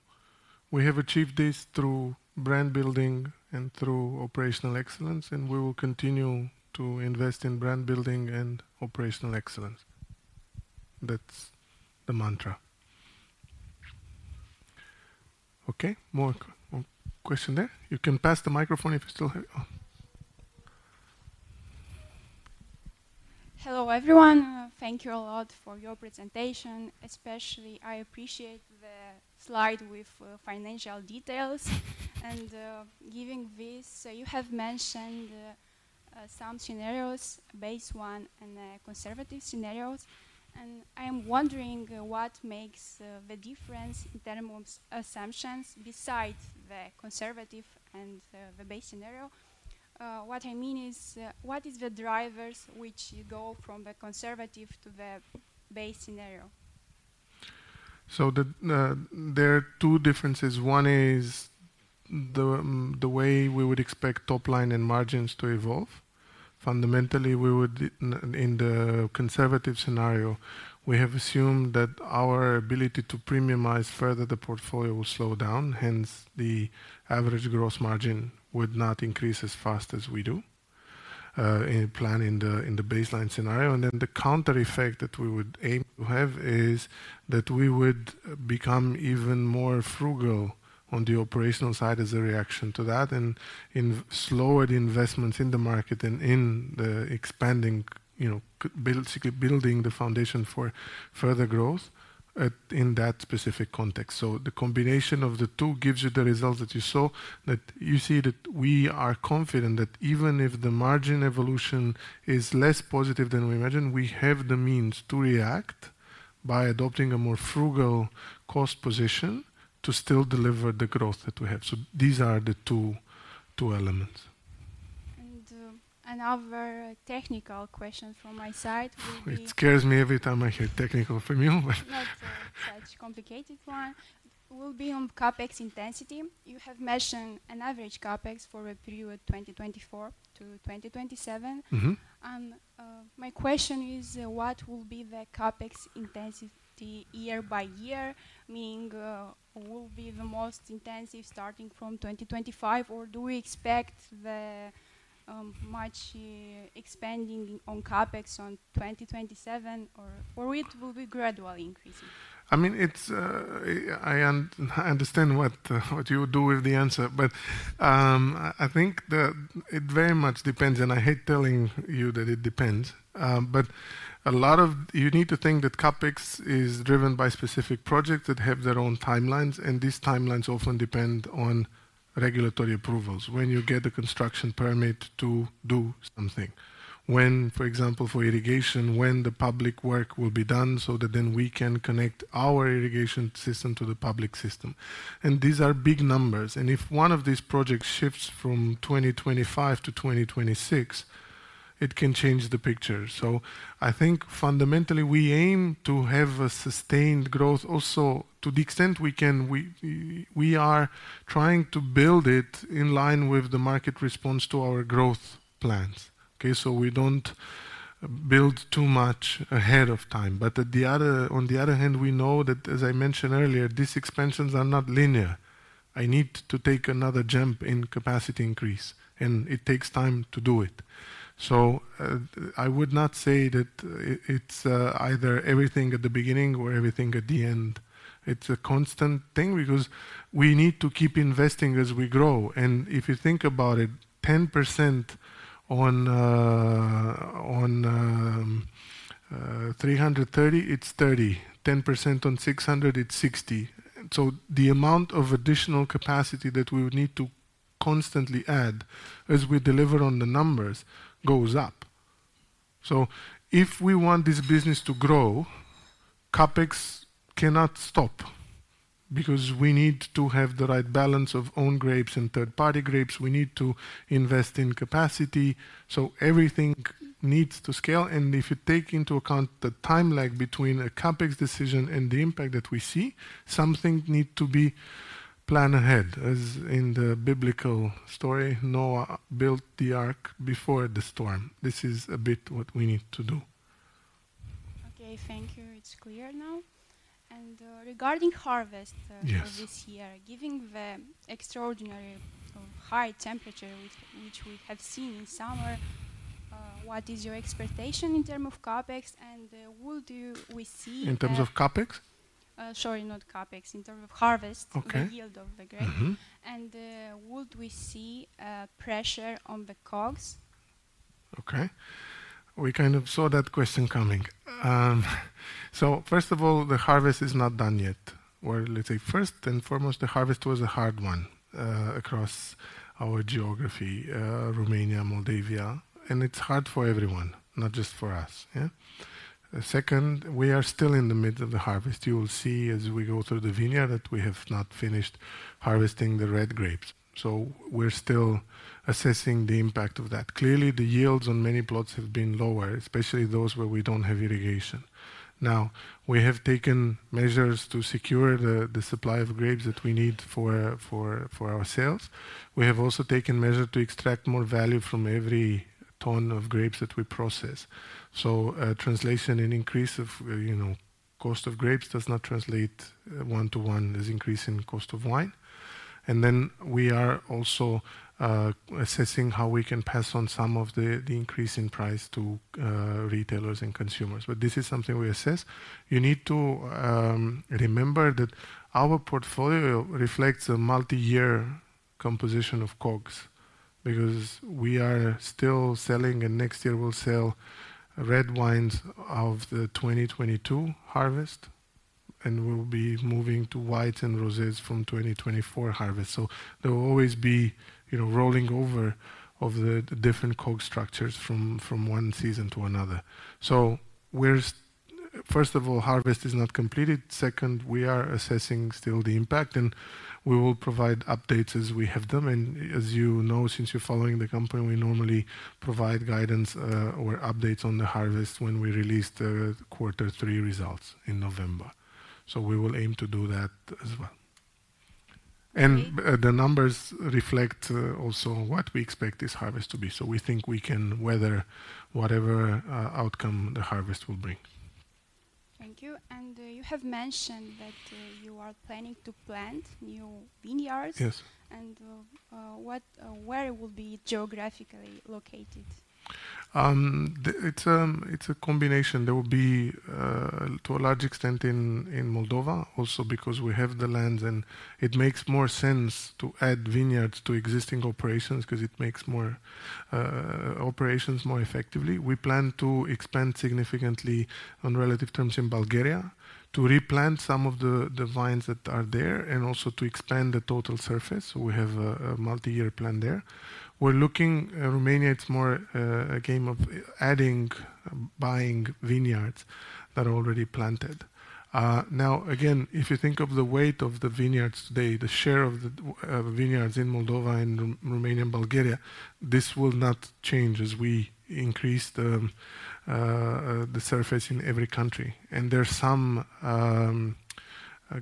we have achieved this through brand building and through operational excellence, and we will continue to invest in brand building and operational excellence. That's the mantra. Okay, more, more question there? You can pass the microphone if you still have it. Oh. Hello, everyone. Thank you a lot for your presentation. Especially, I appreciate the slide with financial details. And, giving this, you have mentioned some scenarios, base one and conservative scenarios, and I am wondering what makes the difference in terms of assumptions besides the conservative and the base scenario? What I mean is, what is the drivers which you go from the conservative to the base scenario? There are two differences. One is the way we would expect top line and margins to evolve. Fundamentally, we would in the conservative scenario, we have assumed that our ability to premiumize further the portfolio will slow down, hence, the average gross margin would not increase as fast as we do in planning the baseline scenario. Then the counter effect that we would aim to have is that we would become even more frugal on the operational side as a reaction to that, and slow the investments in the market and in the expanding, you know, capacity build, building the foundation for further growth in that specific context. So the combination of the two gives you the results that you saw, that you see, that we are confident that even if the margin evolution is less positive than we imagined, we have the means to react by adopting a more frugal cost position to still deliver the growth that we have. So these are the two, two elements. Another technical question from my side will be- It scares me every time I hear technical from you, but- Not such complicated one. It will be on CapEx intensity. You have mentioned an average CapEx for a period 2024 to 2027. My question is, what will be the CapEx intensity year by year? Meaning, will be the most intensive starting from 2025, or do we expect the, much expanding on CapEx on 2027 or, or it will be gradually increasing? I mean, it's. I understand what you would do with the answer, but I think that it very much depends, and I hate telling you that it depends, but you need to think that CapEx is driven by specific projects that have their own timelines, and these timelines often depend on regulatory approvals. When you get a construction permit to do something. When, for example, for irrigation, when the public work will be done so that then we can connect our irrigation system to the public system, and these are big numbers, and if one of these projects shifts from 2025 to 2026, it can change the picture, so I think fundamentally, we aim to have a sustained growth also. To the extent we can, we are trying to build it in line with the market response to our growth plans. Okay? So we don't build too much ahead of time. But at the other on the other hand, we know that, as I mentioned earlier, these expansions are not linear. I need to take another jump in capacity increase, and it takes time to do it. So, I would not say that it is either everything at the beginning or everything at the end. It's a constant thing because we need to keep investing as we grow. And if you think about it, 10% on 330, it's 30. 10% on 600, it's 60. So the amount of additional capacity that we would need to constantly add as we deliver on the numbers goes up. So if we want this business to grow, CapEx cannot stop because we need to have the right balance of own grapes and third-party grapes. We need to invest in capacity, so everything needs to scale. And if you take into account the time lag between a CapEx decision and the impact that we see, something need to be planned ahead, as in the biblical story, Noah built the ark before the storm. This is a bit what we need to do. Okay, thank you. It's clear now. And, regarding harvest- Yes... this year, given the extraordinary sort of high temperature which we have seen in summer, what is your expectation in terms of CapEx? And... In terms of CapEx? Sorry, not CapEx, in terms of harvest- Okay the yield of the grape. Would we see a pressure on the COGS? We kind of saw that question coming. So first of all, the harvest is not done yet. Let's say first and foremost, the harvest was a hard one, across our geography, Romania, Moldova, and it's hard for everyone, not just for us, yeah? Second, we are still in the middle of the harvest. You will see as we go through the vineyard that we have not finished harvesting the red grapes, so we're still assessing the impact of that. Clearly, the yields on many plots have been lower, especially those where we don't have irrigation. Now, we have taken measures to secure the supply of grapes that we need for our sales. We have also taken measures to extract more value from every ton of grapes that we process. Inflation and increase of, you know, cost of grapes does not translate one to one as increase in cost of wine. And then we are also assessing how we can pass on some of the increase in price to retailers and consumers. But this is something we assess. You need to remember that our portfolio reflects a multi-year composition of COGS, because we are still selling, and next year we'll sell red wines of the 2022 harvest, and we'll be moving to whites and roses from 2024 harvest. So there will always be, you know, rolling over of the different COGS structures from one season to another. So we're first of all, harvest is not completed. Second, we are assessing still the impact, and we will provide updates as we have them. As you know, since you're following the company, we normally provide guidance or updates on the harvest when we release the quarter three results in November. We will aim to do that as well. Okay. The numbers reflect also what we expect this harvest to be, so we think we can weather whatever outcome the harvest will bring. Thank you, and you have mentioned that you are planning to plant new vineyards. Yes. Where will be geographically located? It's a combination. There will be to a large extent in Moldova, also because we have the lands, and it makes more sense to add vineyards to existing operations, 'cause it makes more operations more effectively. We plan to expand significantly on relative terms in Bulgaria, to replant some of the vines that are there, and also to expand the total surface. We have a multi-year plan there. We're looking. Romania, it's more a game of adding, buying vineyards that are already planted. Now, again, if you think of the weight of the vineyards today, the share of the vineyards in Moldova and Romania and Bulgaria, this will not change as we increase the surface in every country, and there are some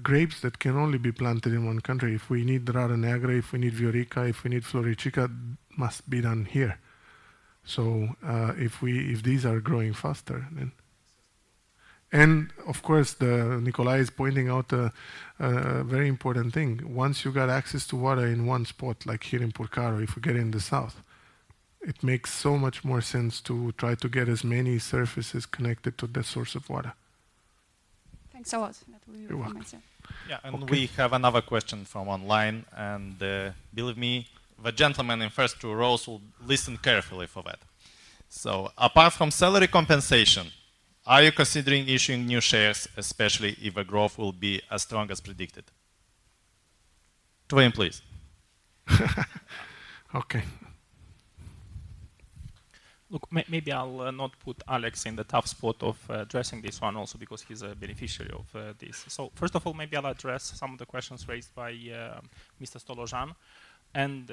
grapes that can only be planted in one country. If we need Rară Neagră, if we need Viorica, if we need Floricica, must be done here. So, if these are growing faster, then. And of course, Nicolae is pointing out a very important thing. Once you got access to water in one spot, like here in Purcari, if we get in the south, it makes so much more sense to try to get as many surfaces connected to the source of water. Thanks a lot. That was a good answer. You're welcome. Yeah. Okay. We have another question from online, and believe me, the gentleman in the first two rows will listen carefully for that. So apart from salary compensation, are you considering issuing new shares, especially if the growth will be as strong as predicted? Damian, please. Okay. Look, maybe I'll not put Alex in the tough spot of addressing this one also because he's a beneficiary of this. So first of all, maybe I'll address some of the questions raised by Mr. Stolojan, and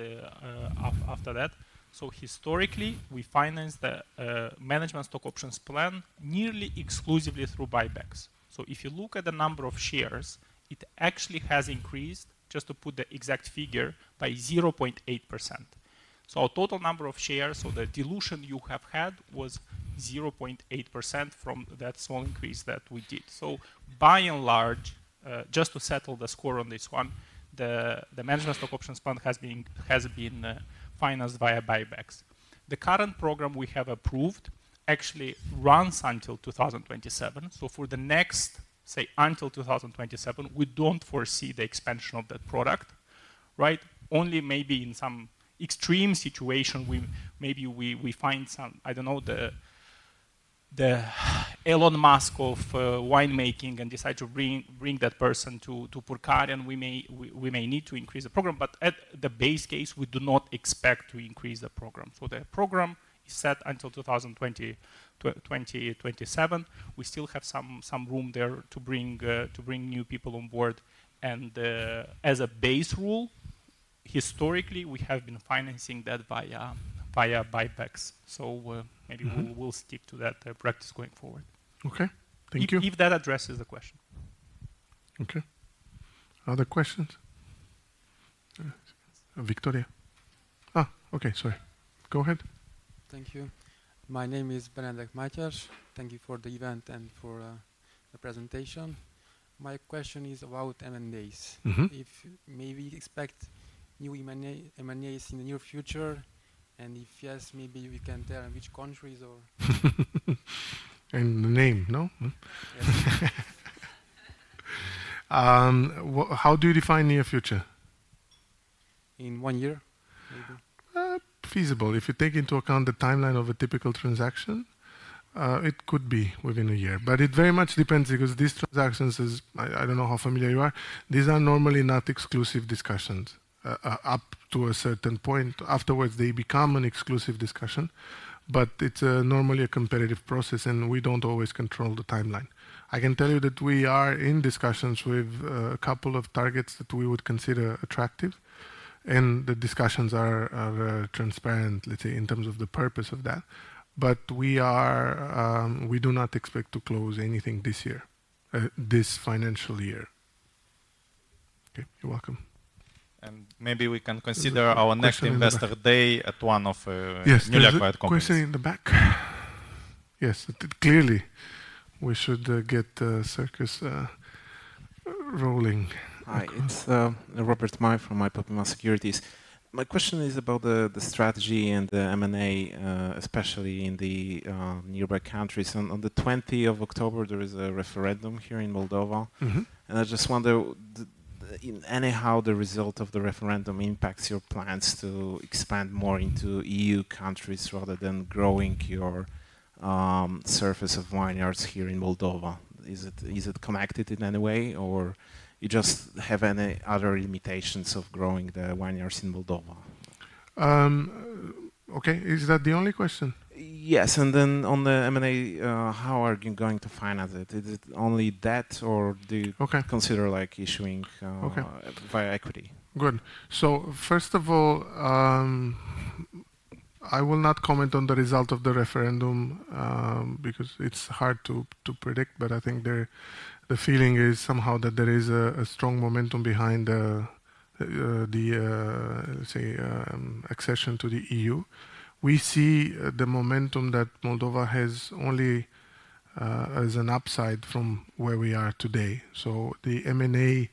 after that. So historically, we financed the management stock options plan nearly exclusively through buybacks. So if you look at the number of shares, it actually has increased, just to put the exact figure, by 0.8%. So our total number of shares, so the dilution you have had, was 0.8% from that small increase that we did. So by and large, just to settle the score on this one, the management stock options plan has been financed via buybacks. The current program we have approved actually runs until 2027. So for the next, say, until two thousand twenty-seven, we don't foresee the expansion of that product, right? Only maybe in some extreme situation, we maybe find some, I don't know, the Elon Musk of wine making and decide to bring that person to Purcari, and we may need to increase the program. But at the base case, we do not expect to increase the program. So the program is set until two thousand twenty-seven. We still have some room there to bring new people on board. And as a base rule, historically, we have been financing that via buybacks. So maybe- we'll stick to that practice going forward. Okay. Thank you. If that addresses the question. Okay. Other questions? Victoria. Ah, okay, sorry. Go ahead. Thank you. My name is Benedict Mathias. Thank you for the event and for the presentation. My question is about M&As. If maybe you expect new M&As in the near future, and if yes, maybe you can tell in which countries or? And the name, no? How do you define near future? In one year, maybe? Feasible. If you take into account the timeline of a typical transaction, it could be within a year. But it very much depends, because these transactions is... I don't know how familiar you are, these are normally not exclusive discussions up to a certain point. Afterwards, they become an exclusive discussion, but it's normally a competitive process, and we don't always control the timeline. I can tell you that we are in discussions with a couple of targets that we would consider attractive, and the discussions are transparent, let's say, in terms of the purpose of that. But we are... We do not expect to close anything this year, this financial year. Okay, you're welcome. Maybe we can consider. Question in the our next investor day at one of Yes newly acquired companies. There's a question in the back? Yes, clearly, we should get this rolling. Hi. It's Robert Maj from Ipopema Securities. My question is about the strategy and the M&A, especially in the nearby countries. On the twentieth of October, there is a referendum here in Moldova. I just wonder if in any way the result of the referendum impacts your plans to expand more into EU countries rather than growing your surface of vineyards here in Moldova. Is it connected in any way, or do you just have any other limitations of growing the vineyards in Moldova? Okay. Is that the only question? Yes, and then on the M&A, how are you going to finance it? Is it only debt, or do you- Okay... consider, like, issuing Okay via equity? Good. So first of all, I will not comment on the result of the referendum, because it's hard to predict, but I think the feeling is somehow that there is a strong momentum behind the, let's say, accession to the EU. We see the momentum that Moldova has only as an upside from where we are today. So the M&A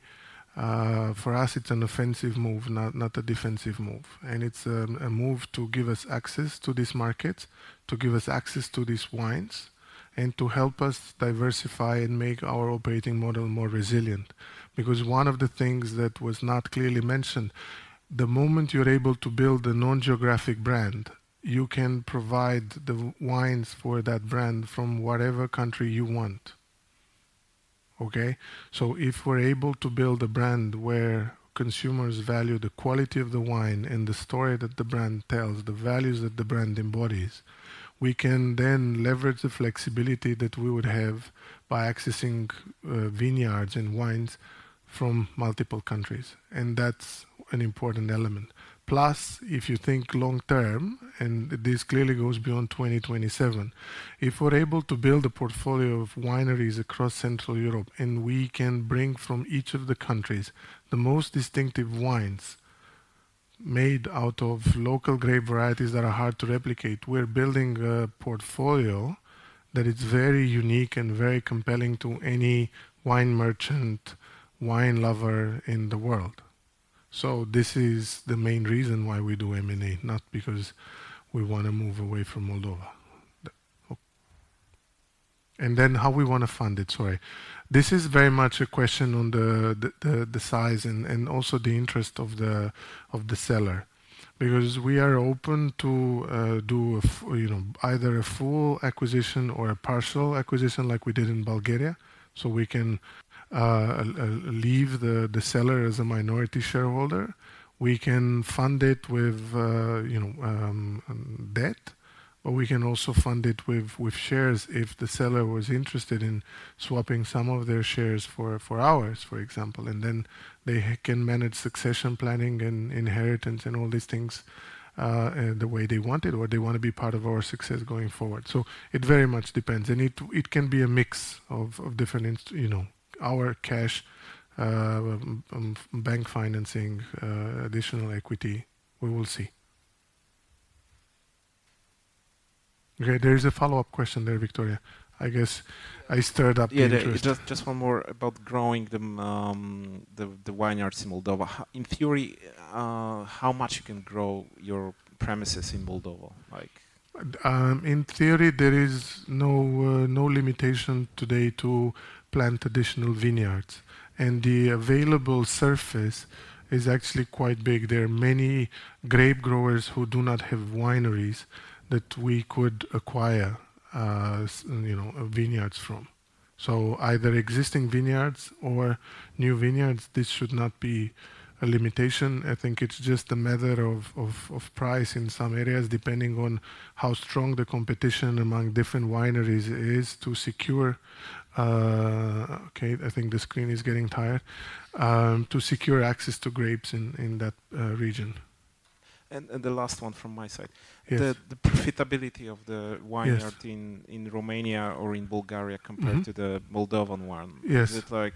for us, it's an offensive move, not a defensive move, and it's a move to give us access to these markets, to give us access to these wines, and to help us diversify and make our operating model more resilient. Because one of the things that was not clearly mentioned, the moment you're able to build a non-geographic brand, you can provide the wines for that brand from whatever country you want. Okay? So if we're able to build a brand where consumers value the quality of the wine and the story that the brand tells, the values that the brand embodies, we can then leverage the flexibility that we would have by accessing vineyards and wines from multiple countries, and that's an important element. Plus, if you think long term, and this clearly goes beyond 2027, if we're able to build a portfolio of wineries across Central Europe, and we can bring from each of the countries the most distinctive wines made out of local grape varieties that are hard to replicate, we're building a portfolio that is very unique and very compelling to any wine merchant, wine lover in the world. So this is the main reason why we do M&A, not because we wanna move away from Moldova. And then how we wanna fund it. Sorry. This is very much a question on the size and also the interest of the seller. Because we are open to do a, you know, either a full acquisition or a partial acquisition, like we did in Bulgaria, so we can leave the seller as a minority shareholder. We can fund it with, you know, debt, or we can also fund it with shares if the seller was interested in swapping some of their shares for ours, for example, and then they can manage succession planning and inheritance and all these things the way they want it, or they wanna be part of our success going forward. So it very much depends, and it can be a mix of different you know, our cash, bank financing, additional equity. We will see. Okay, there is a follow-up question there, Victoria. I guess I stirred up the interest. Yeah, yeah. Just one more about growing the vineyards in Moldova. In theory, how much you can grow your premises in Moldova, like? In theory, there is no limitation today to plant additional vineyards, and the available surface is actually quite big. There are many grape growers who do not have wineries that we could acquire, you know, vineyards from. So either existing vineyards or new vineyards, this should not be a limitation. I think it's just a matter of price in some areas, depending on how strong the competition among different wineries is to secure... Okay, I think the screen is getting tired. To secure access to grapes in that region. The last one from my side. Yes. The profitability of the vineyard- Yes in Romania or in Bulgaria compared to the Moldovan one. Yes. Is it like,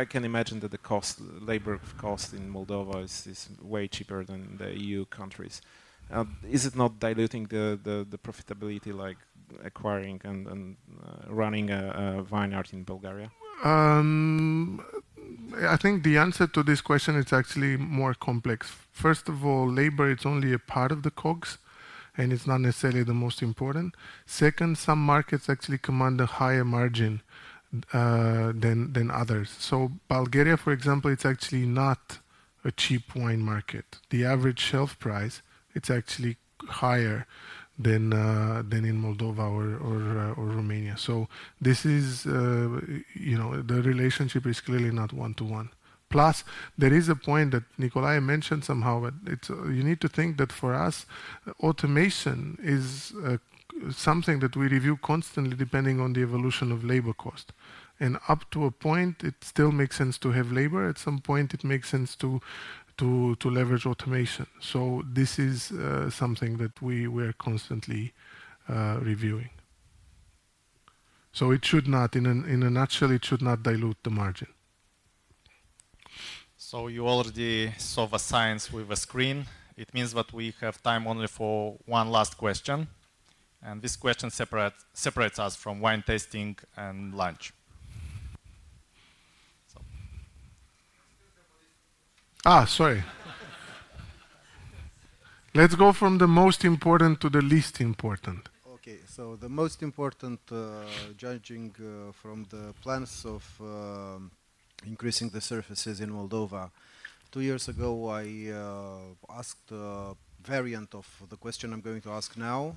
I can imagine that the cost, labor cost in Moldova is way cheaper than the EU countries. Is it not diluting the profitability, like acquiring and running a vineyard in Bulgaria? I think the answer to this question is actually more complex. First of all, labor, it's only a part of the COGS, and it's not necessarily the most important. Second, some markets actually command a higher margin than others. So Bulgaria, for example, it's actually not a cheap wine market. The average shelf price, it's actually higher than in Moldova or Romania. So this is, you know, the relationship is clearly not one-to-one. Plus, there is a point that Nicolae mentioned somehow, but it's... You need to think that for us, automation is something that we review constantly, depending on the evolution of labor cost, and up to a point, it still makes sense to have labor. At some point, it makes sense to leverage automation. So this is something that we are constantly reviewing. So it should not, in a nutshell, it should not dilute the margin. You already saw the signs with the screen. It means that we have time only for one last question, and this question separates us from wine tasting and lunch. Sorry. Let's go from the most important to the least important. Okay, so the most important, judging from the plans of increasing the surfaces in Moldova. Two years ago, I asked a variant of the question I'm going to ask now.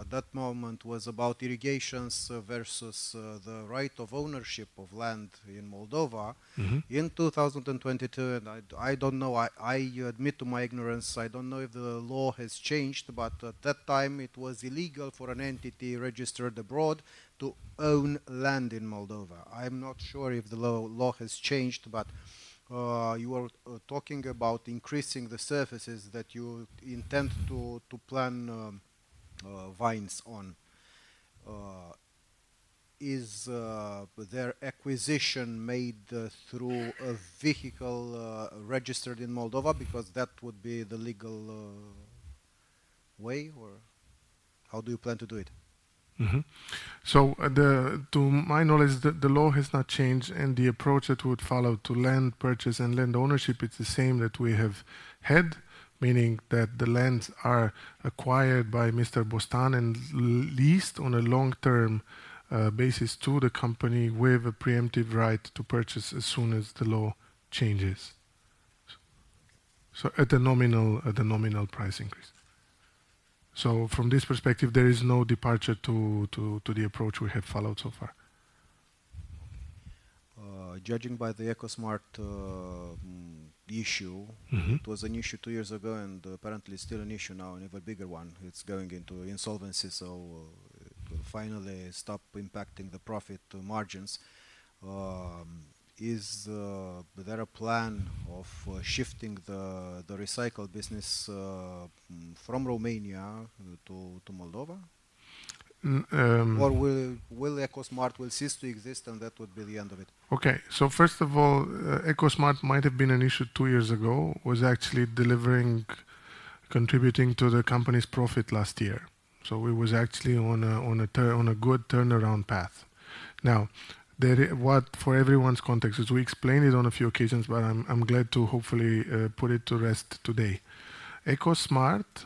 At that moment was about irrigation versus the right of ownership of land in Moldova. In 2022, and I don't know, I admit to my ignorance, I don't know if the law has changed, but at that time, it was illegal for an entity registered abroad to own land in Moldova. I'm not sure if the law has changed, but you were talking about increasing the surfaces that you intend to plant vines on. Is their acquisition made through a vehicle registered in Moldova? Because that would be the legal way, or how do you plan to do it? To my knowledge, the law has not changed, and the approach that we would follow to land purchase and land ownership is the same that we have had, meaning that the lands are acquired by Mr. Bostan and leased on a long-term basis to the company, with a preemptive right to purchase as soon as the law changes. So at a nominal price increase. From this perspective, there is no departure to the approach we have followed so far. Judging by the Ecosmart issue. it was an issue two years ago, and apparently still an issue now, an even bigger one. It's going into insolvency, so finally stop impacting the profit margins. Is there a plan of shifting the recycle business from Romania to Moldova? Or will Ecosmart will cease to exist, and that would be the end of it? Okay. So first of all, Ecosmart might have been an issue two years ago. It was actually delivering, contributing to the company's profit last year. So it was actually on a good turnaround path. Now, for everyone's context, 'cause we explained it on a few occasions, but I'm glad to hopefully put it to rest today. Ecosmart,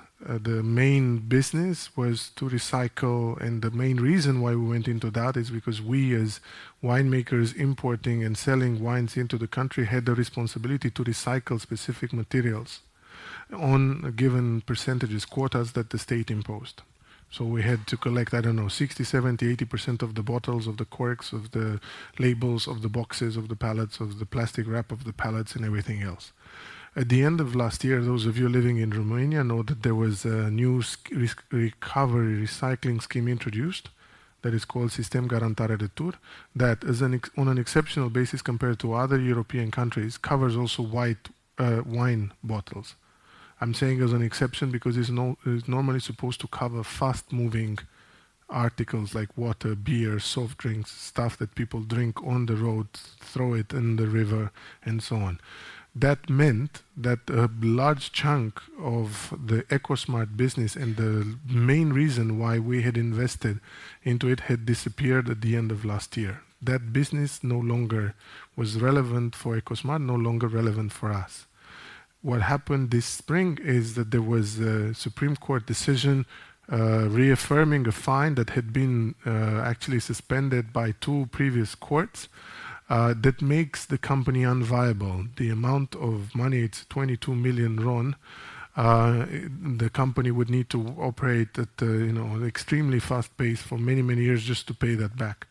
the main business was to recycle, and the main reason why we went into that is because we, as winemakers importing and selling wines into the country, had the responsibility to recycle specific materials on given percentages, quotas that the state imposed. So we had to collect, I don't know, 60, 70, 80% of the bottles, of the corks, of the labels, of the boxes, of the pallets, of the plastic wrap, and everything else. At the end of last year, those of you living in Romania know that there was a new recovery, recycling scheme introduced that is called Sistem Garantat de Retur, that on an exceptional basis, compared to other European countries, covers also white wine bottles. I'm saying as an exception, because it's normally supposed to cover fast-moving articles like water, beer, soft drinks, stuff that people drink on the road, throw it in the river, and so on. That meant that a large chunk of the Ecosmart business, and the main reason why we had invested into it, had disappeared at the end of last year. That business no longer was relevant for Ecosmart, no longer relevant for us. What happened this spring is that there was a Supreme Court decision reaffirming a fine that had been actually suspended by two previous courts that makes the company unviable. The amount of money, it's 22 million RON. The company would need to operate at a, you know, extremely fast pace for many, many years just to pay that back,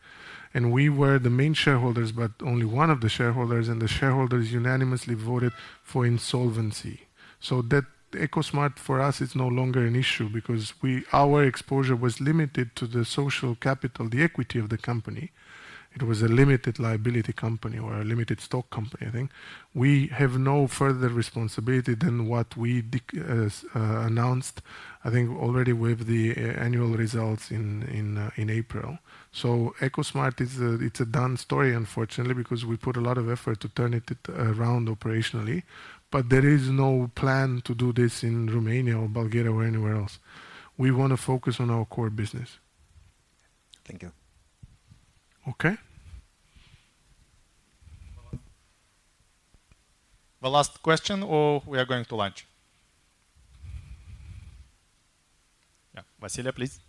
and we were the main shareholders, but only one of the shareholders, and the shareholders unanimously voted for insolvency, so that Ecosmart, for us, is no longer an issue because our exposure was limited to the social capital, the equity of the company. It was a limited liability company or a limited stock company, I think. We have no further responsibility than what we announced, I think already with the annual results in April. So Ecosmart is a done story, unfortunately, because we put a lot of effort to turn it around operationally, but there is no plan to do this in Romania or Bulgaria or anywhere else. We wanna focus on our core business. Thank you. Okay. The last question or we are going to lunch? Yeah. Vasile, please.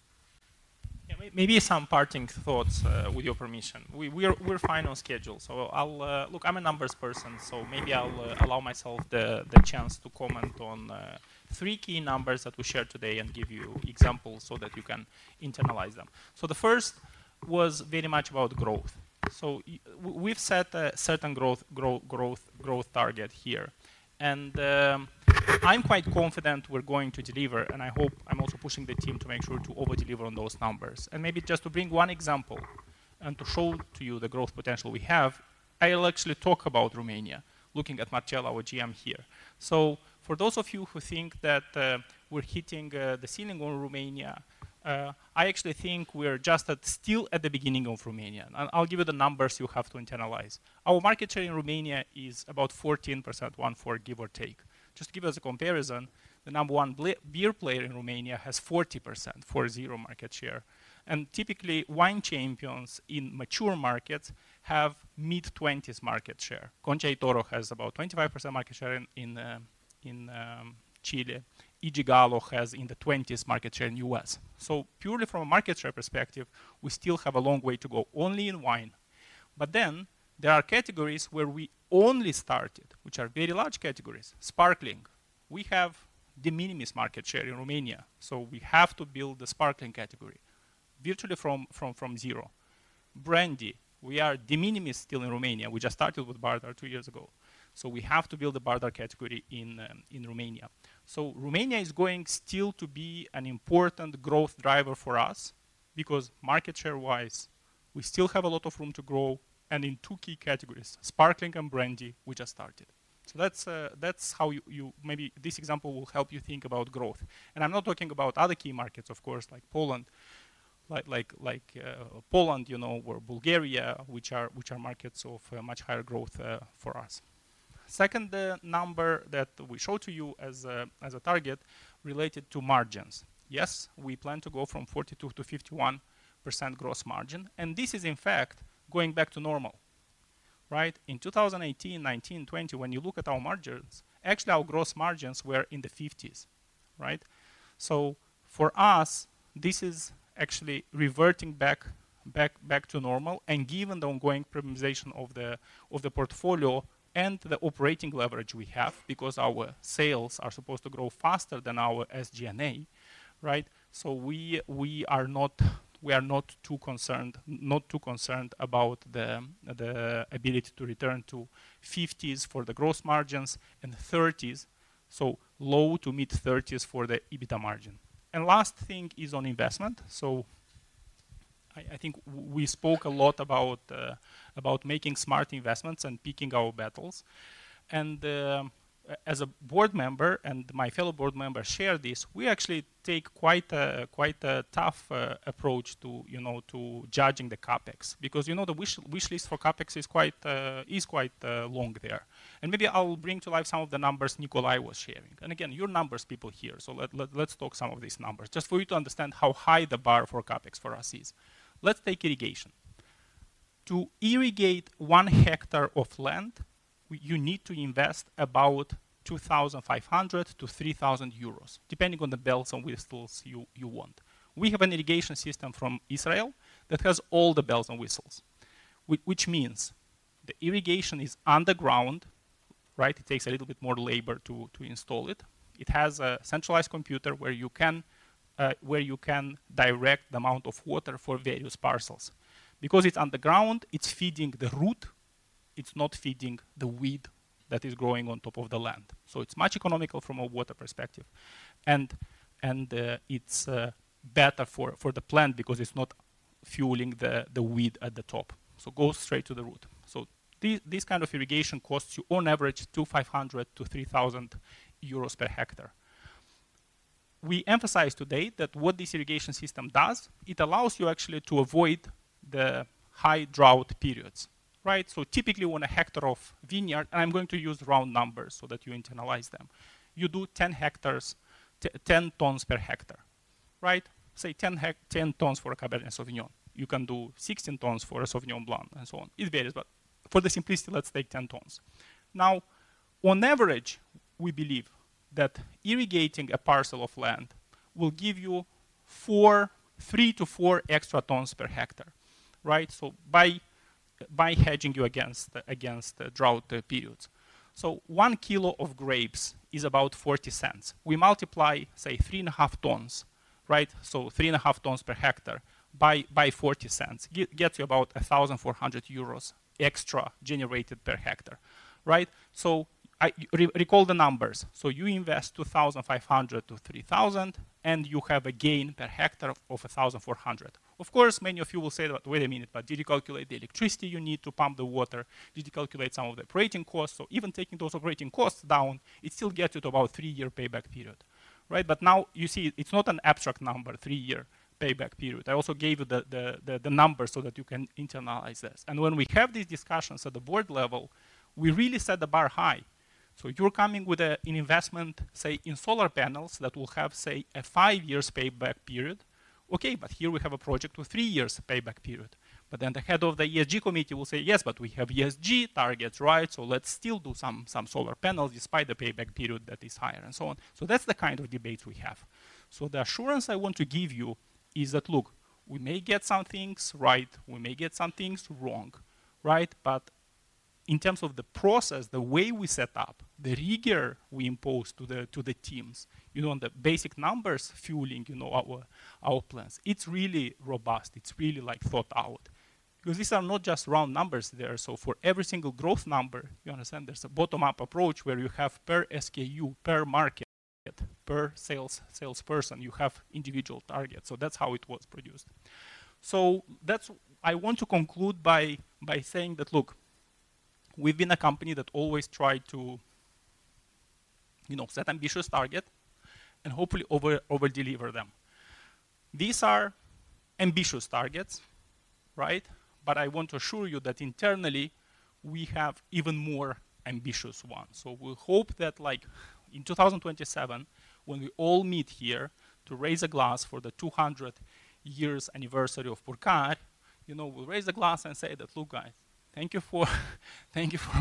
Yeah, maybe some parting thoughts with your permission. We're fine on schedule, so I'll... Look, I'm a numbers person, so maybe I'll allow myself the chance to comment on three key numbers that we shared today and give you examples so that you can internalize them. So the first was very much about growth. So we've set a certain growth target here, and I'm quite confident we're going to deliver, and I hope... I'm also pushing the team to make sure to over-deliver on those numbers. And maybe just to bring one example and to show to you the growth potential we have, I'll actually talk about Romania, looking at Marcel, our GM here. So for those of you who think that we're hitting the ceiling on Romania, I actually think we're just still at the beginning of Romania. And I'll give you the numbers you have to internalize. Our market share in Romania is about 14%, one four, give or take. Just to give us a comparison, the number one beer player in Romania has 40%, four zero, market share. And typically, wine champions in mature markets have mid-20s market share. Concha y Toro has about 25% market share in Chile. E. & J. Gallo has in the 20s market share in U.S. So purely from a market share perspective, we still have a long way to go, only in wine. But then, there are categories where we only started, which are very large categories. Sparkling, we have de minimis market share in Romania, so we have to build the sparkling category virtually from zero. Brandy, we are de minimis still in Romania. We just started with Bardar two years ago. So we have to build the Bardar category in Romania. So Romania is going still to be an important growth driver for us because market share-wise, we still have a lot of room to grow, and in two key categories, sparkling and brandy, we just started. So that's how you... Maybe this example will help you think about growth. And I'm not talking about other key markets, of course, like Poland, you know, or Bulgaria, which are markets of much higher growth for us. Second, number that we show to you as a target related to margins. Yes, we plan to go from 42% to 51% gross margin, and this is in fact going back to normal, right? In 2018, 2019, 2020, when you look at our margins, actually, our gross margins were in the 50s, right? So for us, this is actually reverting back to normal, and given the ongoing premiumization of the portfolio and the operating leverage we have, because our sales are supposed to grow faster than our SG&A, right? So we are not too concerned about the ability to return to 50s for the gross margins and 30s, so low to mid-30s for the EBITDA margin. And last thing is on investment. So I think we spoke a lot about making smart investments and picking our battles. And, as a board member, and my fellow board members share this, we actually take quite a tough approach to, you know, to judging the CapEx, because, you know, the wish list for CapEx is quite long there. And maybe I'll bring to life some of the numbers Nicolae was sharing. And again, you're numbers people here, so let's talk some of these numbers, just for you to understand how high the bar for CapEx for us is. Let's take irrigation. To irrigate one hectare of land, you need to invest about 2,500-3,000 euros, depending on the bells and whistles you want. We have an irrigation system from Israel that has all the bells and whistles, which means the irrigation is underground, right? It takes a little bit more labor to install it. It has a centralized computer where you can direct the amount of water for various parcels. Because it's underground, it's feeding the root, it's not feeding the weed that is growing on top of the land. So it's much economical from a water perspective. And it's better for the plant because it's not fueling the weed at the top. So it goes straight to the root. So this kind of irrigation costs you, on average, 2,500-3,000 euros per hectare. We emphasized today that what this irrigation system does, it allows you actually to avoid the high drought periods, right? So typically, when a hectare of vineyard. And I'm going to use round numbers so that you internalize them. You do 10 hectares, 10 tons per hectare, right? Say, 10 tons for a Cabernet Sauvignon. You can do 16 tons for a Sauvignon Blanc, and so on. It varies, but for the simplicity, let's take 10 tons. Now, on average, we believe that irrigating a parcel of land will give you 3 to 4 extra tons per hectare, right? So by hedging you against the drought periods. So 1 kilo of grapes is about 0.40. We multiply, say, 3.5 tons, right? So 3.5 tons per hectare by 0.40 gets you about 1,400 euros extra generated per hectare, right? So I recall the numbers. So you invest 2,000-3,000, and you have a gain per hectare of 1,400. Of course, many of you will say that, "Wait a minute, but did you calculate the electricity you need to pump the water? Did you calculate some of the operating costs?" So even taking those operating costs down, it still gets you to about three-year payback period, right? But now you see, it's not an abstract number, three-year payback period. I also gave you the numbers so that you can internalize this. And when we have these discussions at the board level, we really set the bar high. So you're coming with an investment, say, in solar panels that will have, say, a five years payback period. Okay, but here we have a project with three years payback period. But then the head of the ESG committee will say, "Yes, but we have ESG targets, right? So let's still do some solar panels despite the payback period that is higher," and so on. So that's the kind of debates we have. So the assurance I want to give you is that, look, we may get some things right, we may get some things wrong, right? But in terms of the process, the way we set up, the rigor we impose to the teams, you know, and the basic numbers fueling, you know, our plans, it's really robust. It's really, like, thought out. Because these are not just round numbers there. So for every single growth number, you understand, there's a bottom-up approach where you have per SKU, per market, per sales- salesperson, you have individual targets. So that's how it was produced. I want to conclude by saying that, look, we've been a company that always tried to, you know, set ambitious target and hopefully over-deliver them. These are ambitious targets, right? But I want to assure you that internally, we have even more ambitious ones. We hope that, like, in 2027, when we all meet here to raise a glass for the 200-year anniversary of Purcari, you know, we'll raise a glass and say that, "Look, guys, thank you for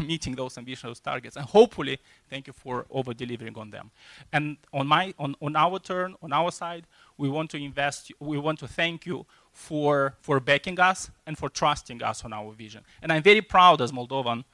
meeting those ambitious targets, and hopefully thank you for over-delivering on them." And on our turn, on our side, we want to thank you for backing us and for trusting us on our vision. And I'm very proud as Moldovan.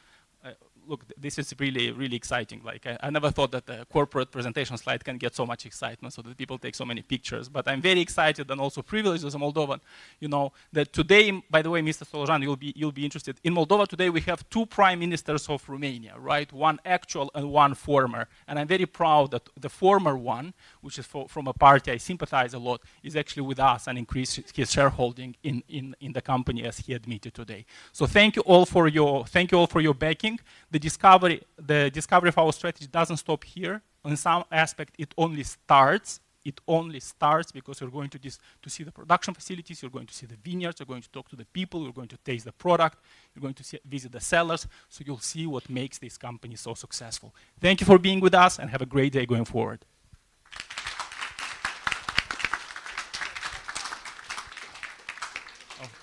Look, this is really, really exciting. Like, I never thought that a corporate presentation slide can get so much excitement, so the people take so many pictures. But I'm very excited and also privileged as a Moldovan, you know, that today, by the way, Mr. Stolojan, you'll be interested. In Moldova today, we have two prime ministers of Romania, right? One actual and one former. And I'm very proud that the former one, which is from a party I sympathize a lot, is actually with us and increased his shareholding in the company, as he admitted today. So thank you all for your backing. The discovery of our strategy doesn't stop here. On some aspect, it only starts. It only starts because you're going to see the production facilities, you're going to see the vineyards, you're going to talk to the people, you're going to taste the product, you're going to visit the cellars. So you'll see what makes this company so successful. Thank you for being with us, and have a great day going forward.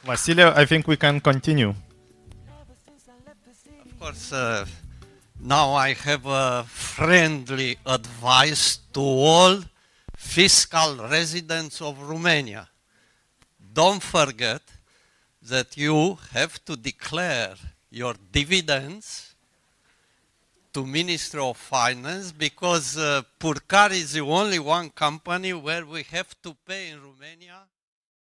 Vasile, I think we can continue. Of course, now I have a friendly advice to all fiscal residents of Romania. Don't forget that you have to declare your dividends to Ministry of Finance, because Purcari is the only one company where we have to pay in Romania.